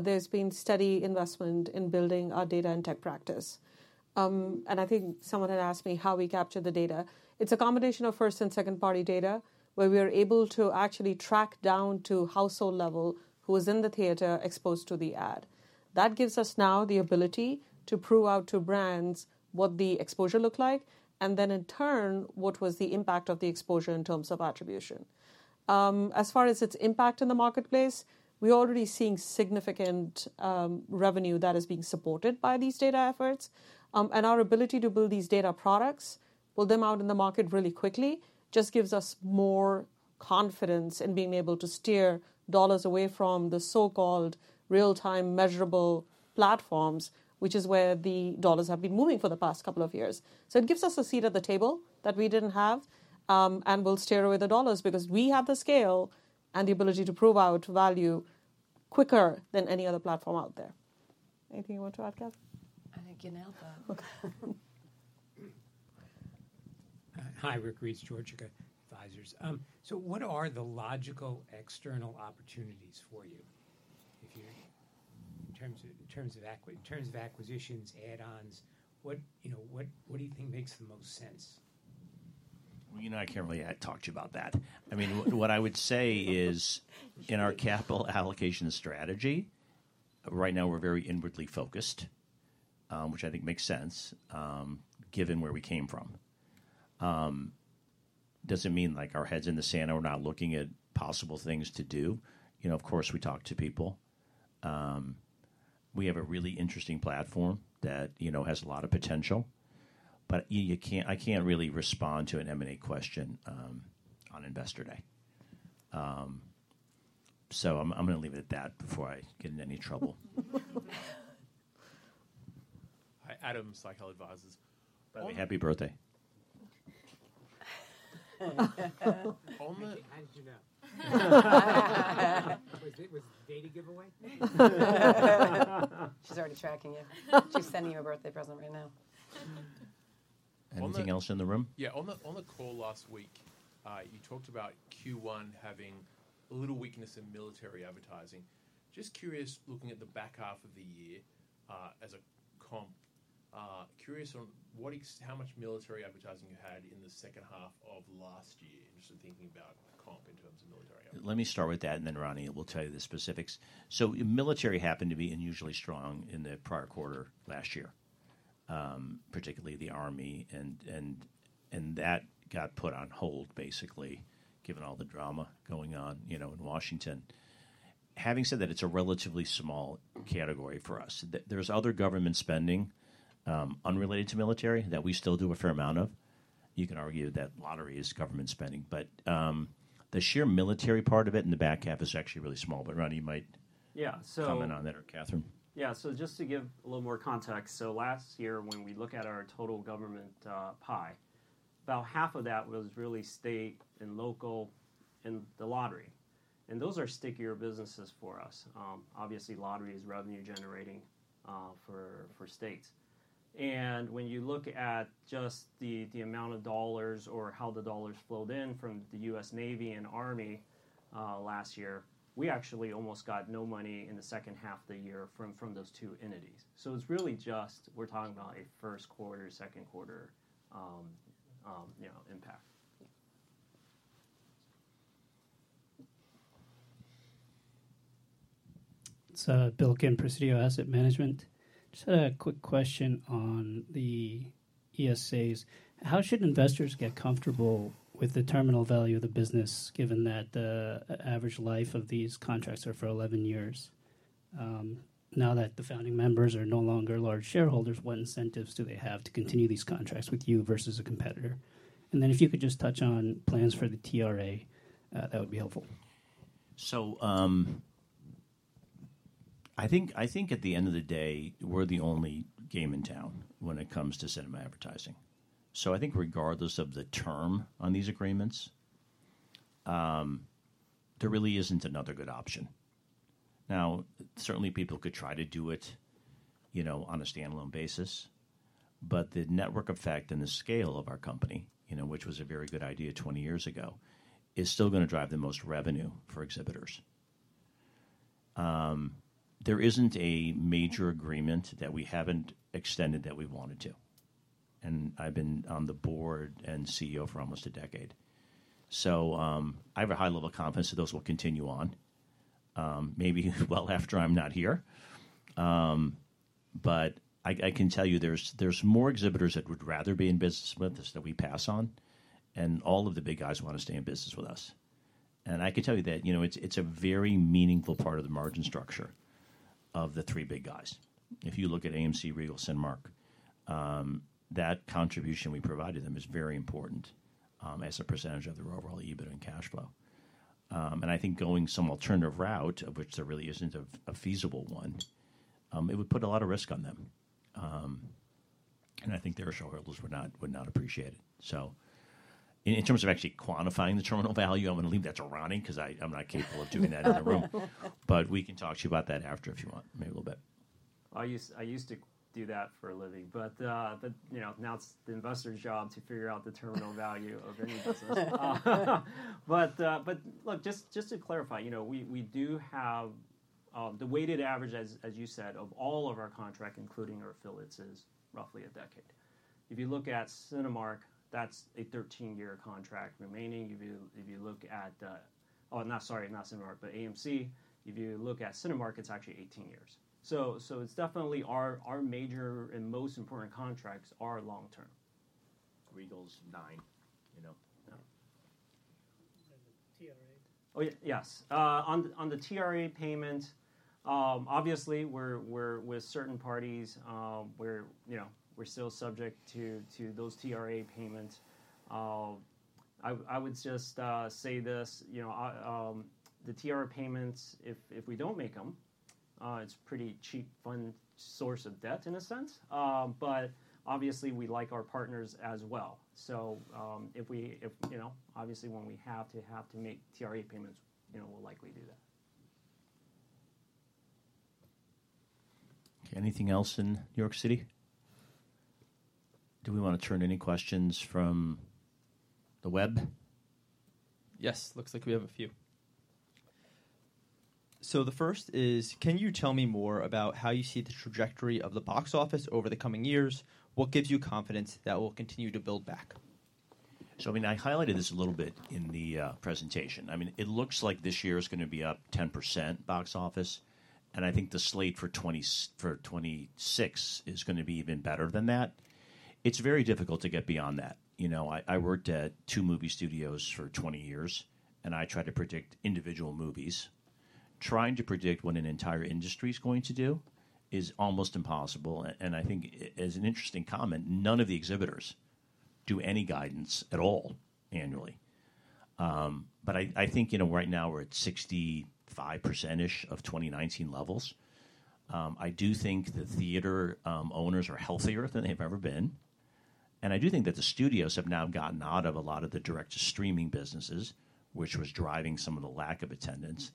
there has been steady investment in building our data and tech practice. I think someone had asked me how we capture the data. It's a combination of first and second-party data where we are able to actually track down to household level who was in the theater exposed to the ad. That gives us now the ability to prove out to brands what the exposure looked like, and then in turn, what was the impact of the exposure in terms of attribution. As far as its impact in the marketplace, we're already seeing significant revenue that is being supported by these data efforts. Our ability to build these data products, pull them out in the market really quickly, just gives us more confidence in being able to steer dollars away from the so-called real-time measurable platforms, which is where the dollars have been moving for the past couple of years. It gives us a seat at the table that we didn't have, and we'll steer away the dollars because we have the scale and the ability to prove out value quicker than any other platform out there. Anything you want to add, Cath? I think you nailed that. Hi, Rick Reeds, Georgia Advisors. What are the logical external opportunities for you in terms of acquisitions, add-ons? What do you think makes the most sense? I mean, what I would say is in our capital allocation strategy, right now we're very inwardly focused, which I think makes sense given where we came from. Doesn't mean our head's in the sand and we're not looking at possible things to do. Of course, we talk to people. We have a really interesting platform that has a lot of potential, but I can't really respond to an M&A question on investor day. I am going to leave it at that before I get in any trouble. Hi, Adams, Like Health Advisors. Happy birthday. Only. How did you know? Was it a data giveaway? She's already tracking you. She's sending you a birthday present right now. Anything else in the room? Yeah. On the call last week, you talked about Q1 having a little weakness in military advertising. Just curious, looking at the back half of the year as a comp, curious on how much military advertising you had in the second half of last year. Just thinking about comp in terms of military advertising. Let me start with that, and then Ronnie will tell you the specifics. Military happened to be unusually strong in the prior quarter last year, particularly the Army. That got put on hold, basically, given all the drama going on in Washington. Having said that, it is a relatively small category for us. There is other government spending unrelated to military that we still do a fair amount of. You can argue that lottery is government spending, but the sheer military part of it in the back half is actually really small. Ronnie might comment on that or Catherine. Yeah. Just to give a little more context, last year, when we look at our total government pie, about half of that was really state and local and the lottery. Those are stickier businesses for us. Obviously, lottery is revenue-generating for states. When you look at just the amount of dollars or how the dollars flowed in from the U.S. Navy and Army last year, we actually almost got no money in the second half of the year from those two entities. It is really just we're talking about a first quarter, second quarter impact. It's Bill Kim, Presidio Asset Management. Just had a quick question on the ESAs. How should investors get comfortable with the terminal value of the business, given that the average life of these contracts is for 11 years? Now that the founding members are no longer large shareholders, what incentives do they have to continue these contracts with you versus a competitor? If you could just touch on plans for the TRA, that would be helpful. I think at the end of the day, we're the only game in town when it comes to cinema advertising. I think regardless of the term on these agreements, there really isn't another good option. Now, certainly, people could try to do it on a standalone basis, but the network effect and the scale of our company, which was a very good idea 20 years ago, is still going to drive the most revenue for exhibitors. There isn't a major agreement that we haven't extended that we wanted to. I've been on the board and CEO for almost a decade. I have a high level of confidence that those will continue on, maybe well after I'm not here. I can tell you there's more exhibitors that would rather be in business with us than we pass on. All of the big guys want to stay in business with us. I can tell you that it's a very meaningful part of the margin structure of the three big guys. If you look at AMC, Regal, Cinemark, that contribution we provided them is very important as a percentage of their overall EBITDA and cash flow. I think going some alternative route, of which there really isn't a feasible one, it would put a lot of risk on them. I think their shareholders would not appreciate it. In terms of actually quantifying the terminal value, I'm going to leave that to Ronnie because I'm not capable of doing that in the room. We can talk to you about that after if you want, maybe a little bit. I used to do that for a living. Now it's the investor's job to figure out the terminal value of any business. Look, just to clarify, we do have the weighted average, as you said, of all of our contracts, including our affiliates, is roughly a decade. If you look at Cinemark, that's a 13-year contract remaining. If you look at—oh, no, sorry, not Cinemark, but AMC. If you look at Cinemark, it's actually 18 years. It's definitely our major and most important contracts are long-term. Regal's nine. The TRA. Oh, yes. On the TRA payments, obviously, with certain parties, we're still subject to those TRA payments. I would just say this. The TRA payments, if we don't make them, it's a pretty cheap fund source of debt in a sense. Obviously, we like our partners as well. Obviously, when we have to make TRA payments, we'll likely do that. Okay. Anything else in New York City? Do we want to turn to any questions from the web? Yes. Looks like we have a few. The first is, can you tell me more about how you see the trajectory of the box office over the coming years? What gives you confidence that we'll continue to build back? I mean, I highlighted this a little bit in the presentation. I mean, it looks like this year is going to be up 10% box office. I think the slate for 2026 is going to be even better than that. It's very difficult to get beyond that. I worked at two movie studios for 20 years, and I tried to predict individual movies. Trying to predict what an entire industry is going to do is almost impossible. I think, as an interesting comment, none of the exhibitors do any guidance at all annually. I think right now we're at 65%-ish of 2019 levels. I do think the theater owners are healthier than they've ever been. I do think that the studios have now gotten out of a lot of the direct-to-streaming businesses, which was driving some of the lack of attendance.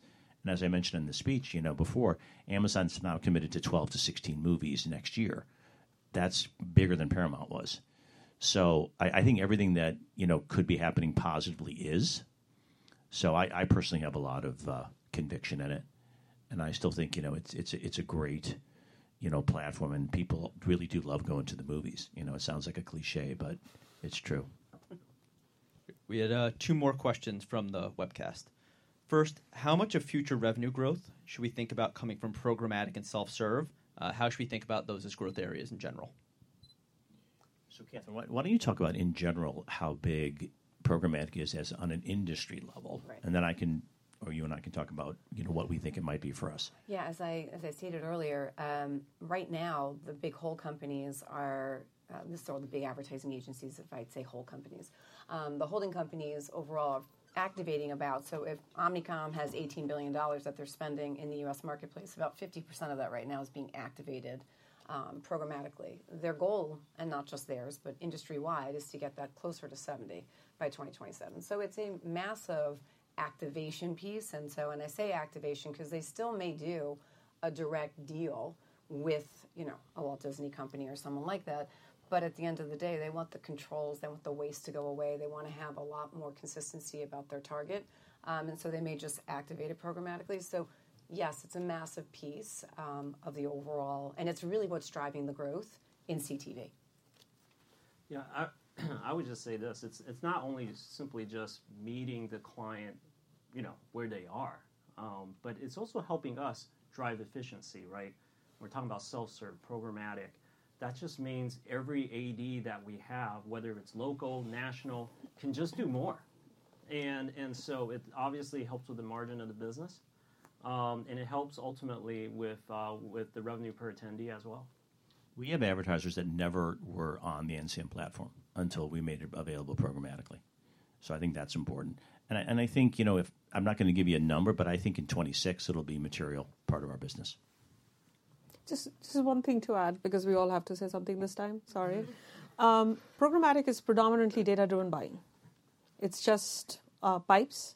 As I mentioned in the speech before, Amazon's now committed to 12-16 movies next year. That's bigger than Paramount was. I think everything that could be happening positively is. I personally have a lot of conviction in it. I still think it's a great platform, and people really do love going to the movies. It sounds like a cliché, but it's true. We had two more questions from the webcast. First, how much of future revenue growth should we think about coming from programmatic and self-serve? How should we think about those as growth areas in general? Catherine, why don't you talk about, in general, how big programmatic is on an industry level? Then you and I can talk about what we think it might be for us. Yeah. As I stated earlier, right now, the big holding companies are—these are the big advertising agencies, if I'd say holding companies. The holding companies overall are activating about—so if Omnicom has $18 billion that they're spending in the U.S. marketplace, about 50% of that right now is being activated programmatically. Their goal, and not just theirs, but industry-wide, is to get that clo`ser to 70% by 2027. It is a massive activation piece. I say activation because they still may do a direct deal with a Walt Disney Company or someone like that. At the end of the day, they want the controls. They want the waste to go away. They want to have a lot more consistency about their target. They may just activate it programmatically. Yes, it is a massive piece of the overall, and it is really what is driving the growth in CTV. I would just say this. It is not only simply just meeting the client where they are, but it is also helping us drive efficiency, right? We are talking about self-serve programmatic. That just means every ad that we have, whether it is local or national, can just do more. It obviously helps with the margin of the business. It helps ultimately with the revenue per attendee as well. We have advertisers that never were on the NCM platform until we made it available programmatically. I think that's important. I think I'm not going to give you a number, but I think in 2026 it'll be a material part of our business. Just one thing to add because we all have to say something this time. Sorry. Programmatic is predominantly data-driven buying. It's just pipes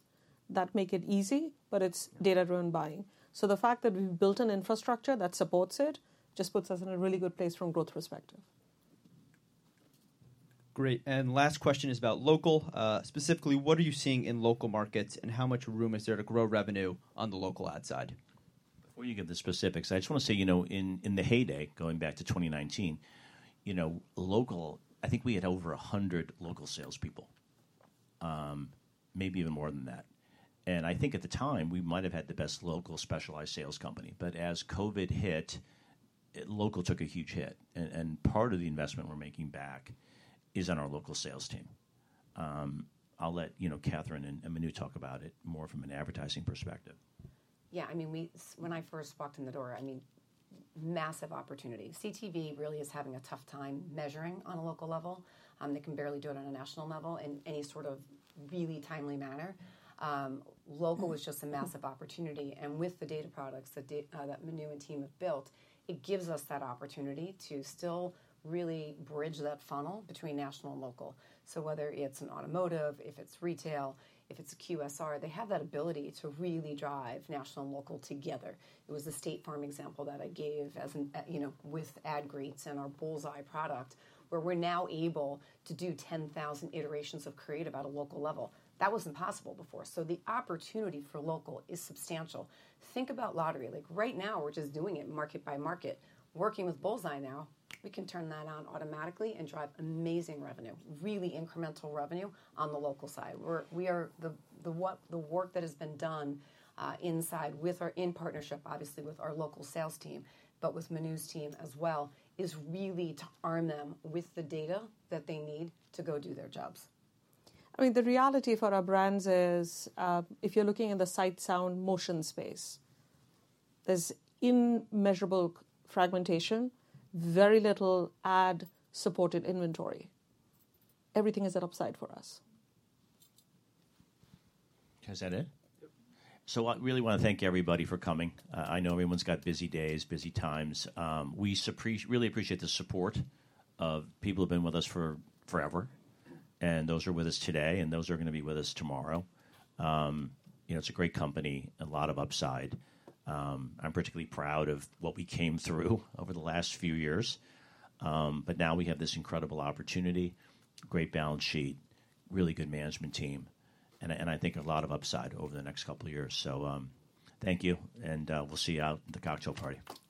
that make it easy, but it's data-driven buying. The fact that we've built an infrastructure that supports it just puts us in a really good place from a growth perspective. Great. Last question is about local. Specifically, what are you seeing in local markets, and how much room is there to grow revenue on the local ad side? Before you give the specifics, I just want to say in the heyday, going back to 2019, I think we had over 100 local salespeople, maybe even more than that. I think at the time, we might have had the best local specialized sales company. As COVID hit, local took a huge hit. Part of the investment we're making back is on our local sales team. I'll let Catherine and Manu talk about it more from an advertising perspective. Yeah. I mean, when I first walked in the door, I mean, massive opportunity. CTV really is having a tough time measuring on a local level. They can barely do it on a national level in any sort of really timely manner. Local is just a massive opportunity. With the data products that Manu and team have built, it gives us that opportunity to still really bridge that funnel between national and local. Whether it's an automotive, if it's retail, if it's a QSR, they have that ability to really drive national and local together. It was the State Farm example that I gave with AdGreetz and our Bullseye product, where we're now able to do 10,000 iterations of creative at a local level. That wasn't possible before. The opportunity for local is substantial. Think about lottery. Right now, we're just doing it market by market. Working with Bullseye now, we can turn that on automatically and drive amazing revenue, really incremental revenue on the local side. The work that has been done inside with our in-partnership, obviously with our local sales team, but with Manu's team as well, is really to arm them with the data that they need to go do their jobs. I mean, the reality for our brands is, if you're looking in the sight-sound motion space, there's immeasurable fragmentation, very little ad-supported inventory. Everything is at upside for us. Has that it? I really want to thank everybody for coming. I know everyone's got busy days, busy times. We really appreciate the support of people who have been with us forever. Those are with us today, and those are going to be with us tomorrow. It's a great company, a lot of upside. I'm particularly proud of what we came through over the last few years. Now we have this incredible opportunity, great balance sheet, really good management team. I think a lot of upside over the next couple of years. Thank you, and we'll see you out at the cocktail party.